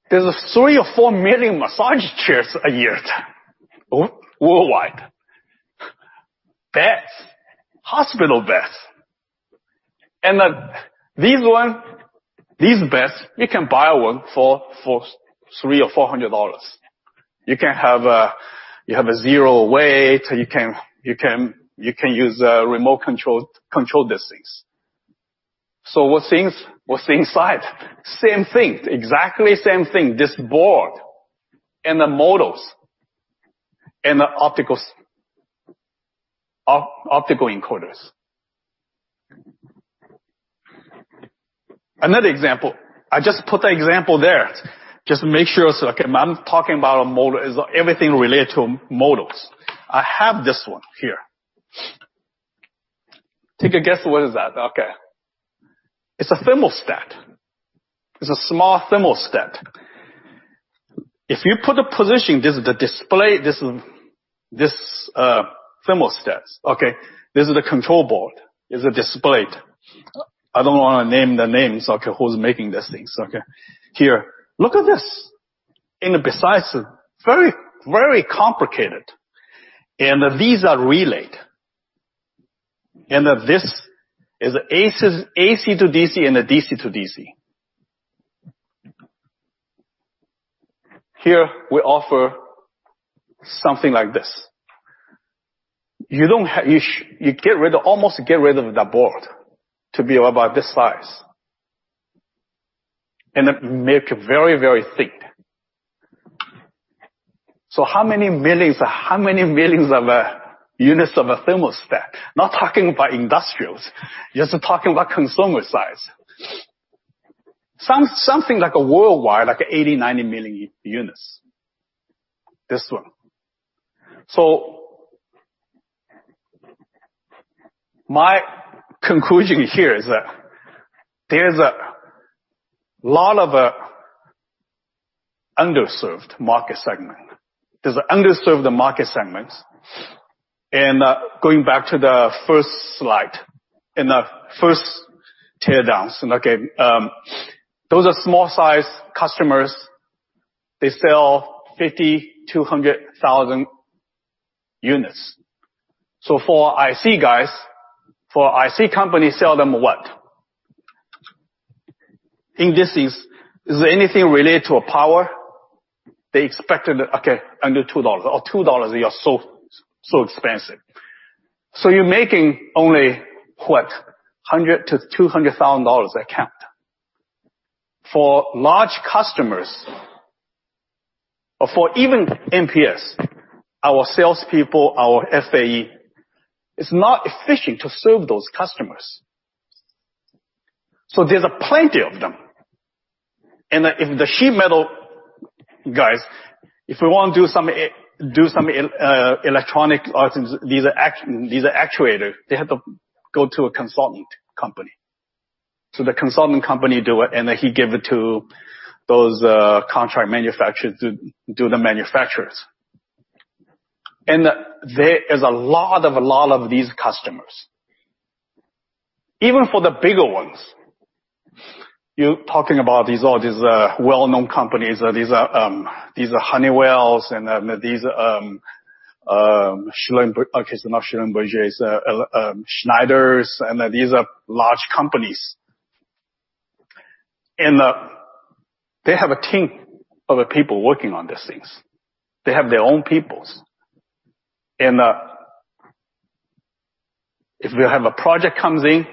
[SPEAKER 2] There's 3 or 4 million massage chairs a year worldwide. Beds, hospital beds. These beds, you can buy one for $300 or $400. You have a zero weight. You can use a remote control these things. What's inside? Same thing. Exactly same thing. This board and the motors and the optical encoders. Another example. I just put the example there. Just make sure, I'm talking about a motor. Is everything related to motors? I have this one here. Take a guess what is that? It's a thermostat. It's a smart thermostat. If you put a position, this is the display, this thermostat. This is the control board. This is a display. I don't want to name the names who's making these things. Here, look at this. Besides, very, very complicated, these are relayed. This is AC/DC, and a DC-to-DC. Here, we offer something like this. You almost get rid of the board to be about this size. It make it very, very thick. How many millions of units of a thermostat? Not talking about industrials, just talking about consumer size. Something like a worldwide, like 80, 90 million units. This one. My conclusion here is that there's a lot of underserved market segment. There's underserved market segments. Going back to the first slide and the first tear downs. Those are small-sized customers. They sell 50, 200 thousand units. For IC guys, for IC companies, sell them what? In this case, is there anything related to power? They expected under $2, or $2, you are so expensive. You're making only what, $100,000 to $200,000 a count. For large customers or for even MPS, our salespeople, our FAE, it's not efficient to serve those customers. There's plenty of them. If the sheet metal guys, if we want do some electronic items, these are actuators, they have to go to a consultant company. The consulting company do it, then he give it to those contract manufacturers to do the manufacturers. There is a lot of these customers. Even for the bigger ones. You're talking about all these well-known companies. These are Honeywells and these, not Schindler and Bucher, Schneiders, and these are large companies. They have a team of people working on these things. They have their own peoples. If we have a project comes in,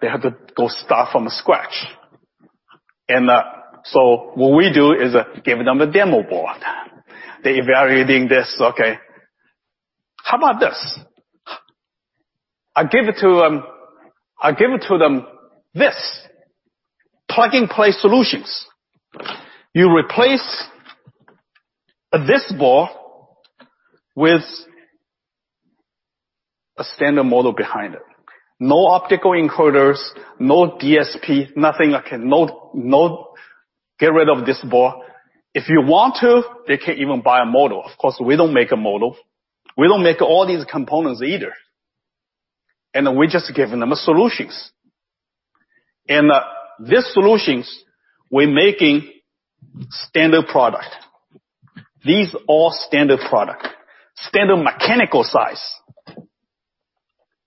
[SPEAKER 2] they have to go start from scratch. What we do is give them a demo board. They're evaluating this. How about this? I give it to them this. Plug-and-play solutions. You replace this board with a standard model behind it. No optical encoders, no DSP, nothing. Get rid of this board. If you want to, they can even buy a model. Of course, we don't make a model. We don't make all these components either. We're just giving them solutions. These solutions, we're making standard product. These all standard product. Standard mechanical size.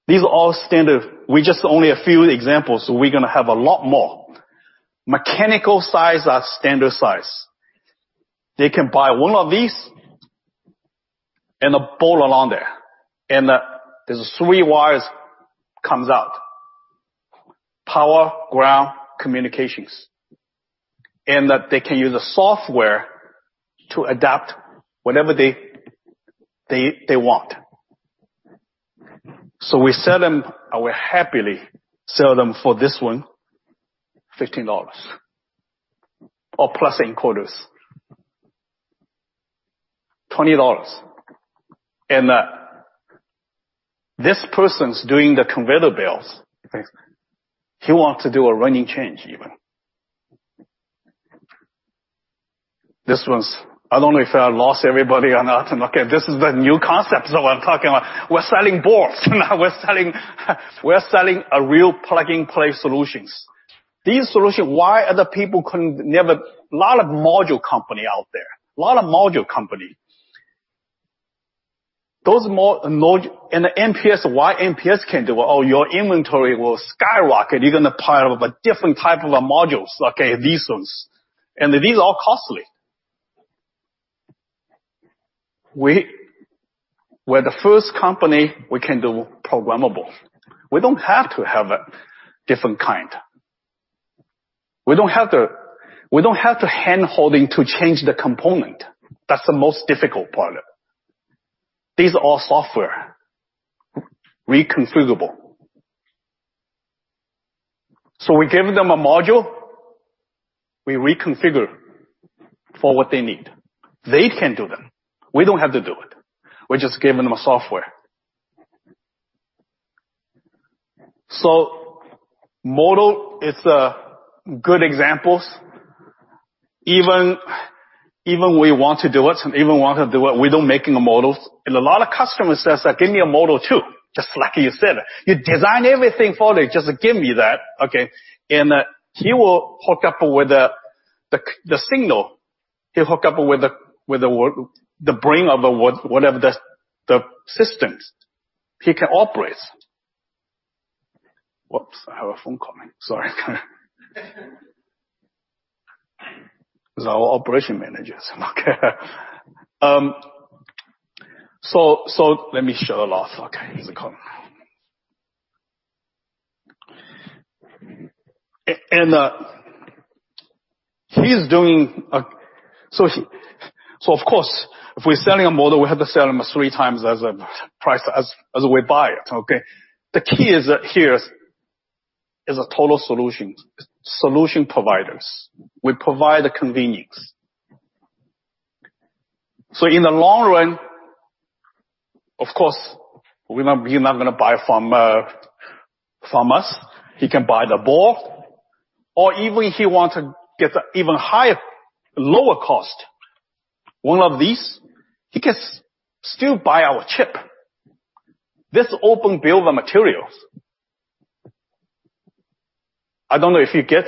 [SPEAKER 2] These are all standard. We just only a few examples, we're going to have a lot more. Mechanical size are standard size. They can buy one of these and a board along there. There's three wires comes out. Power, ground, communications. They can use the software to adapt whatever they want. We sell them, I will happily sell them for this one, $15. Or plus encoders, $20. This person's doing the converter bills. He want to do a running change even. This one's. I don't know if I lost everybody or not. This is the new concept of what I'm talking about. We're selling boards now. We're selling a real plug-and-play solutions. These solutions, why other people can never. Lot of module company out there. Lot of module company. MPS, why MPS can do, oh, your inventory will skyrocket. You're going to pile up a different type of modules, these ones. These are costly. We're the first company we can do programmable. We don't have to have a different kind. We don't have the hand-holding to change the component. That's the most difficult part. These are all software. Reconfigurable. We give them a module, we reconfigure for what they need. They can do them. We don't have to do it. We're just giving them a software. Module is a good examples. Even we want to do it, we're not making the modules. A lot of customers says that, "Give me a module, too. Just like you said. You design everything for it, just give me that." He will hook up with the signal. He'll hook up with the brain of the whatever the systems. He can operate. Whoops, I have a phone coming. Sorry. It's our operation managers. Let me show the last. Here's a call. He's doing. Of course, if we're selling a module, we have to sell him three times as a price as we buy it. The key is here is a total solution. Solution providers. We provide the convenience. In the long run, of course, he not going to buy from us. He can buy the board, or even if he want to get even lower cost, one of these, he can still buy our chip. This open bill of materials. I don't know if you get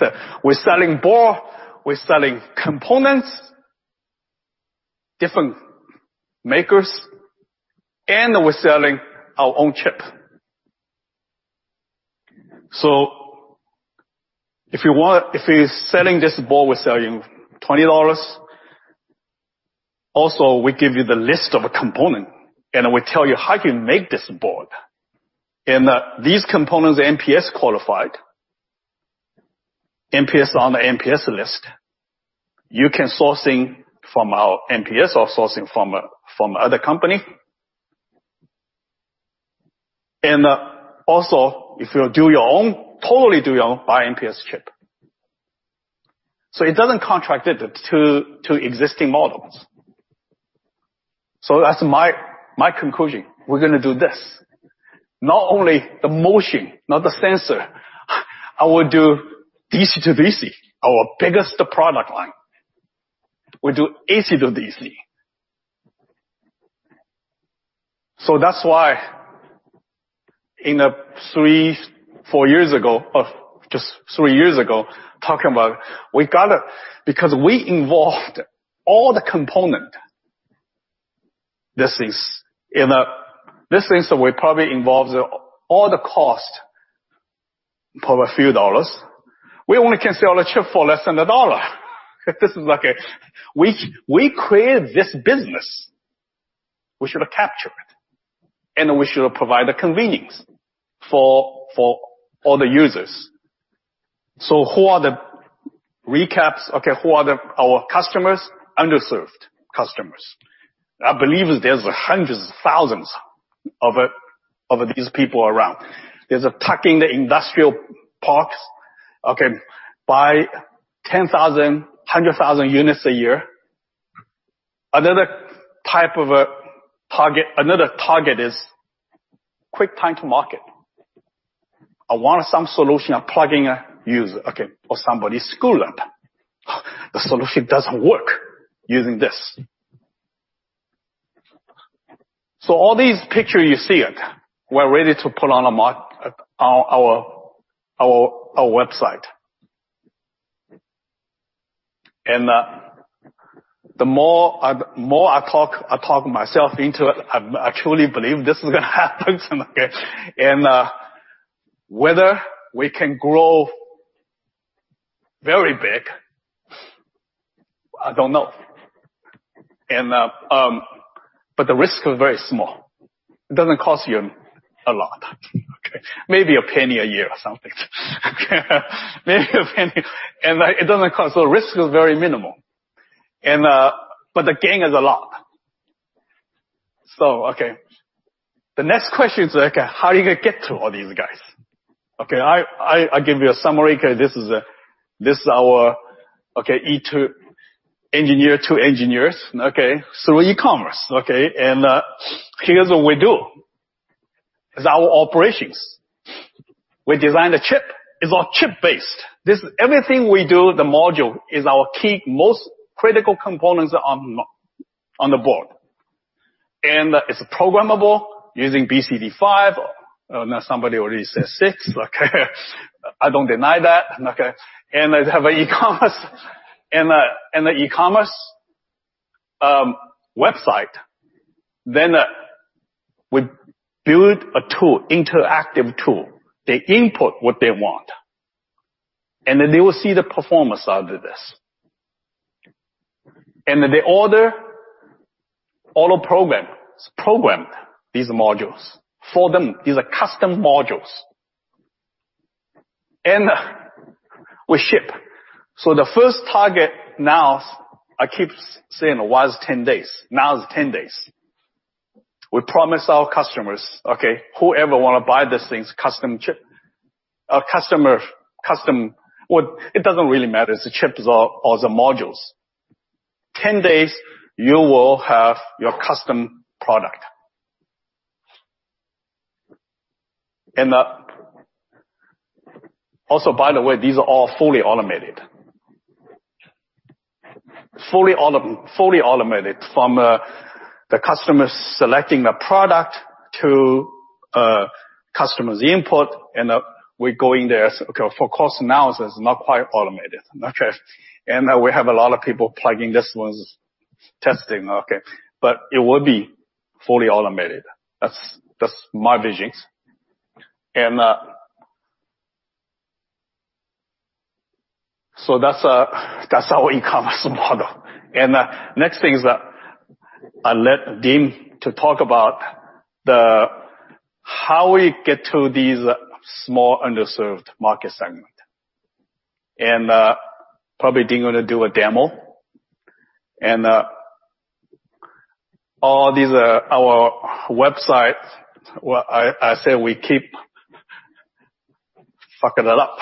[SPEAKER 2] that. We're selling board, we're selling components. Different makers, we're selling our own chip. If you're selling this board, we sell you $20. We give you the list of a component, we tell you how you can make this board. These components are MPS qualified. MPS on the MPS list. You can sourcing from our MPS or sourcing from other company. If you do your own, totally do your own, buy MPS chip. It doesn't contradict to existing models. That's my conclusion. We're going to do this. Not only the eMotion, not the sensor, I will do DC-to-DC, our biggest product line. We do AC/DC. That's why in three, four years ago, or just three years ago, talking about we got to. Because we involved all the component. This instance will probably involve all the cost for a few dollars. We only can sell a chip for less than $1. We created this business. We should capture it, we should provide the convenience for all the users. Recaps, who are our customers? Underserved customers. I believe there's hundreds of thousands of these people around. There's tucking the industrial parks, buy 10,000, 100,000 units a year. Another target is quick time to market. I want some solution. I'm plugging a user, or [somebody schooled]. The solution doesn't work using this. All these picture you see it, we're ready to put on our website. The more I talk myself into it, I truly believe this is going to happen. Whether we can grow very big, I don't know. The risk is very small. It doesn't cost you a lot. Okay. Maybe a penny a year or something. Maybe a penny. It doesn't cost. Risk is very minimal. The gain is a lot. Okay. The next question is, how are you going to get to all these guys? Okay. I give you a summary. This is our E2, engineer to engineers, okay, through e-commerce. Okay. Here's what we do, is our operations. We design the chip. It's all chip-based. Everything we do, the module is our key, most critical components on the board. It's programmable using BCD5. Somebody already says six. Okay. I don't deny that. Okay. They have an e-commerce. The e-commerce website. We build a tool, interactive tool. They input what they want, they will see the performance out of this. They order all the programs. Program these modules for them. These are custom modules. We ship. The first target now, I keep saying was 10 days. Now is 10 days. We promise our customers, okay, whoever want to buy these things, custom chip. It doesn't really matter. It's the chips or the modules. 10 days you will have your custom product. By the way, these are all fully automated. Fully automated from the customer selecting the product to customer's input, and we're going there. For cost analysis, not quite automated. Okay. We have a lot of people plugging this one's testing, okay. It will be fully automated. That's my visions. That's our e-commerce model. Next thing is I let Dean to talk about how we get to these small underserved market segment. Probably Dean going to do a demo. All these are our website. I say we keep fucking it up.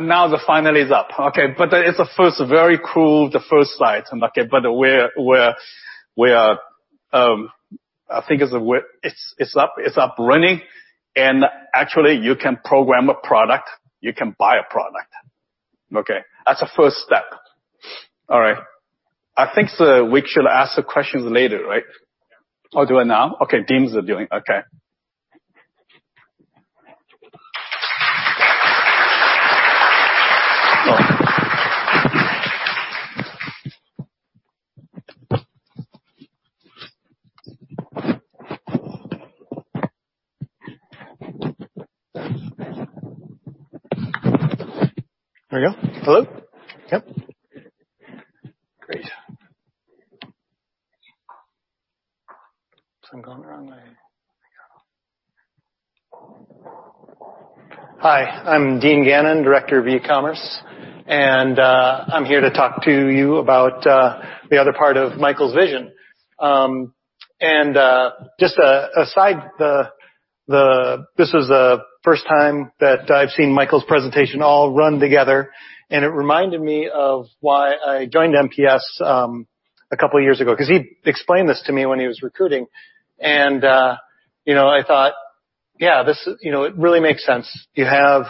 [SPEAKER 2] Now they're finally is up. Okay. It's the first very crude, the first site. Okay. We are, I think it's up, running, and actually you can program a product. You can buy a product. Okay. That's the first step. All right. I think we should ask the questions later, right?
[SPEAKER 11] Yeah. Do it now? Okay. Dean's doing. Okay.
[SPEAKER 12] There we go. Hello? Yep. Great. I'm going the wrong way. There we go. Hi, I'm Dean Gannon, Director of E-commerce, and I'm here to talk to you about the other part of Michael's vision. Just an aside, this was the first time that I've seen Michael's presentation all run together, and it reminded me of why I joined MPS a couple of years ago, because he explained this to me when he was recruiting, and I thought, it really makes sense. You have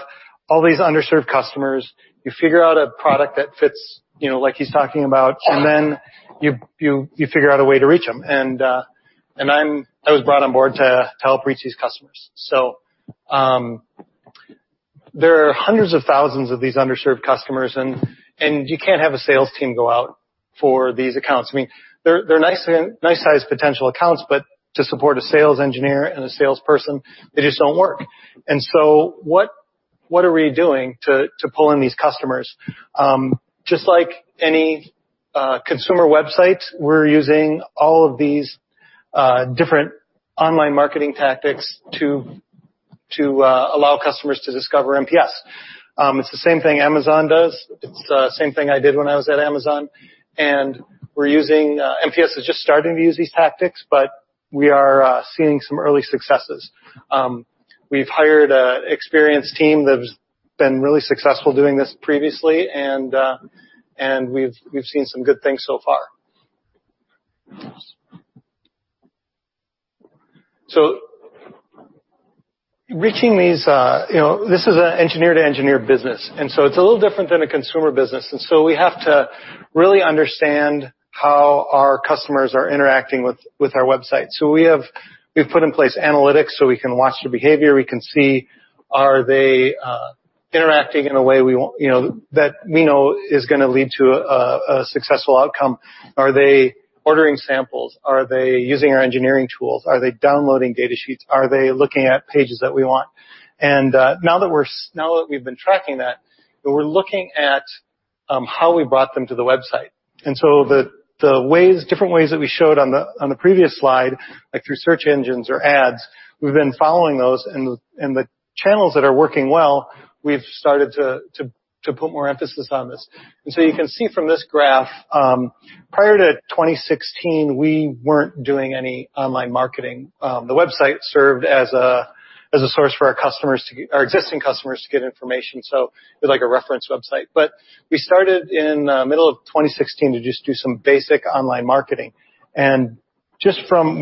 [SPEAKER 12] all these underserved customers. You figure out a product that fits, like he's talking about, and then you figure out a way to reach them. I was brought on board to help reach these customers. There are hundreds of thousands of these underserved customers, and you can't have a sales team go out for these accounts. They're nice-sized potential accounts, but to support a sales engineer and a salesperson, they just don't work. What are we doing to pull in these customers? Just like any consumer website, we're using all of these different online marketing tactics to allow customers to discover MPS. It's the same thing Amazon does. It's the same thing I did when I was at Amazon. MPS is just starting to use these tactics, but we are seeing some early successes. We've hired an experienced team that's been really successful doing this previously, and we've seen some good things so far. This is an engineer-to-engineer business, and so it's a little different than a consumer business. We have to really understand how our customers are interacting with our website. We've put in place analytics so we can watch their behavior. We can see, are they interacting in a way that we know is going to lead to a successful outcome? Are they ordering samples? Are they using our engineering tools? Are they downloading data sheets? Are they looking at pages that we want? Now that we've been tracking that, we're looking at how we brought them to the website. The different ways that we showed on the previous slide, like through search engines or ads, we've been following those, and the channels that are working well, we've started to put more emphasis on this. You can see from this graph, prior to 2016, we weren't doing any online marketing. The website served as a source for our existing customers to get information, so it was like a reference website. We started in the middle of 2016 to just do some basic online marketing. We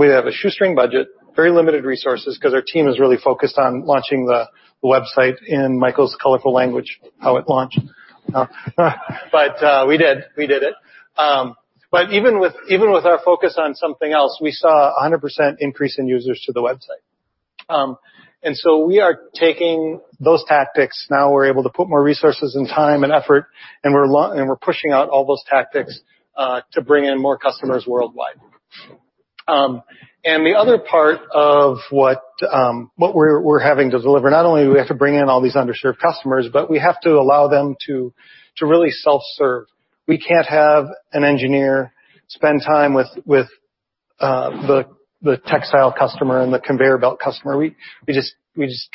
[SPEAKER 12] have a shoestring budget, very limited resources, because our team is really focused on launching the website in Michael's colorful language, how it launched. We did it. Even with our focus on something else, we saw 100% increase in users to the website. We are taking those tactics now. We're able to put more resources and time and effort, and we're pushing out all those tactics to bring in more customers worldwide. The other part of what we're having to deliver, not only do we have to bring in all these underserved customers, but we have to allow them to really self-serve. We can't have an engineer spend time with the textile customer and the conveyor belt customer. We just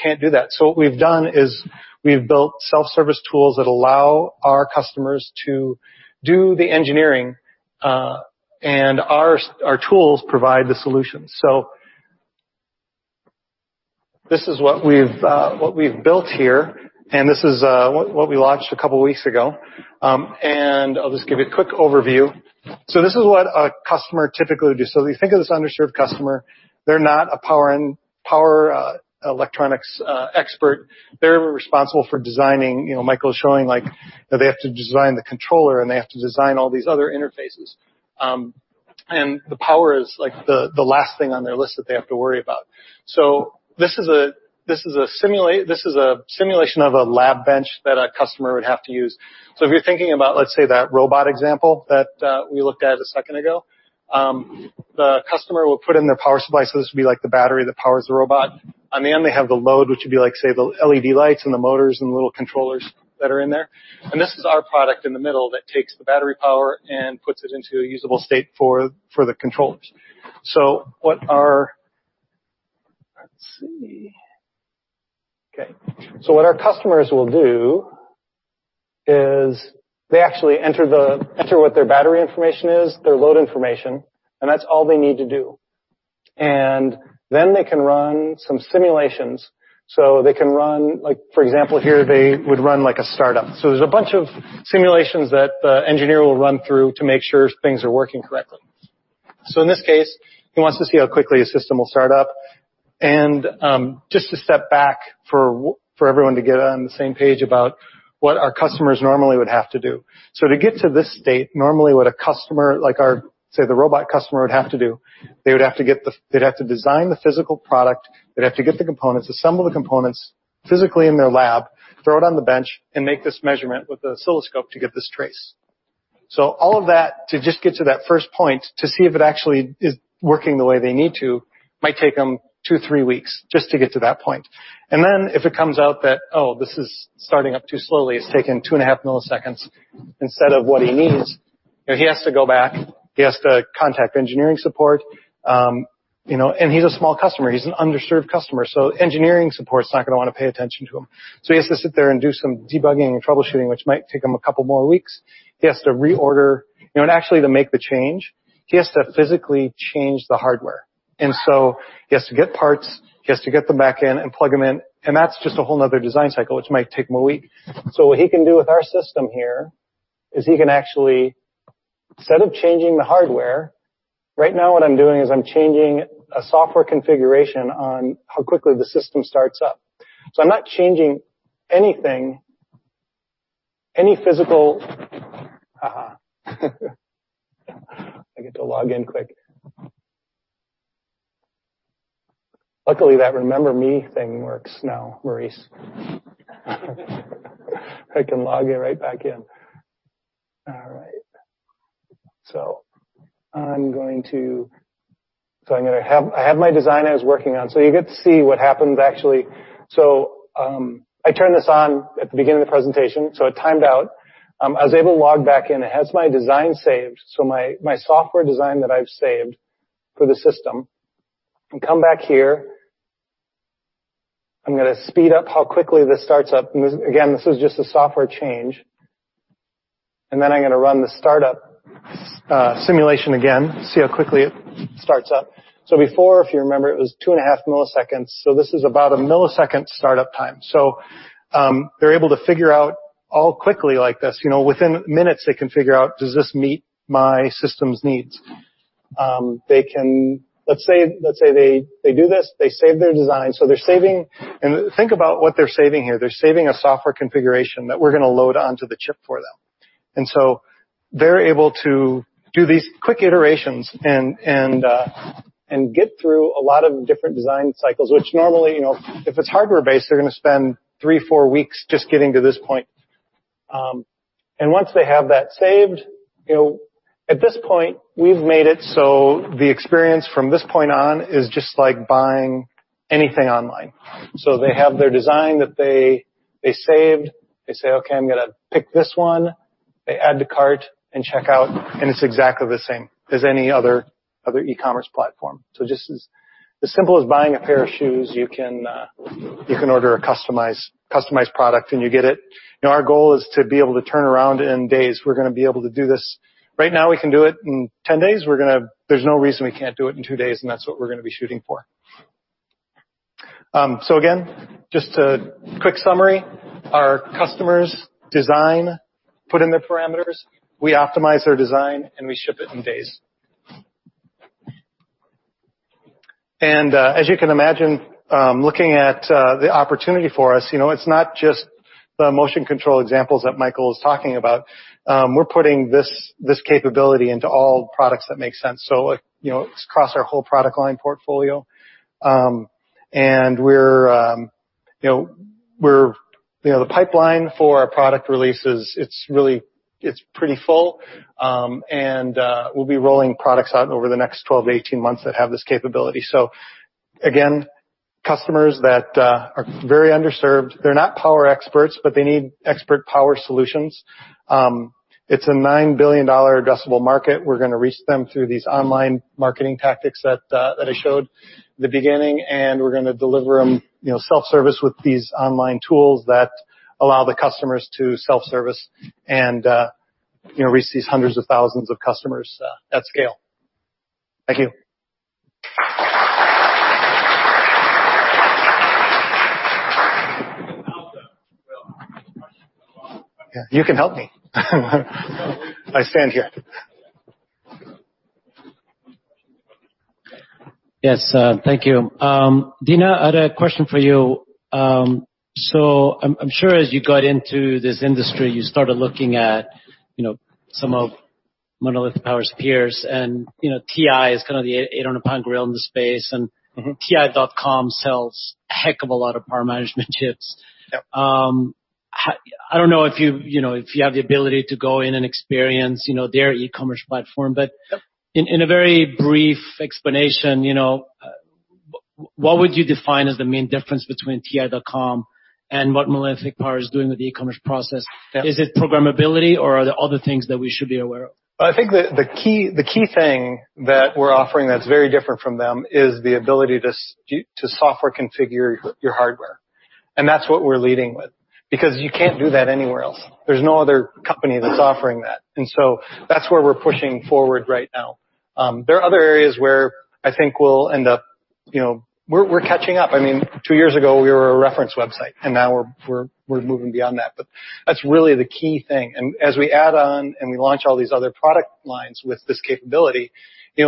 [SPEAKER 12] can't do that. We've done is we've built self-service tools that allow our customers to do the engineering, our tools provide the solutions. This is what we've built here, and this is what we launched a couple of weeks ago. I'll just give you a quick overview. This is what a customer typically would do. If you think of this underserved customer, they're not a power electronics expert. They're responsible for designing, Michael was showing, they have to design the controller, they have to design all these other interfaces. The power is the last thing on their list that they have to worry about. This is a simulation of a lab bench that a customer would have to use. If you're thinking about, let's say, that robot example that we looked at a second ago, the customer will put in their power supply, this would be the battery that powers the robot. On the end, they have the load, which would be say the LED lights, the motors, and the little controllers that are in there. This is our product in the middle that takes the battery power and puts it into a usable state for the controllers. Let's see. Okay. What our customers will do is they actually enter what their battery information is, their load information, that's all they need to do. Then they can run some simulations. They can run, for example here, they would run a startup. There's a bunch of simulations that the engineer will run through to make sure things are working correctly. In this case, he wants to see how quickly a system will start up. Just to step back for everyone to get on the same page about what our customers normally would have to do. To get to this state, normally what a customer like our, say, the robot customer would have to do, they would have to design the physical product, they'd have to get the components, assemble the components physically in their lab, throw it on the bench, make this measurement with the oscilloscope to get this trace. All of that to just get to that first point to see if it actually is working the way they need to might take them two, three weeks just to get to that point. Then if it comes out that, oh, this is starting up too slowly, it's taking two and a half milliseconds instead of what he needs, he has to go back, he has to contact engineering support. He's a small customer, he's an underserved customer, engineering support is not going to want to pay attention to him. He has to sit there and do some debugging and troubleshooting, which might take him a couple more weeks. He has to reorder. Actually to make the change, he has to physically change the hardware. He has to get parts, he has to get them back in and plug them in, that's just a whole another design cycle, which might take him one week. What he can do with our system here is he can actually, instead of changing the hardware, right now what I'm doing is I'm changing a software configuration on how quickly the system starts up. I'm not changing anything. I get to log in quick. Luckily, that Remember Me thing works now, Maurice. I can log right back in. I have my design I was working on. You get to see what happens, actually. I turned this on at the beginning of the presentation, so it timed out. I was able to log back in. It has my design saved, so my software design that I've saved for the system. I come back here. I'm going to speed up how quickly this starts up. Again, this is just a software change. I'm going to run the startup simulation again, see how quickly it starts up. Before, if you remember, it was 2.5 milliseconds. This is about a 1 millisecond startup time. They're able to figure out all quickly like this. Within minutes, they can figure out, does this meet my system's needs? Let's say they do this, they save their design. They're saving. Think about what they're saving here. They're saving a software configuration that we're going to load onto the chip for them. They're able to do these quick iterations and get through a lot of different design cycles, which normally, if it's hardware-based, they're going to spend 3, 4 weeks just getting to this point. Once they have that saved, at this point, we've made it so the experience from this point on is just like buying anything online. They have their design that they saved. They say, "Okay, I'm going to pick this one." They add to cart and check out, it's exactly the same as any other e-commerce platform. Just as simple as buying a pair of shoes, you can order a customized product and you get it. Our goal is to be able to turn around in days. We're going to be able to do this. Right now, we can do it in 10 days. There's no reason we can't do it in 2 days, that's what we're going to be shooting for. Again, just a quick summary. Our customers design, put in their parameters, we optimize their design, we ship it in days. As you can imagine, looking at the opportunity for us, it's not just the motion control examples that Michael is talking about. We're putting this capability into all products that make sense. It's across our whole product line portfolio. The pipeline for our product releases, it's pretty full. We'll be rolling products out over the next 12 to 18 months that have this capability. Again, customers that are very underserved, they're not power experts, but they need expert power solutions. It's a $9 billion addressable market. We're going to reach them through these online marketing tactics that I showed the beginning, we're going to deliver them self-service with these online tools that allow the customers to self-service and reach these hundreds of thousands of customers at scale. Thank you. You can help me. I stand here.
[SPEAKER 5] Yes. Thank you. Dean, I had a question for you. I'm sure as you got into this industry, you started looking at some of Monolithic Power Systems' peers. TI is kind of the 800-pound gorilla in the space, ti.com sells a heck of a lot of power management chips.
[SPEAKER 12] Yep.
[SPEAKER 5] I don't know if you have the ability to go in and experience their e-commerce platform.
[SPEAKER 12] Yep.
[SPEAKER 5] In a very brief explanation, what would you define as the main difference between ti.com and what Monolithic Power Systems is doing with the e-commerce process?
[SPEAKER 12] Yep.
[SPEAKER 5] Is it programmability, or are there other things that we should be aware of?
[SPEAKER 12] I think the key thing that we're offering that's very different from them is the ability to software configure your hardware. That's what we're leading with, because you can't do that anywhere else. There's no other company that's offering that's where we're pushing forward right now. There are other areas where I think we're catching up. Two years ago, we were a reference website, and now we're moving beyond that's really the key thing. As we add on and we launch all these other product lines with this capability, TI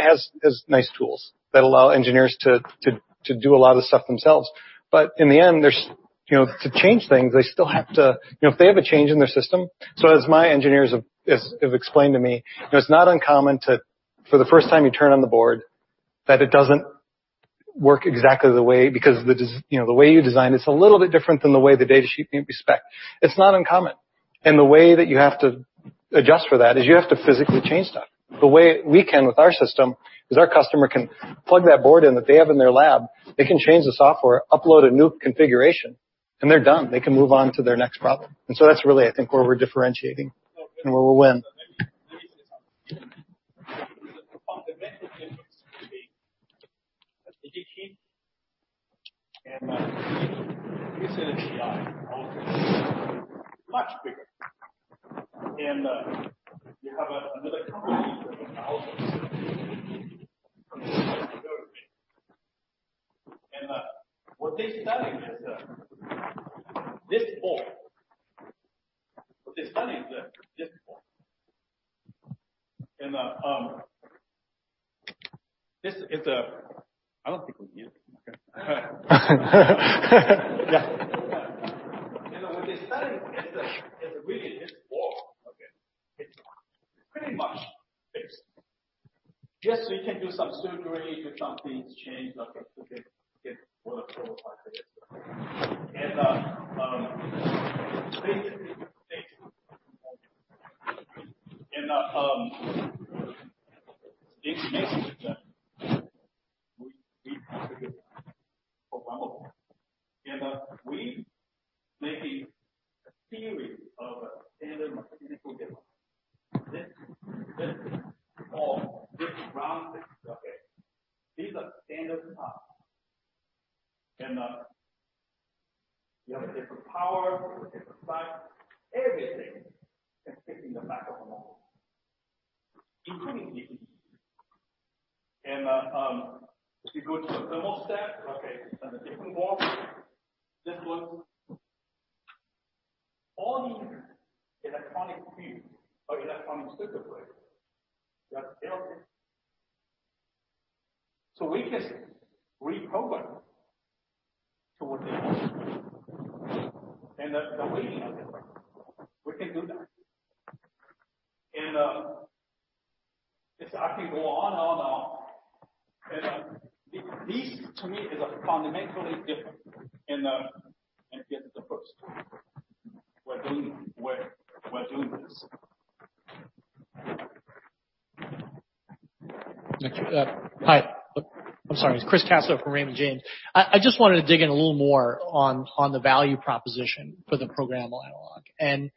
[SPEAKER 12] has nice tools that allow engineers to do a lot of the stuff themselves, in the end, to change things, if they have a change in their system. As my engineers have explained to me, it's not uncommon to, for the first time you turn on the board, that it doesn't work exactly the way, because the way you designed it is a little bit different than the way the data sheet being spec'd. It's not uncommon. The way that you have to adjust for that is you have to physically change that. The way we can with our system is our customer can plug that board in that they have in their lab, they can change the software, upload a new configuration, they're done. They can move on to their next problem. That's really, I think, where we're differentiating and where we'll win.
[SPEAKER 2] Maybe say something. The fundamental difference between a Digi-Key and you said it's TI, ours is much bigger. You have another company that allows it from the start to go with me. What they're studying is this board. What they're studying is this board. I don't think we use.
[SPEAKER 12] Yeah.
[SPEAKER 2] What they're studying is really this board. Okay. It's pretty much fixed. Yes, we can do some surgery, do something to change it for the protocol like this. Basically, it's fixed. This makes it that we contribute programmable. We're making a series of standard mechanical designs. This board, this round thing, okay, these are standard parts. You have a different power, a different size, everything can fit in the back of a model, including heat. If you go to a thermostat, okay, and a different board, this one. All the electronic fuse or electronic circuit breakers, you have to build it. We can reprogram to what they want. The leading of it, we can do that. I can go on and on and on. This, to me, is fundamentally different, and I guess it's a first. We're doing this.
[SPEAKER 13] Hi. I'm sorry. It's Chris Caso from Raymond James. I just wanted to dig in a little more on the value proposition for the programmable analog.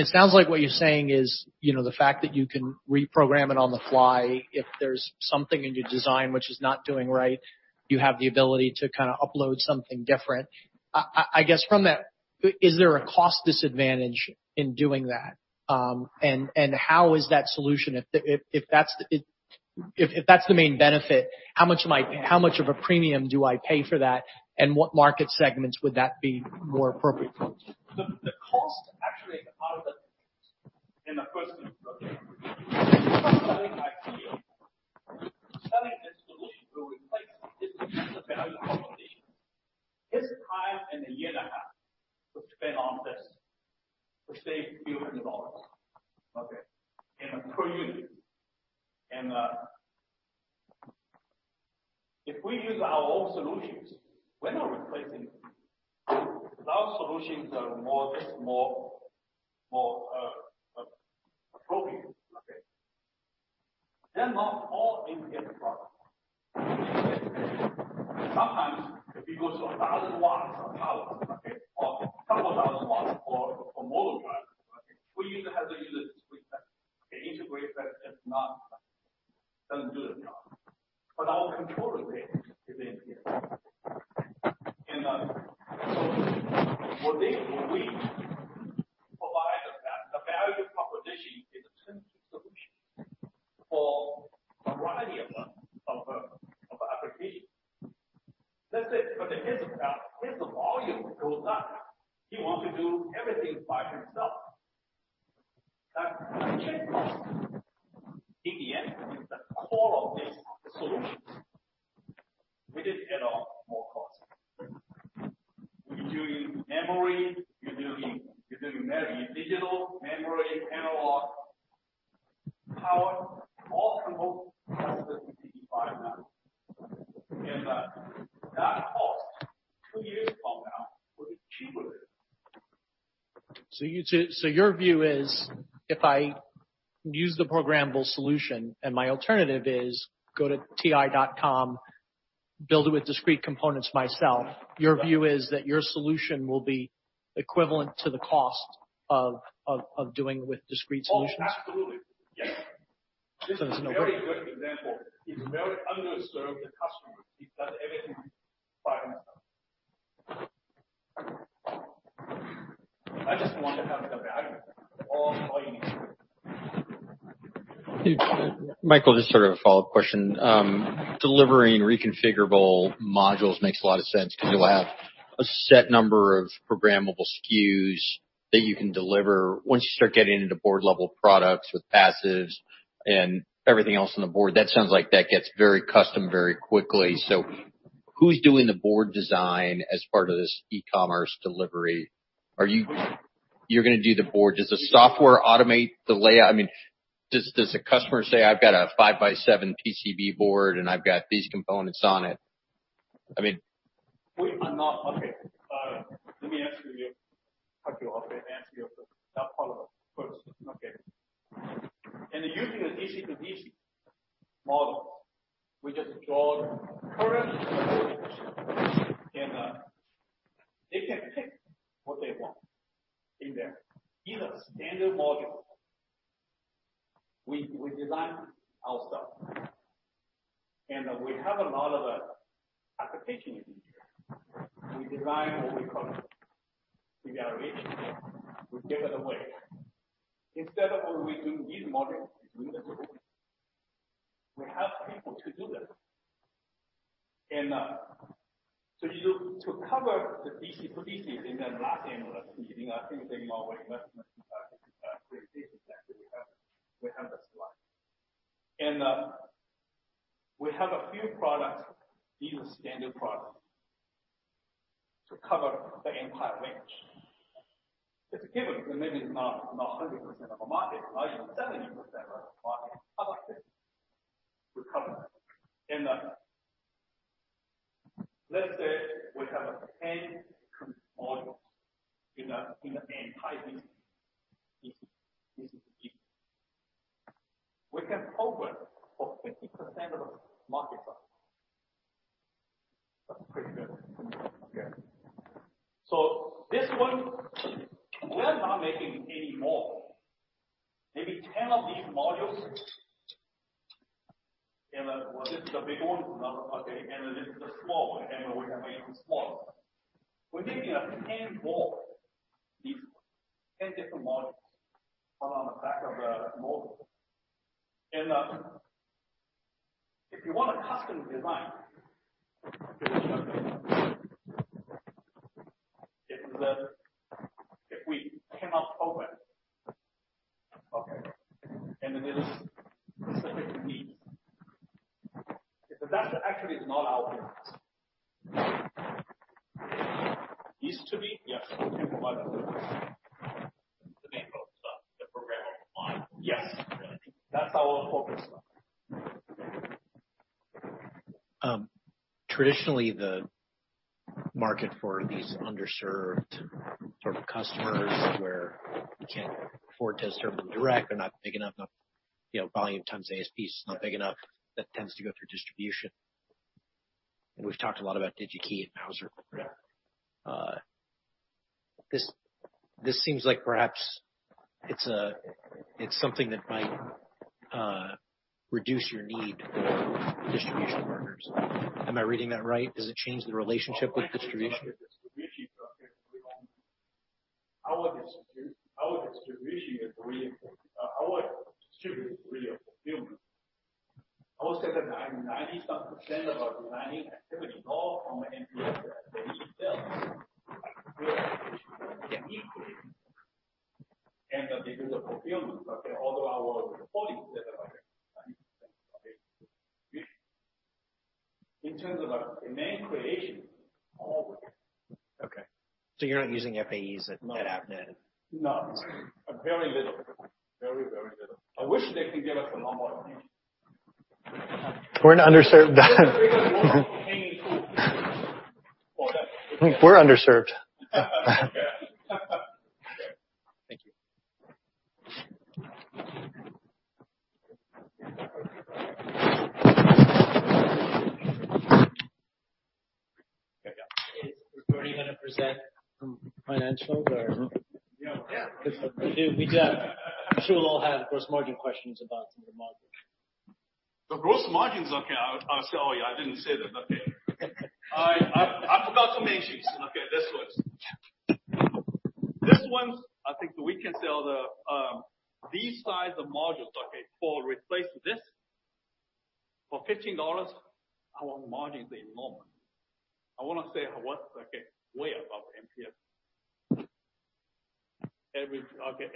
[SPEAKER 13] It sounds like what you're saying is, the fact that you can reprogram it on the fly, if there's something in your design which is not doing right, you have the ability to upload something different. I guess from that, is there a cost disadvantage in doing that? How is that solution, if that's the main benefit, how much of a premium do I pay for that, and what market segments would that be more appropriate for?
[SPEAKER 2] The cost actually is part of it. The first thing. Selling this solution to replace this is a value proposition. His time in a year and a half was spent on this to save a few hundred dollars, okay, and per unit. If we use our own solutions, we're not replacing. Our solutions are more appropriate, okay? They're not all MPS products. Sometimes it goes to 1,000 watts of power, okay, or a couple of thousand watts for motor drives. We either have to use a discrete set. They integrate that, it doesn't do the job. Our controller there is MPS. For this, we provide that the value proposition is a turnkey solution for a variety of applications. That's it. His volume goes up. He wants to do everything by himself. That's again, cost. In the end, it's the core of this solution. We didn't add on more cost. We're doing memory. We're doing many digital memory analog power, all controlled by the MPD5 now. That cost two years from now will be cheaper.
[SPEAKER 13] Your view is, if I use the programmable solution and my alternative is go to ti.com, build it with discrete components myself, your view is that your solution will be equivalent to the cost of doing it with discrete solutions?
[SPEAKER 2] Oh, absolutely. Yes. There's no This is a very good example. It's a very underserved customer. He does everything by himself. I just want to have the value of all volume.
[SPEAKER 14] Michael, just sort of a follow-up question. Delivering reconfigurable modules makes a lot of sense because you'll have a set number of programmable SKUs. That you can deliver once you start getting into board-level products with passives and everything else on the board. That sounds like that gets very custom very quickly. Who's doing the board design as part of this e-commerce delivery? You're going to do the board. Does the software automate the layout? Does the customer say, "I've got a five by seven PCB board, and I've got these components on it?
[SPEAKER 2] Okay. Let me cut you off and answer your follow-up first. Okay. In using the DC-to-DC module, we just draw current and they can pick what they want in there. In a standard module, we design our stuff, and we have a lot of applications in here. We design what we call integration. We give it away. Instead of we doing these modules, we doing this module. We have people to do that. To cover the DC-to-DCs in that last angle that I was giving, I think the more way less presentation that we have the slide. We have a few products, these are standard products, to cover the entire range. It's a given, maybe it's not 100% of a market, maybe 70% of the market approximately we cover. Let's say we have 10 modules in the entire DC-to-DC. We can cover for 50% of the market size.
[SPEAKER 4] That's pretty good.
[SPEAKER 2] Yeah. This one, we are not making any more. Maybe 10 of these modules, and this is a big one, okay, and this is a small one, and we are making small. We're making 10 more of these ones, 10 different modules. One on the back of the module. If you want a custom design, this is what we do. If we cannot cover, okay, and there is specific needs. That actually is not our business. Used to be? Yes. We can provide a service.
[SPEAKER 14] The main focus of the program of line.
[SPEAKER 2] Yes. Really. That's our focus.
[SPEAKER 4] Traditionally, the market for these underserved sort of customers where you can't afford to serve them direct, they're not big enough, volume times ASP is not big enough, that tends to go through distribution. We've talked a lot about Digi-Key and Mouser.
[SPEAKER 2] Yeah.
[SPEAKER 4] This seems like perhaps it's something that might reduce your need for distribution partners. Am I reading that right? Does it change the relationship with distribution?
[SPEAKER 2] Our distribution is really a fulfillment. I would say that 90-some percent of our designing activity, all from the MPS, the EE sales. We are actually uniquely and they do the fulfillment. Okay. Although our volume is at about 20%. Okay. In terms of the main creation, all we.
[SPEAKER 4] Okay. You're not using FAEs at Avnet?
[SPEAKER 2] No. Very little. Very, very little. I wish they could give us a normal team.
[SPEAKER 11] We're an underserved.
[SPEAKER 2] They got one hanging fruit.
[SPEAKER 11] We're underserved.
[SPEAKER 2] Okay.
[SPEAKER 4] Thank you.
[SPEAKER 11] Okay.
[SPEAKER 4] Is Bernie going to present some financials or?
[SPEAKER 2] Yeah.
[SPEAKER 4] I'm sure we'll all have gross margin questions about some of the models.
[SPEAKER 2] The gross margins, okay, I'll show you. I didn't say that. Okay. I forgot to mention. Okay, this one. This one, I think we can sell these size of modules, okay, for replacing this for $15, our margin is enormous. I want to say what, okay, way above MPS. Okay,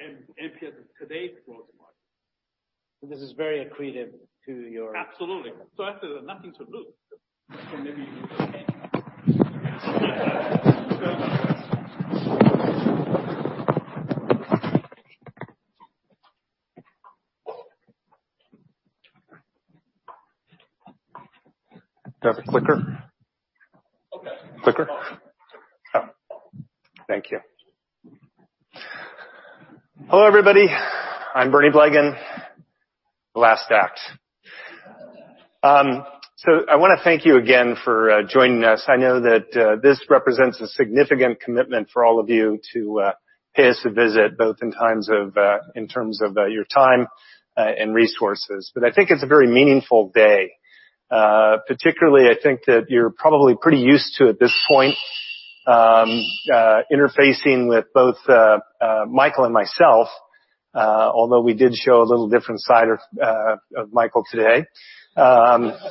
[SPEAKER 2] MPS is today's gross margin. this is very accretive to your- Absolutely. Actually there's nothing to lose, maybe we will gain.
[SPEAKER 11] Do you have a clicker?
[SPEAKER 2] Okay.
[SPEAKER 11] Clicker. Oh, thank you. Hello, everybody. I'm Bernie Blegen, the last act. I want to thank you again for joining us. I know that this represents a significant commitment for all of you to pay us a visit, both in terms of your time and resources. I think it's a very meaningful day. Particularly, I think that you're probably pretty used to at this point, interfacing with both Michael and myself, although we did show a little different side of Michael today. That's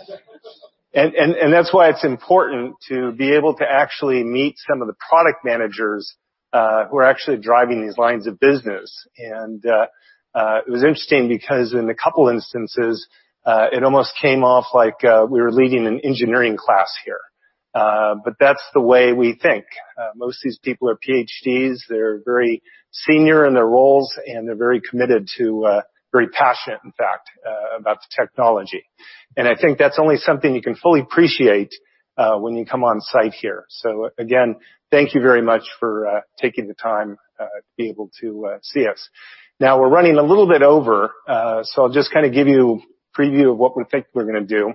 [SPEAKER 11] why it's important to be able to actually meet some of the product managers who are actually driving these lines of business. It was interesting because in a couple instances, it almost came off like we were leading an engineering class here. That's the way we think. Most of these people are PhDs. They're very senior in their roles, and they're very committed to very passionate, in fact, about the technology. I think that's only something you can fully appreciate when you come on-site here. Again, thank you very much for taking the time to be able to see us. We're running a little bit over, so I'll just kind of give you a preview of what we think we're going to do,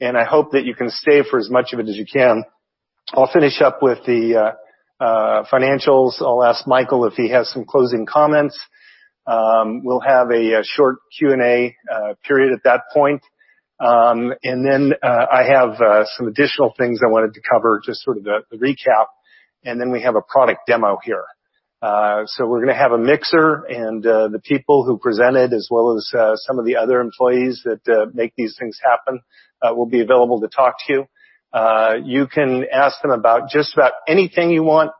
[SPEAKER 11] and I hope that you can stay for as much of it as you can. I'll finish up with the financials. I'll ask Michael if he has some closing comments. We'll have a short Q&A period at that point. I have some additional things I wanted to cover, just sort of the recap. We have a product demo here. We're going to have a mixer, and the people who presented as well as some of the other employees that make these things happen will be available to talk to. You can ask them about just about anything you want,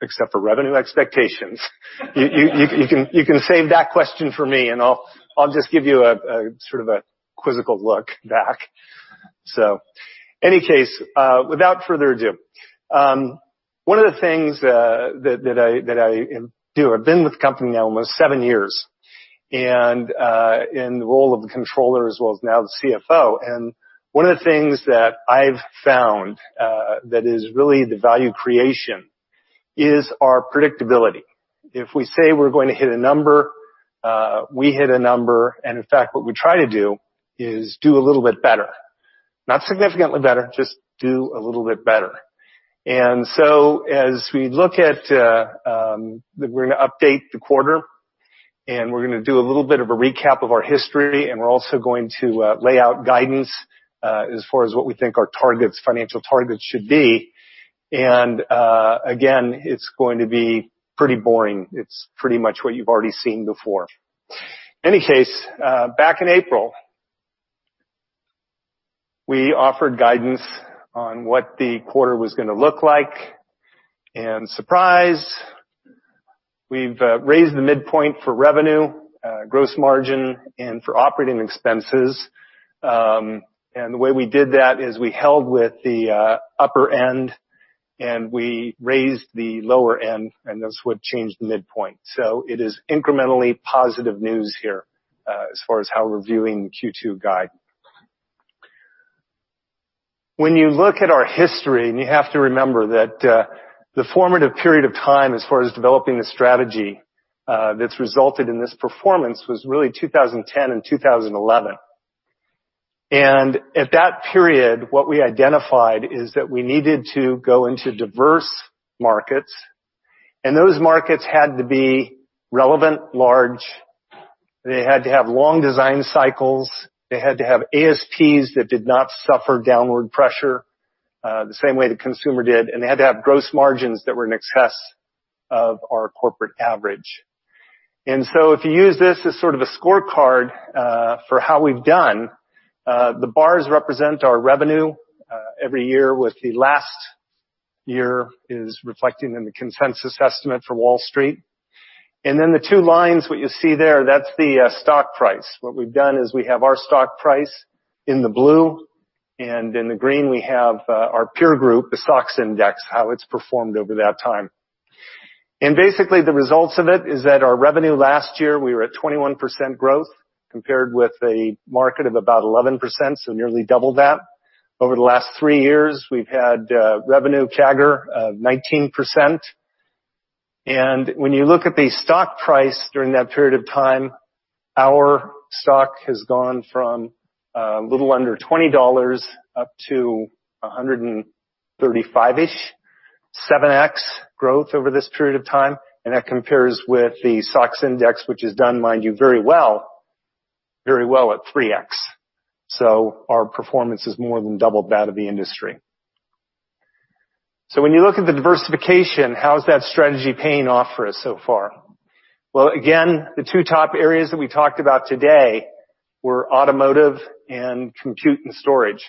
[SPEAKER 11] except for revenue expectations. You can save that question for me, and I'll just give you a sort of a quizzical look back. Any case, without further ado. One of the things that I do, I've been with the company now almost seven years, and in the role of the controller as well as now the CFO. One of the things that I've found that is really the value creation is our predictability. If we say we're going to hit a number, we hit a number, and in fact, what we try to do is do a little bit better. Not significantly better, just do a little bit better. As we look at, we're going to update the quarter, we're going to do a little bit of a recap of our history, we're also going to lay out guidance, as far as what we think our financial targets should be. Again, it's going to be pretty boring. It's pretty much what you've already seen before. Any case, back in April, we offered guidance on what the quarter was going to look like. Surprise, we've raised the midpoint for revenue, gross margin, and for operating expenses. The way we did that is we held with the upper end, we raised the lower end, that's what changed the midpoint. It is incrementally positive news here as far as how we're viewing the Q2 guide. When you look at our history, you have to remember that the formative period of time as far as developing the strategy that's resulted in this performance was really 2010 and 2011. At that period, what we identified is that we needed to go into diverse markets, those markets had to be relevant, large. They had to have long design cycles. They had to have ASPs that did not suffer downward pressure the same way the consumer did, they had to have gross margins that were in excess of our corporate average. If you use this as sort of a scorecard for how we've done, the bars represent our revenue every year with the last year is reflecting in the consensus estimate for Wall Street. The two lines, what you see there, that's the stock price. What we've done is we have our stock price in the blue, in the green, we have our peer group, the SOX Index, how it's performed over that time. Basically, the results of it is that our revenue last year, we were at 21% growth compared with a market of about 11%, nearly double that. Over the last three years, we've had revenue CAGR of 19%. When you look at the stock price during that period of time, our stock has gone from a little under $20 up to 135-ish, 7x growth over this period of time. That compares with the SOX Index, which has done, mind you, very well at 3x. Our performance is more than double that of the industry. When you look at the diversification, how is that strategy paying off for us so far? Well, again, the two top areas that we talked about today were automotive and compute and storage.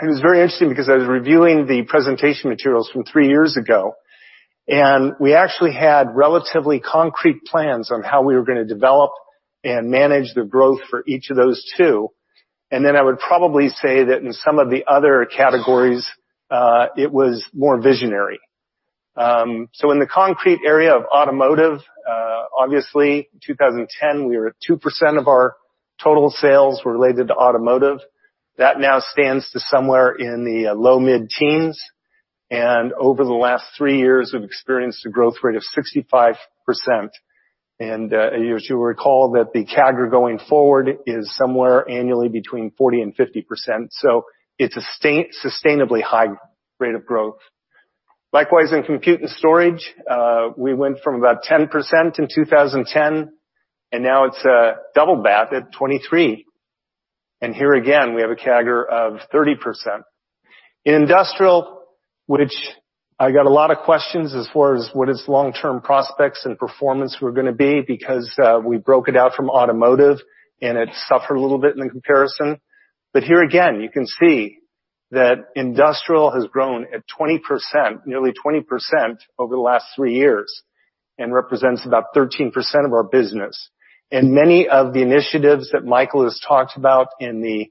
[SPEAKER 11] It was very interesting because I was reviewing the presentation materials from three years ago, we actually had relatively concrete plans on how we were going to develop and manage the growth for each of those two. I would probably say that in some of the other categories, it was more visionary. In the concrete area of automotive, obviously 2010, we were at 2% of our total sales related to automotive. That now stands to somewhere in the low mid-teens. Over the last three years, we've experienced a growth rate of 65%. As you'll recall that the CAGR going forward is somewhere annually between 40%-50%, it's a sustainably high rate of growth. Likewise, in compute and storage, we went from about 10% in 2010, now it's double that at 23. Here again, we have a CAGR of 30%. In industrial, which I got a lot of questions as far as what its long-term prospects and performance were going to be, because we broke it out from automotive and it suffered a little bit in the comparison. Here again, you can see that industrial has grown at 20%, nearly 20% over the last three years and represents about 13% of our business. Many of the initiatives that Michael has talked about in the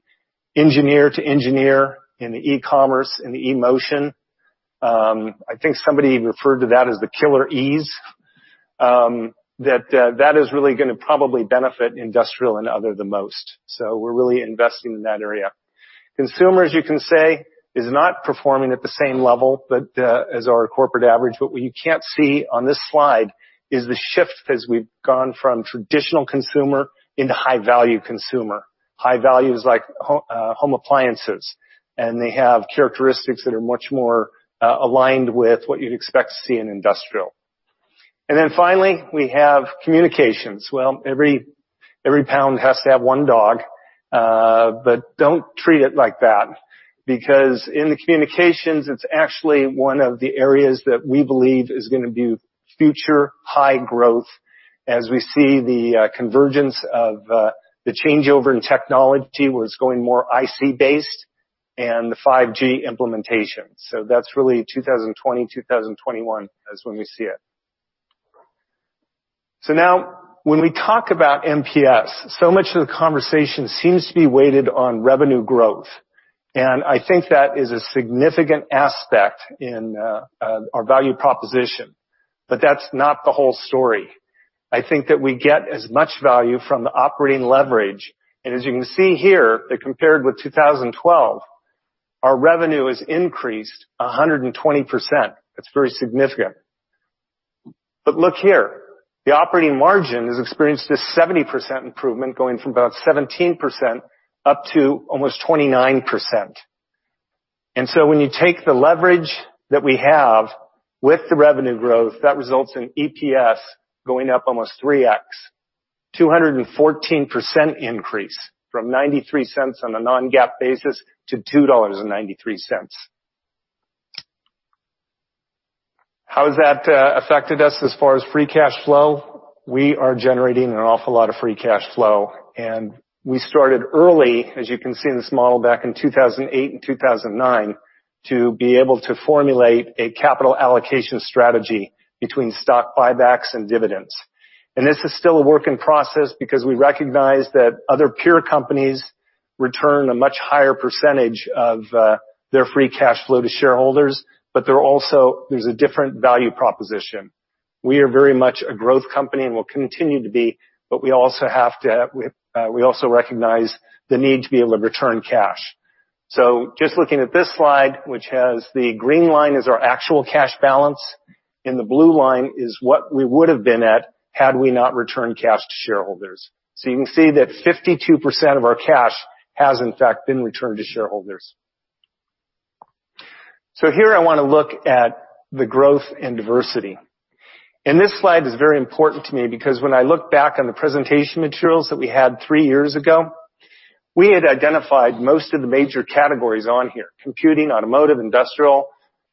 [SPEAKER 11] engineer-to-engineer, in the e-commerce, in the eMotion. I think somebody referred to that as the killer E's, that is really going to probably benefit industrial and other the most. We're really investing in that area. Consumer, as you can say, is not performing at the same level as our corporate average. What you can't see on this slide is the shift as we've gone from traditional consumer into high-value consumer. High value is like home appliances, and they have characteristics that are much more aligned with what you'd expect to see in industrial. Finally, we have communications. Well, every pound has to have one dog, but don't treat it like that, because in the communications, it's actually one of the areas that we believe is going to be future high growth as we see the convergence of the changeover in technology was going more IC-based and the 5G implementation. That's really 2020, 2021 is when we see it. Now when we talk about MPS, so much of the conversation seems to be weighted on revenue growth, and I think that is a significant aspect in our value proposition. That's not the whole story. I think that we get as much value from the operating leverage. As you can see here, that compared with 2012, our revenue has increased 120%. That's very significant. Look here, the operating margin has experienced a 70% improvement going from about 17% up to almost 29%. When you take the leverage that we have with the revenue growth, that results in EPS going up almost 3x, 214% increase from $0.93 on a non-GAAP basis to $2.93. How has that affected us as far as free cash flow? We are generating an awful lot of free cash flow, and we started early, as you can see in this model back in 2008 and 2009, to be able to formulate a capital allocation strategy between stock buybacks and dividends. This is still a work in process because we recognize that other peer companies return a much higher percentage of their free cash flow to shareholders. There's a different value proposition. We are very much a growth company and will continue to be, but we also recognize the need to be able to return cash. Just looking at this slide, which has the green line is our actual cash balance, and the blue line is what we would have been at had we not returned cash to shareholders. You can see that 52% of our cash has in fact been returned to shareholders. Here I want to look at the growth and diversity. This slide is very important to me because when I look back on the presentation materials that we had three years ago, we had identified most of the major categories on here, computing, automotive, industrial,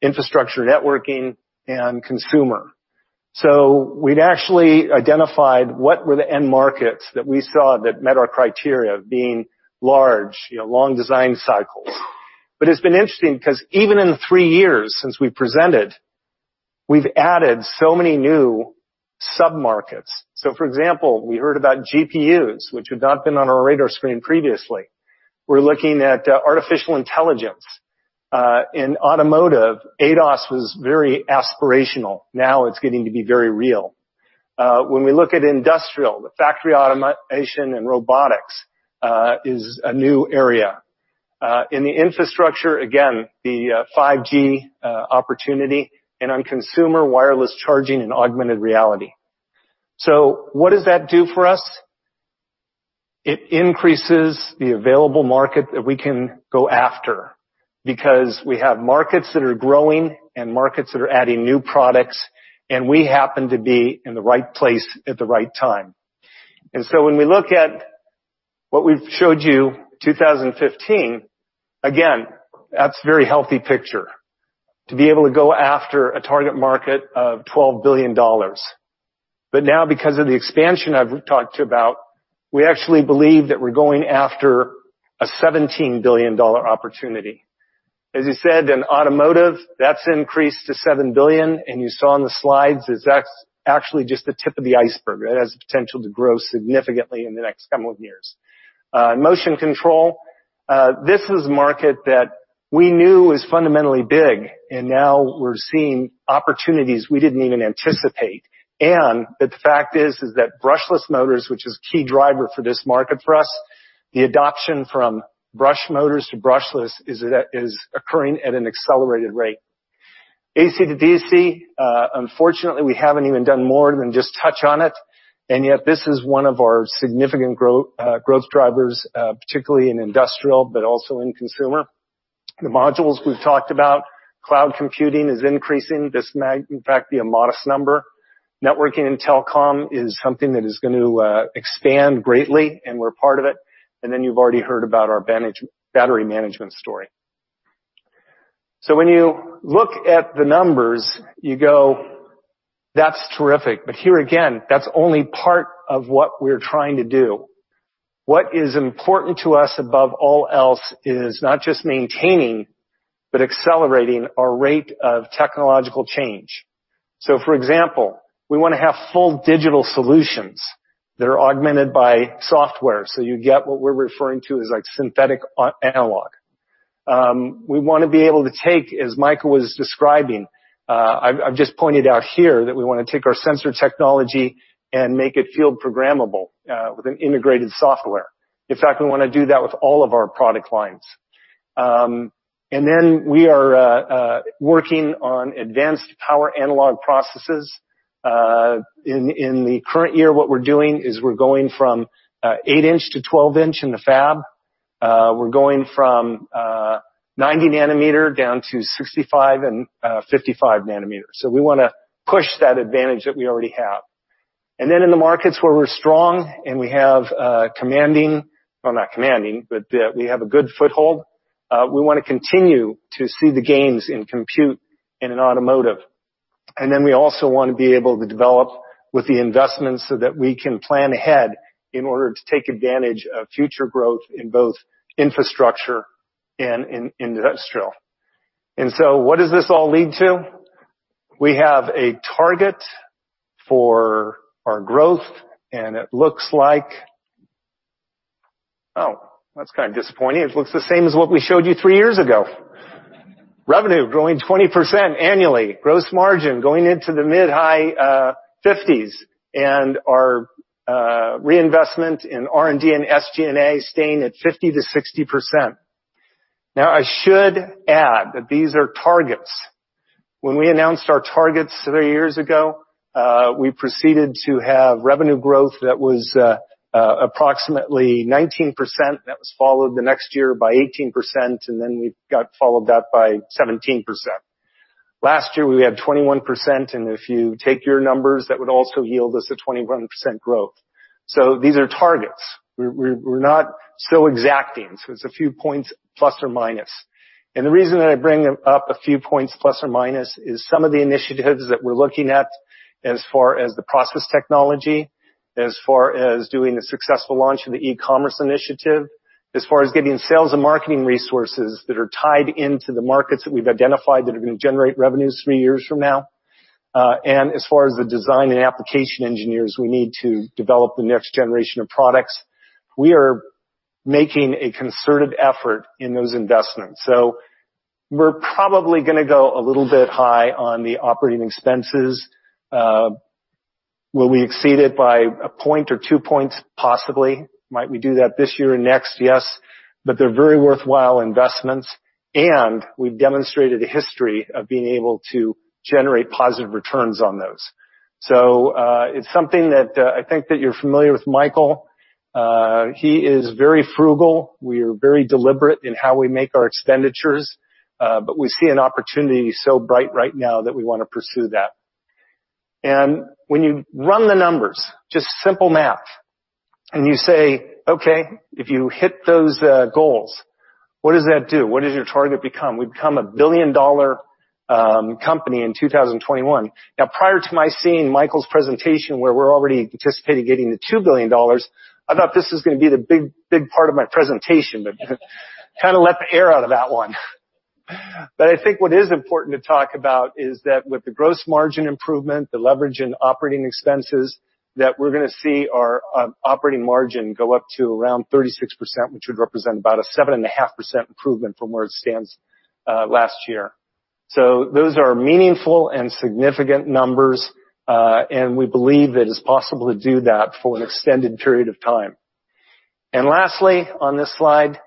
[SPEAKER 11] infrastructure, networking, and consumer. We'd actually identified what were the end markets that we saw that met our criteria being large, long design cycles. It's been interesting because even in the three years since we've presented, we've added so many new sub-markets. For example, we heard about GPUs, which had not been on our radar screen previously. We're looking at artificial intelligence. In automotive, ADAS was very aspirational. Now it's getting to be very real. When we look at industrial, the factory automation and robotics is a new area. In the infrastructure, again, the 5G opportunity, and on consumer, wireless charging and augmented reality. What does that do for us? It increases the available market that we can go after because we have markets that are growing and markets that are adding new products, and we happen to be in the right place at the right time. When we look at what we've showed you, 2015, again, that's a very healthy picture to be able to go after a target market of $12 billion. Now because of the expansion I've talked about, we actually believe that we're going after a $17 billion opportunity. As you said, in automotive, that's increased to $7 billion, and you saw in the slides, that's actually just the tip of the iceberg. It has the potential to grow significantly in the next couple of years. Motion control. This is a market that we knew is fundamentally big, and now we're seeing opportunities we didn't even anticipate. The fact is that brushless motors, which is a key driver for this market for us, the adoption from brush motors to brushless is occurring at an accelerated rate. AC/DC, unfortunately, we haven't even done more than just touch on it, yet this is one of our significant growth drivers, particularly in industrial, but also in consumer. The modules we've talked about. Cloud computing is increasing. This might in fact be a modest number. Networking and telecom is something that is going to expand greatly, and we're part of it. You've already heard about our battery management story. When you look at the numbers, you go, "That's terrific." Here again, that's only part of what we're trying to do. What is important to us above all else is not just maintaining, but accelerating our rate of technological change. For example, we want to have full digital solutions that are augmented by software, so you get what we're referring to as synthetic analog. We want to be able to take, as Michael was describing, I've just pointed out here that we want to take our sensor technology and make it field programmable, with an integrated software. In fact, we want to do that with all of our product lines. We are working on advanced power analog processes. In the current year, what we're doing is we're going from 8-inch to 12-inch in the fab. We're going from 90 nanometer down to 65 and 55 nanometers. We want to push that advantage that we already have. In the markets where we're strong and we have a commanding Well, not commanding, but we have a good foothold, we want to continue to see the gains in compute and in automotive. We also want to be able to develop with the investments so that we can plan ahead in order to take advantage of future growth in both infrastructure and in industrial. What does this all lead to? We have a target for our growth, and it looks like Oh, that's kind of disappointing. It looks the same as what we showed you 3 years ago. Revenue growing 20% annually, gross margin going into the mid-high 50s, our reinvestment in R&D and SG&A staying at 50%-60%. Now, I should add that these are targets. When we announced our targets 3 years ago, we proceeded to have revenue growth that was approximately 19%. That was followed the next year by 18%. We got followed that by 17%. Last year, we had 21%. If you take your numbers, that would also yield us a 21% growth. These are targets. We're not so exacting, it's a few points, plus or minus. The reason that I bring up a few points plus or minus is some of the initiatives that we're looking at as far as the process technology, as far as doing the successful launch of the e-commerce initiative, as far as getting sales and marketing resources that are tied into the markets that we've identified that are going to generate revenues 3 years from now. As far as the design and application engineers we need to develop the next generation of products, we are making a concerted effort in those investments. We're probably going to go a little bit high on the operating expenses. Will we exceed it by a point or two points? Possibly. Might we do that this year and next? Yes. They're very worthwhile investments, and we've demonstrated a history of being able to generate positive returns on those. It's something that I think that you're familiar with Michael. He is very frugal. We are very deliberate in how we make our expenditures, but we see an opportunity so bright right now that we want to pursue that. When you run the numbers, just simple math, and you say, "Okay, if you hit those goals, what does that do? What does your target become?" We become a billion-dollar company in 2021. Prior to my seeing Michael's presentation, where we're already anticipating getting the $2 billion, I thought this was going to be the big part of my presentation, kind of let the air out of that one. I think what is important to talk about is that with the gross margin improvement, the leverage in operating expenses, that we're going to see our operating margin go up to around 36%, which would represent about a seven and a half% improvement from where it stands last year. Those are meaningful and significant numbers, and we believe it is possible to do that for an extended period of time. Lastly, on this slide,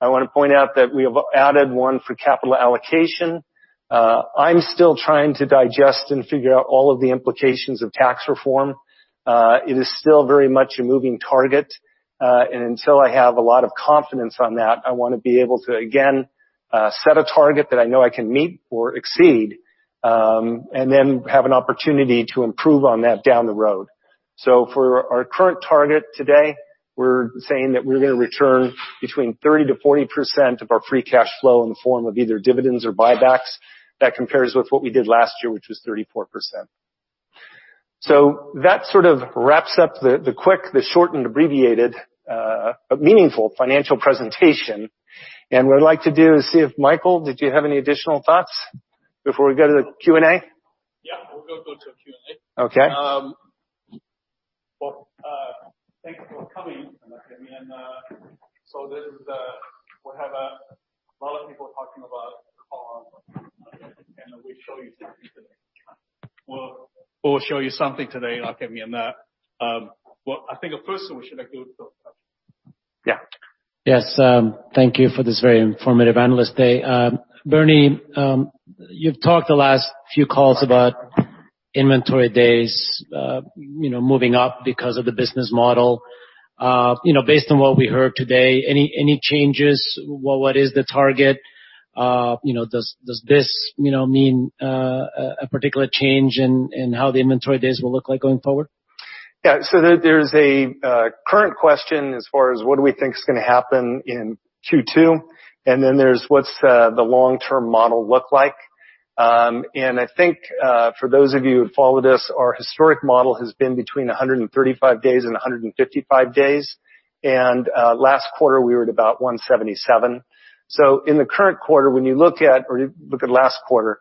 [SPEAKER 11] I want to point out that we have added one for capital allocation. I'm still trying to digest and figure out all of the implications of tax reform. It is still very much a moving target. Until I have a lot of confidence on that, I want to be able to, again, set a target that I know I can meet or exceed, and then have an opportunity to improve on that down the road. For our current target today, we're saying that we're going to return between 30%-40% of our free cash flow in the form of either dividends or buybacks. That compares with what we did last year, which was 34%. That sort of wraps up the quick, the short and abbreviated, but meaningful financial presentation. What I'd like to do is see if, Michael, did you have any additional thoughts before we go to the Q&A?
[SPEAKER 2] Yeah, we'll go to Q&A.
[SPEAKER 11] Okay.
[SPEAKER 2] Well, thanks for coming. We have a lot of people talking about calls. We'll show you something today. We'll show you something today, Rick Fearon.
[SPEAKER 11] Yeah.
[SPEAKER 5] Yes. Thank you for this very informative analyst day. Bernie, you've talked the last few calls about inventory days moving up because of the business model. Based on what we heard today, any changes? What is the target? Does this mean a particular change in how the inventory days will look like going forward?
[SPEAKER 11] Yeah. There's a current question as far as what do we think is going to happen in Q2, and then there's what's the long-term model look like. I think, for those of you who followed us, our historic model has been between 135 days and 155 days. Last quarter, we were at about 177. In the current quarter, when you look at last quarter,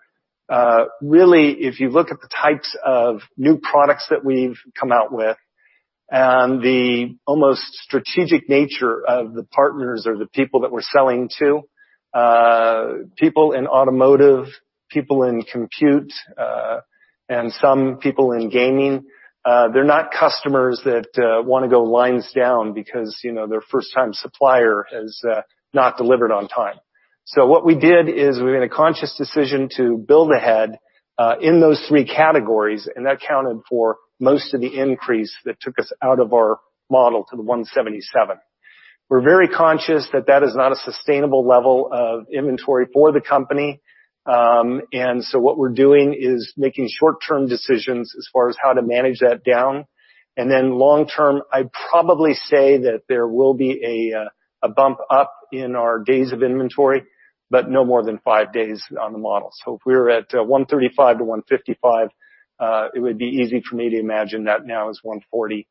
[SPEAKER 11] really, if you look at the types of new products that we've come out with and the almost strategic nature of the partners or the people that we're selling to, people in automotive, people in compute, and some people in gaming, they're not customers that want to go lines down because their first-time supplier has not delivered on time. What we did is we made a conscious decision to build ahead in those 3 categories, and that accounted for most of the increase that took us out of our model to the 177. We're very conscious that that is not a sustainable level of inventory for the company. What we're doing is making short-term decisions as far as how to manage that down. Long term, I'd probably say that there will be a bump up in our days of inventory, but no more than five days on the model. If we were at 135-155 days, it would be easy for me to imagine that now is 140-160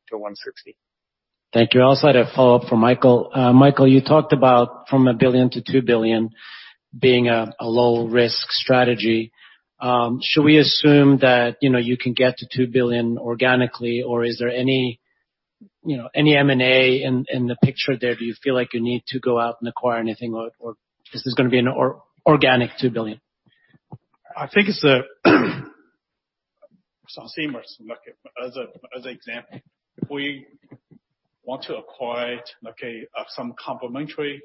[SPEAKER 11] days.
[SPEAKER 5] Thank you. I also had a follow-up for Michael. Michael, you talked about from $1 billion to $2 billion being a low-risk strategy. Should we assume that you can get to $2 billion organically, or is there any M&A in the picture there? Do you feel like you need to go out and acquire anything or is this going to be an organic $2 billion?
[SPEAKER 2] I think it's [Seamers market]. As an example, if we want to acquire some complementary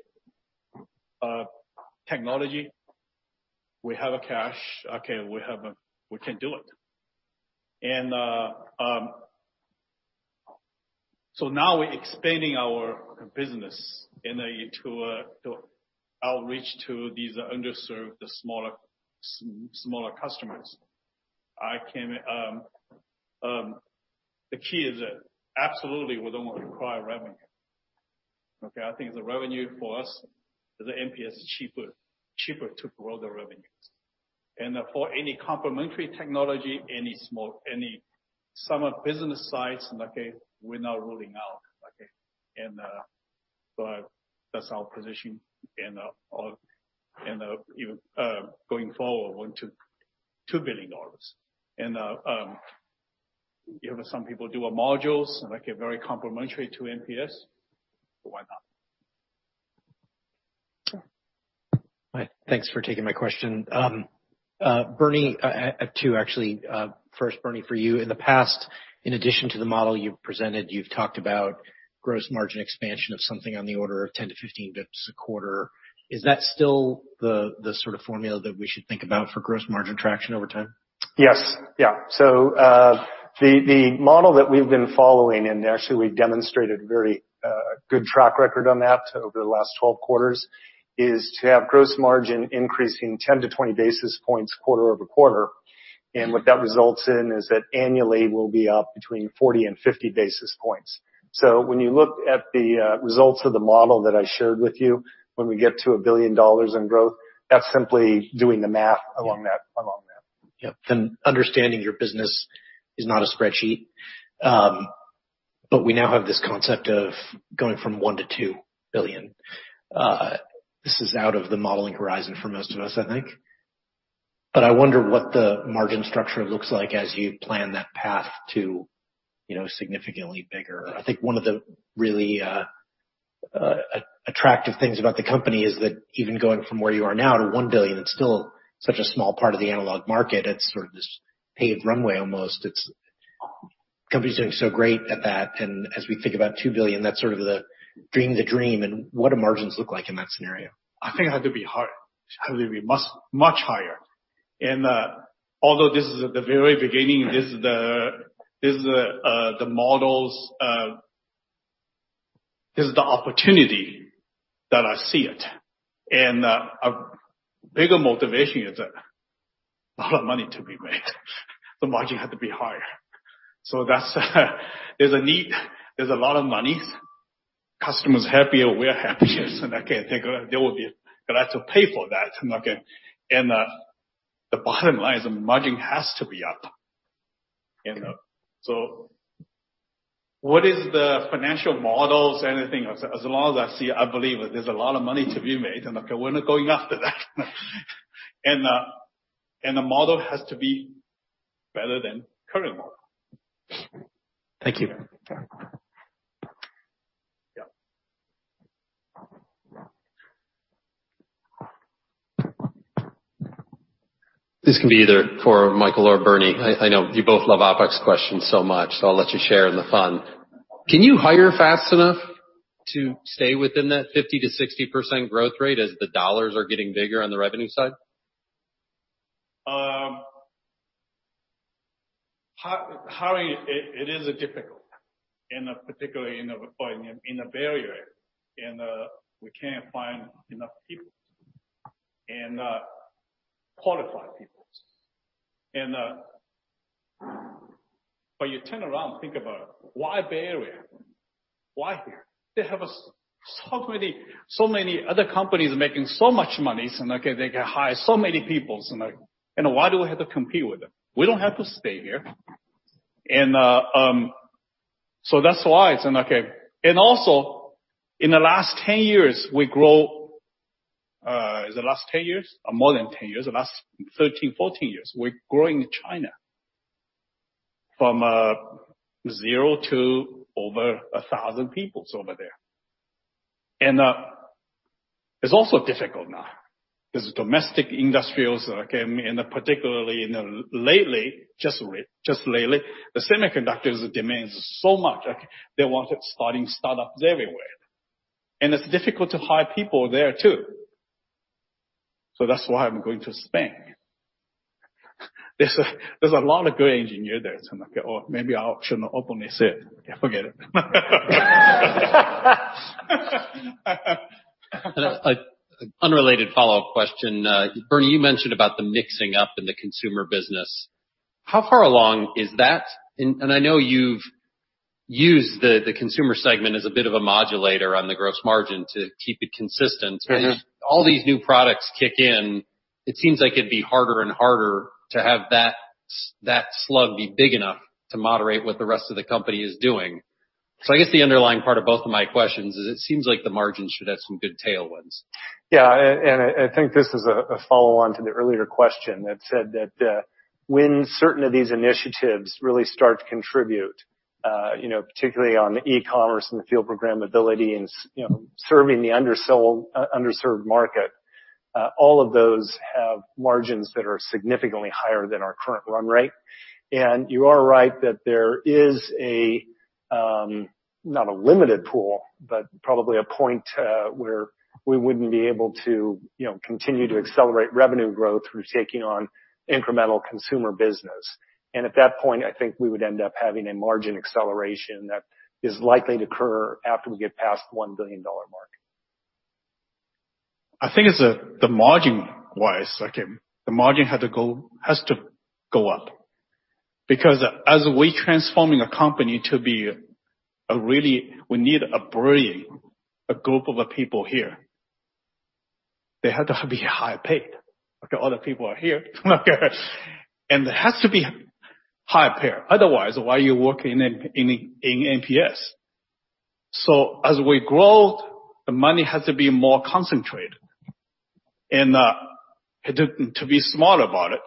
[SPEAKER 2] technology, we have cash, okay, we can do it. Now we're expanding our business to outreach to these underserved smaller customers. The key is that absolutely we don't want to acquire revenue. Okay. I think the revenue for us, the MPS is cheaper to grow the revenues. For any complementary technology, any small business size, we're not ruling out. That's our position going forward to $2 billion. Some people do modules, very complementary to MPS. Why not?
[SPEAKER 4] Hi. Thanks for taking my question. I have two, actually. First, Bernie, for you. In the past, in addition to the model you've presented, you've talked about gross margin expansion of something on the order of 10-15 basis points a quarter. Is that still the sort of formula that we should think about for gross margin traction over time?
[SPEAKER 11] Yes. The model that we've been following, and actually we've demonstrated a very good track record on that over the last 12 quarters, is to have gross margin increasing 10-20 basis points quarter-over-quarter. What that results in is that annually we'll be up between 40 and 50 basis points. When you look at the results of the model that I shared with you, when we get to $1 billion in growth, that's simply doing the math along that.
[SPEAKER 4] Yep. Understanding your business is not a spreadsheet. We now have this concept of going from $1 billion to $2 billion. This is out of the modeling horizon for most of us, I think. I wonder what the margin structure looks like as you plan that path to significantly bigger. I think one of the really attractive things about the company is that even going from where you are now to $1 billion, it's still such a small part of the analog market. It's sort of this paved runway almost. The company's doing so great at that, and as we think about $2 billion, that's sort of the dream, what do margins look like in that scenario?
[SPEAKER 2] I think it had to be much higher. Although this is at the very beginning.
[SPEAKER 4] Right
[SPEAKER 2] This is the opportunity that I see it. A bigger motivation is a lot of money to be made. The margin had to be higher. There's a need, there's a lot of money. Customers happier, we're happier. I can't think there will be glad to pay for that. The bottom line is the margin has to be up. What is the financial models? Anything. As long as I see, I believe there's a lot of money to be made, Okay, we're not going after that. The model has to be better than current model.
[SPEAKER 4] Thank you.
[SPEAKER 2] Yeah.
[SPEAKER 7] This can be either for Michael or Bernie. I know you both love OPEX questions so much, so I'll let you share in the fun. Can you hire fast enough to stay within that 50%-60% growth rate as the dollars are getting bigger on the revenue side?
[SPEAKER 2] Hiring, it is difficult, particularly in the Bay Area. We can't find enough people, qualified people. You turn around, think about it. Why Bay Area? Why here? They have so many other companies making so much money, and they can hire so many people. Why do we have to compete with them? We don't have to stay here. That's why. Also, in the last 10 years, we grow Is it the last 10 years? Or more than 10 years. The last 13, 14 years, we're growing China from zero to over 1,000 people over there. It's also difficult now, because domestic industrials, and particularly just lately, the semiconductors demands so much. They want to start startups everywhere. It's difficult to hire people there, too. That's why I'm going to Spain. There's a lot of good engineers there. Maybe I shouldn't openly say it. Forget it.
[SPEAKER 7] An unrelated follow-up question. Bernie, you mentioned about the mixing up in the consumer business. How far along is that? I know you've used the consumer segment as a bit of a modulator on the gross margin to keep it consistent. As all these new products kick in, it seems like it'd be harder and harder to have that slug be big enough to moderate what the rest of the company is doing. I guess the underlying part of both of my questions is, it seems like the margin should have some good tailwinds.
[SPEAKER 11] Yeah. I think this is a follow-on to the earlier question that said that when certain of these initiatives really start to contribute, particularly on the e-commerce and the field programmability and serving the underserved market, all of those have margins that are significantly higher than our current run rate. You are right that there is, not a limited pool, but probably a point where we wouldn't be able to continue to accelerate revenue growth through taking on incremental consumer business. At that point, I think we would end up having a margin acceleration that is likely to occur after we get past $1 billion mark.
[SPEAKER 2] I think it's the margin-wise. The margin has to go up, because as we're transforming a company, we need a brilliant group of people here. They have to be higher paid. Other people are here and it has to be higher paid, otherwise, why are you working in MPS? As we grow, the money has to be more concentrated. To be smart about it.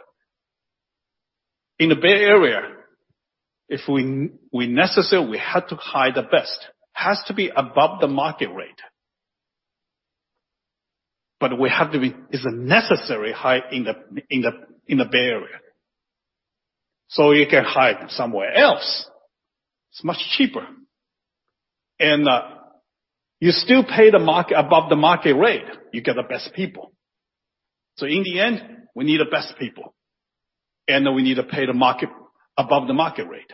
[SPEAKER 2] In the Bay Area, if we necessarily have to hire the best, it has to be above the market rate. It's necessary hire in the Bay Area. You can hire somewhere else. It's much cheaper. You still pay above the market rate, you get the best people. In the end, we need the best people, and we need to pay above the market rate.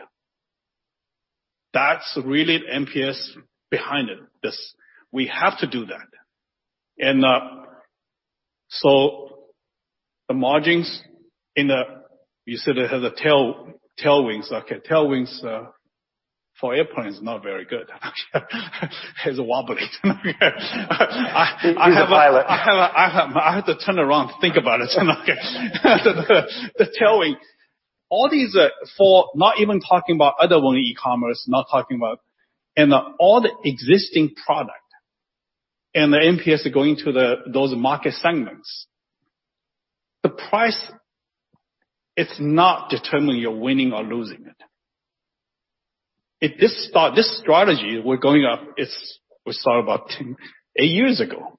[SPEAKER 2] That's really MPS behind it. We have to do that. The margins, you said it has a tailwind. Tailwind for airplane is not very good. It's wobbly.
[SPEAKER 11] He's a pilot.
[SPEAKER 2] I have to turn around to think about it. The tailwind. All these four, not even talking about other one, e-commerce, not talking about. In all the existing product, and the MPS going to those market segments, the price is not determining you're winning or losing it. This strategy we're going up, we thought about eight years ago,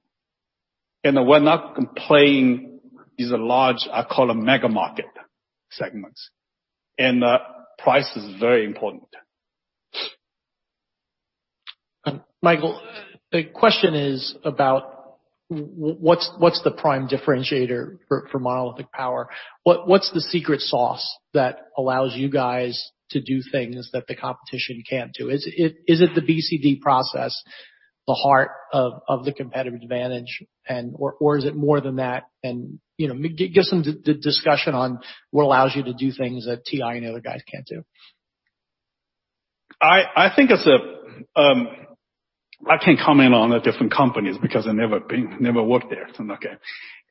[SPEAKER 2] and we're now competing these large, I call them mega market segments. Price is very important.
[SPEAKER 13] Michael, the question is about what's the prime differentiator for Monolithic Power? What's the secret sauce that allows you guys to do things that the competition can't do? Is it the BCD process, the heart of the competitive advantage? Or is it more than that? Give some discussion on what allows you to do things that TI and the other guys can't do.
[SPEAKER 2] I can't comment on the different companies because I've never worked there.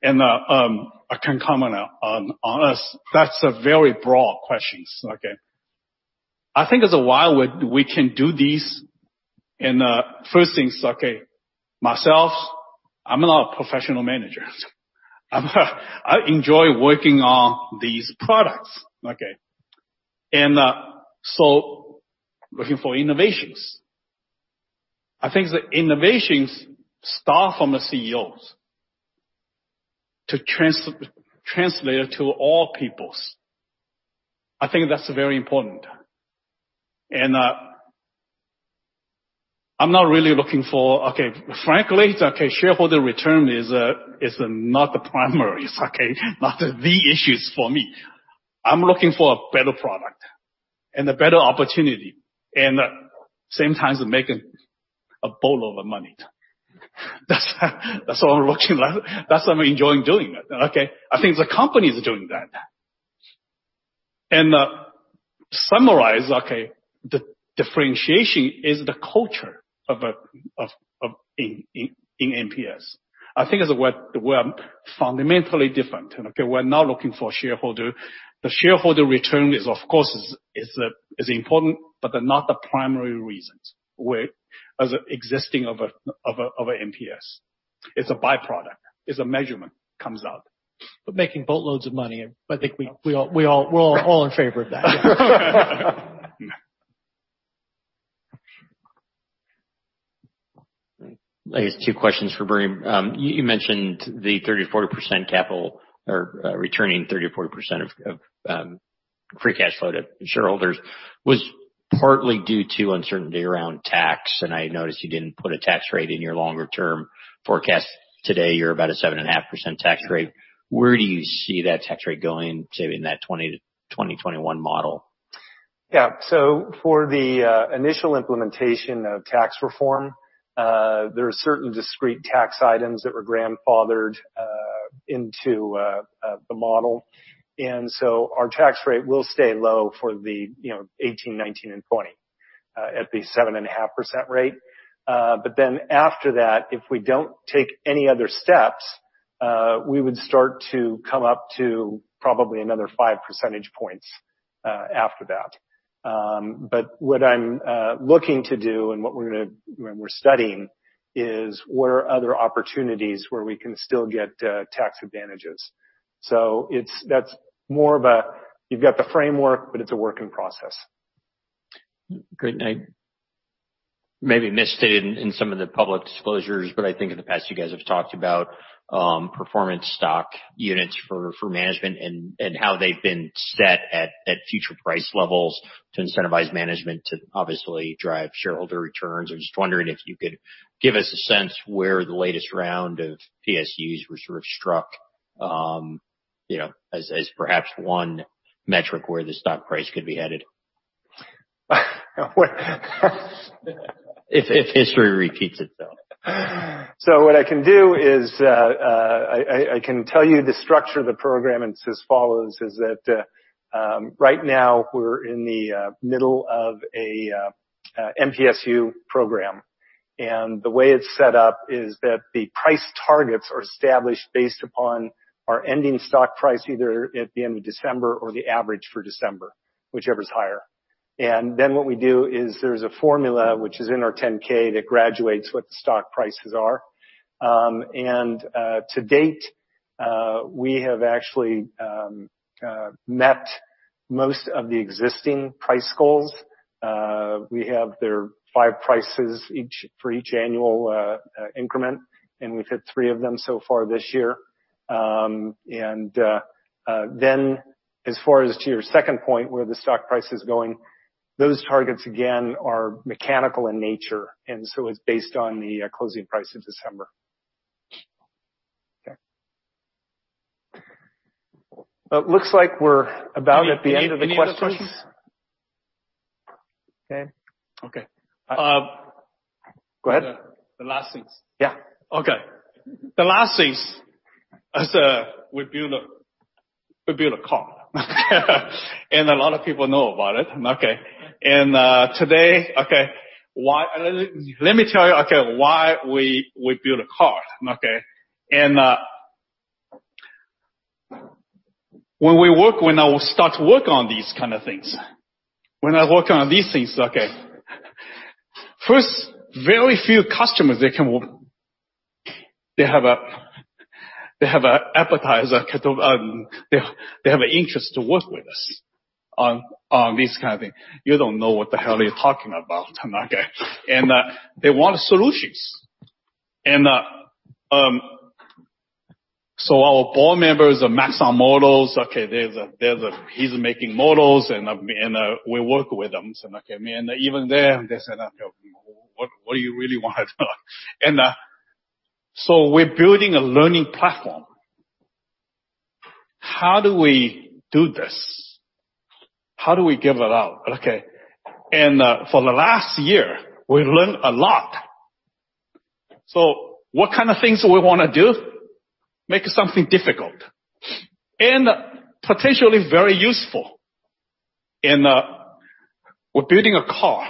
[SPEAKER 2] I can comment on us. That's a very broad question. I think there's a while we can do this, first things, myself, I'm not a professional manager. I enjoy working on these products. So looking for innovations. I think the innovations start from the CEOs to translate to all people. I think that's very important. Frankly, shareholder return is not the primary, not the issue for me. I'm looking for a better product and a better opportunity, and at the same time, making a boatload of money. That's all I'm looking at. That's why I'm enjoying doing it. I think the company's doing that. To summarize, the differentiation is the culture in MPS. I think is we're fundamentally different. We're not looking for shareholder. The shareholder return is, of course, important, but not the primary reasons as existing of MPS. It's a byproduct. It's a measurement. Comes out.
[SPEAKER 11] Making boatloads of money, I think we're all in favor of that.
[SPEAKER 3] I guess two questions for Bernie. You mentioned the 30%-40% capital, or returning 30%-40% of free cash flow to shareholders was partly due to uncertainty around tax, and I noticed you didn't put a tax rate in your longer-term forecast. Today, you're about a 7.5% tax rate. Where do you see that tax rate going, say, in that 2021 model?
[SPEAKER 11] Yeah. For the initial implementation of tax reform, there are certain discrete tax items that were grandfathered into the model. Our tax rate will stay low for the 2018, 2019, and 2020, at the 7.5% rate. After that, if we don't take any other steps, we would start to come up to probably another five percentage points after that. What I'm looking to do and what we're studying is what are other opportunities where we can still get tax advantages. That's more of a, you've got the framework, but it's a work in process.
[SPEAKER 3] I maybe misstated in some of the public disclosures, but I think in the past, you guys have talked about performance stock units for management and how they've been set at future price levels to incentivize management to obviously drive shareholder returns. I was just wondering if you could give us a sense where the latest round of PSUs were sort of struck as perhaps one metric where the stock price could be headed. If history repeats itself.
[SPEAKER 11] What I can do is I can tell you the structure of the program, it's as follows, is that right now we're in the middle of a MPSU program. The way it's set up is that the price targets are established based upon our ending stock price, either at the end of December or the average for December, whichever's higher. What we do is there's a formula which is in our 10-K that graduates what the stock prices are. To date, we have actually met most of the existing price goals. There are five prices for each annual increment, and we've hit three of them so far this year. As far as to your second point, where the stock price is going, those targets again are mechanical in nature, it's based on the closing price of December.
[SPEAKER 3] Okay.
[SPEAKER 11] It looks like we're about at the end of the questions.
[SPEAKER 2] Any other questions? Okay. Okay.
[SPEAKER 11] Go ahead.
[SPEAKER 2] The last things. Yeah. Okay. The last thing is we build a car. A lot of people know about it. Today, let me tell you why we build a car. When I start to work on these kind of things, when I work on these things, first, very few customers they have an appetite, they have an interest to work with us on these kind of thing. You don't know what the hell you're talking about. They want solutions. Our board member is a Max on models. He's making models, and we work with them. Even there, they said, "What do you really want?" We're building a learning platform. How do we do this? How do we give it out? For the last year, we've learned a lot. What kind of things we want to do? Make something difficult and potentially very useful. We're building a car.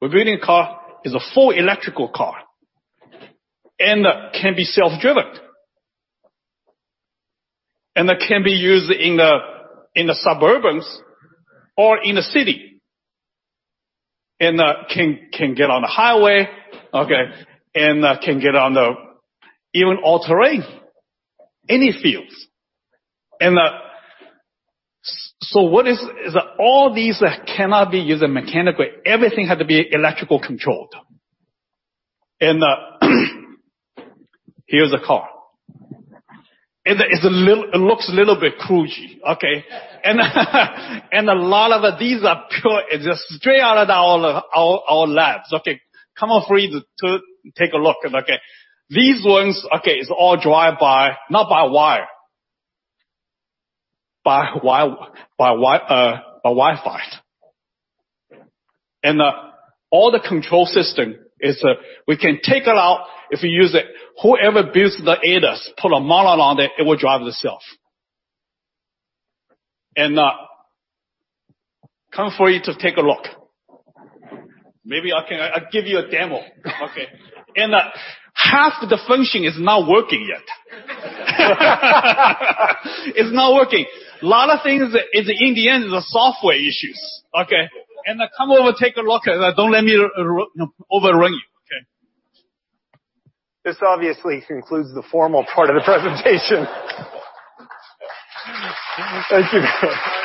[SPEAKER 2] We're building a car, is a full electrical car, and can be self-driven. That can be used in the suburbans or in the city. Can get on the highway. Can get on the even all-terrain, any fields. All these cannot be used mechanically. Everything had to be electrical controlled. Here's the car. It looks a little bit crouchy. A lot of these are pure, it's straight out of our labs. Come on free to take a look. These ones is all drive by, not by wire, by Wi-Fi. All the control system is we can take it out if we use it. Whoever builds the ADAS, put a model on it will drive itself. Come for you to take a look. Maybe I give you a demo. Half the function is not working yet. It's not working. Lot of things is, in the end, the software issues. Come over, take a look. Don't let me overrun you.
[SPEAKER 11] This obviously concludes the formal part of the presentation. Thank you.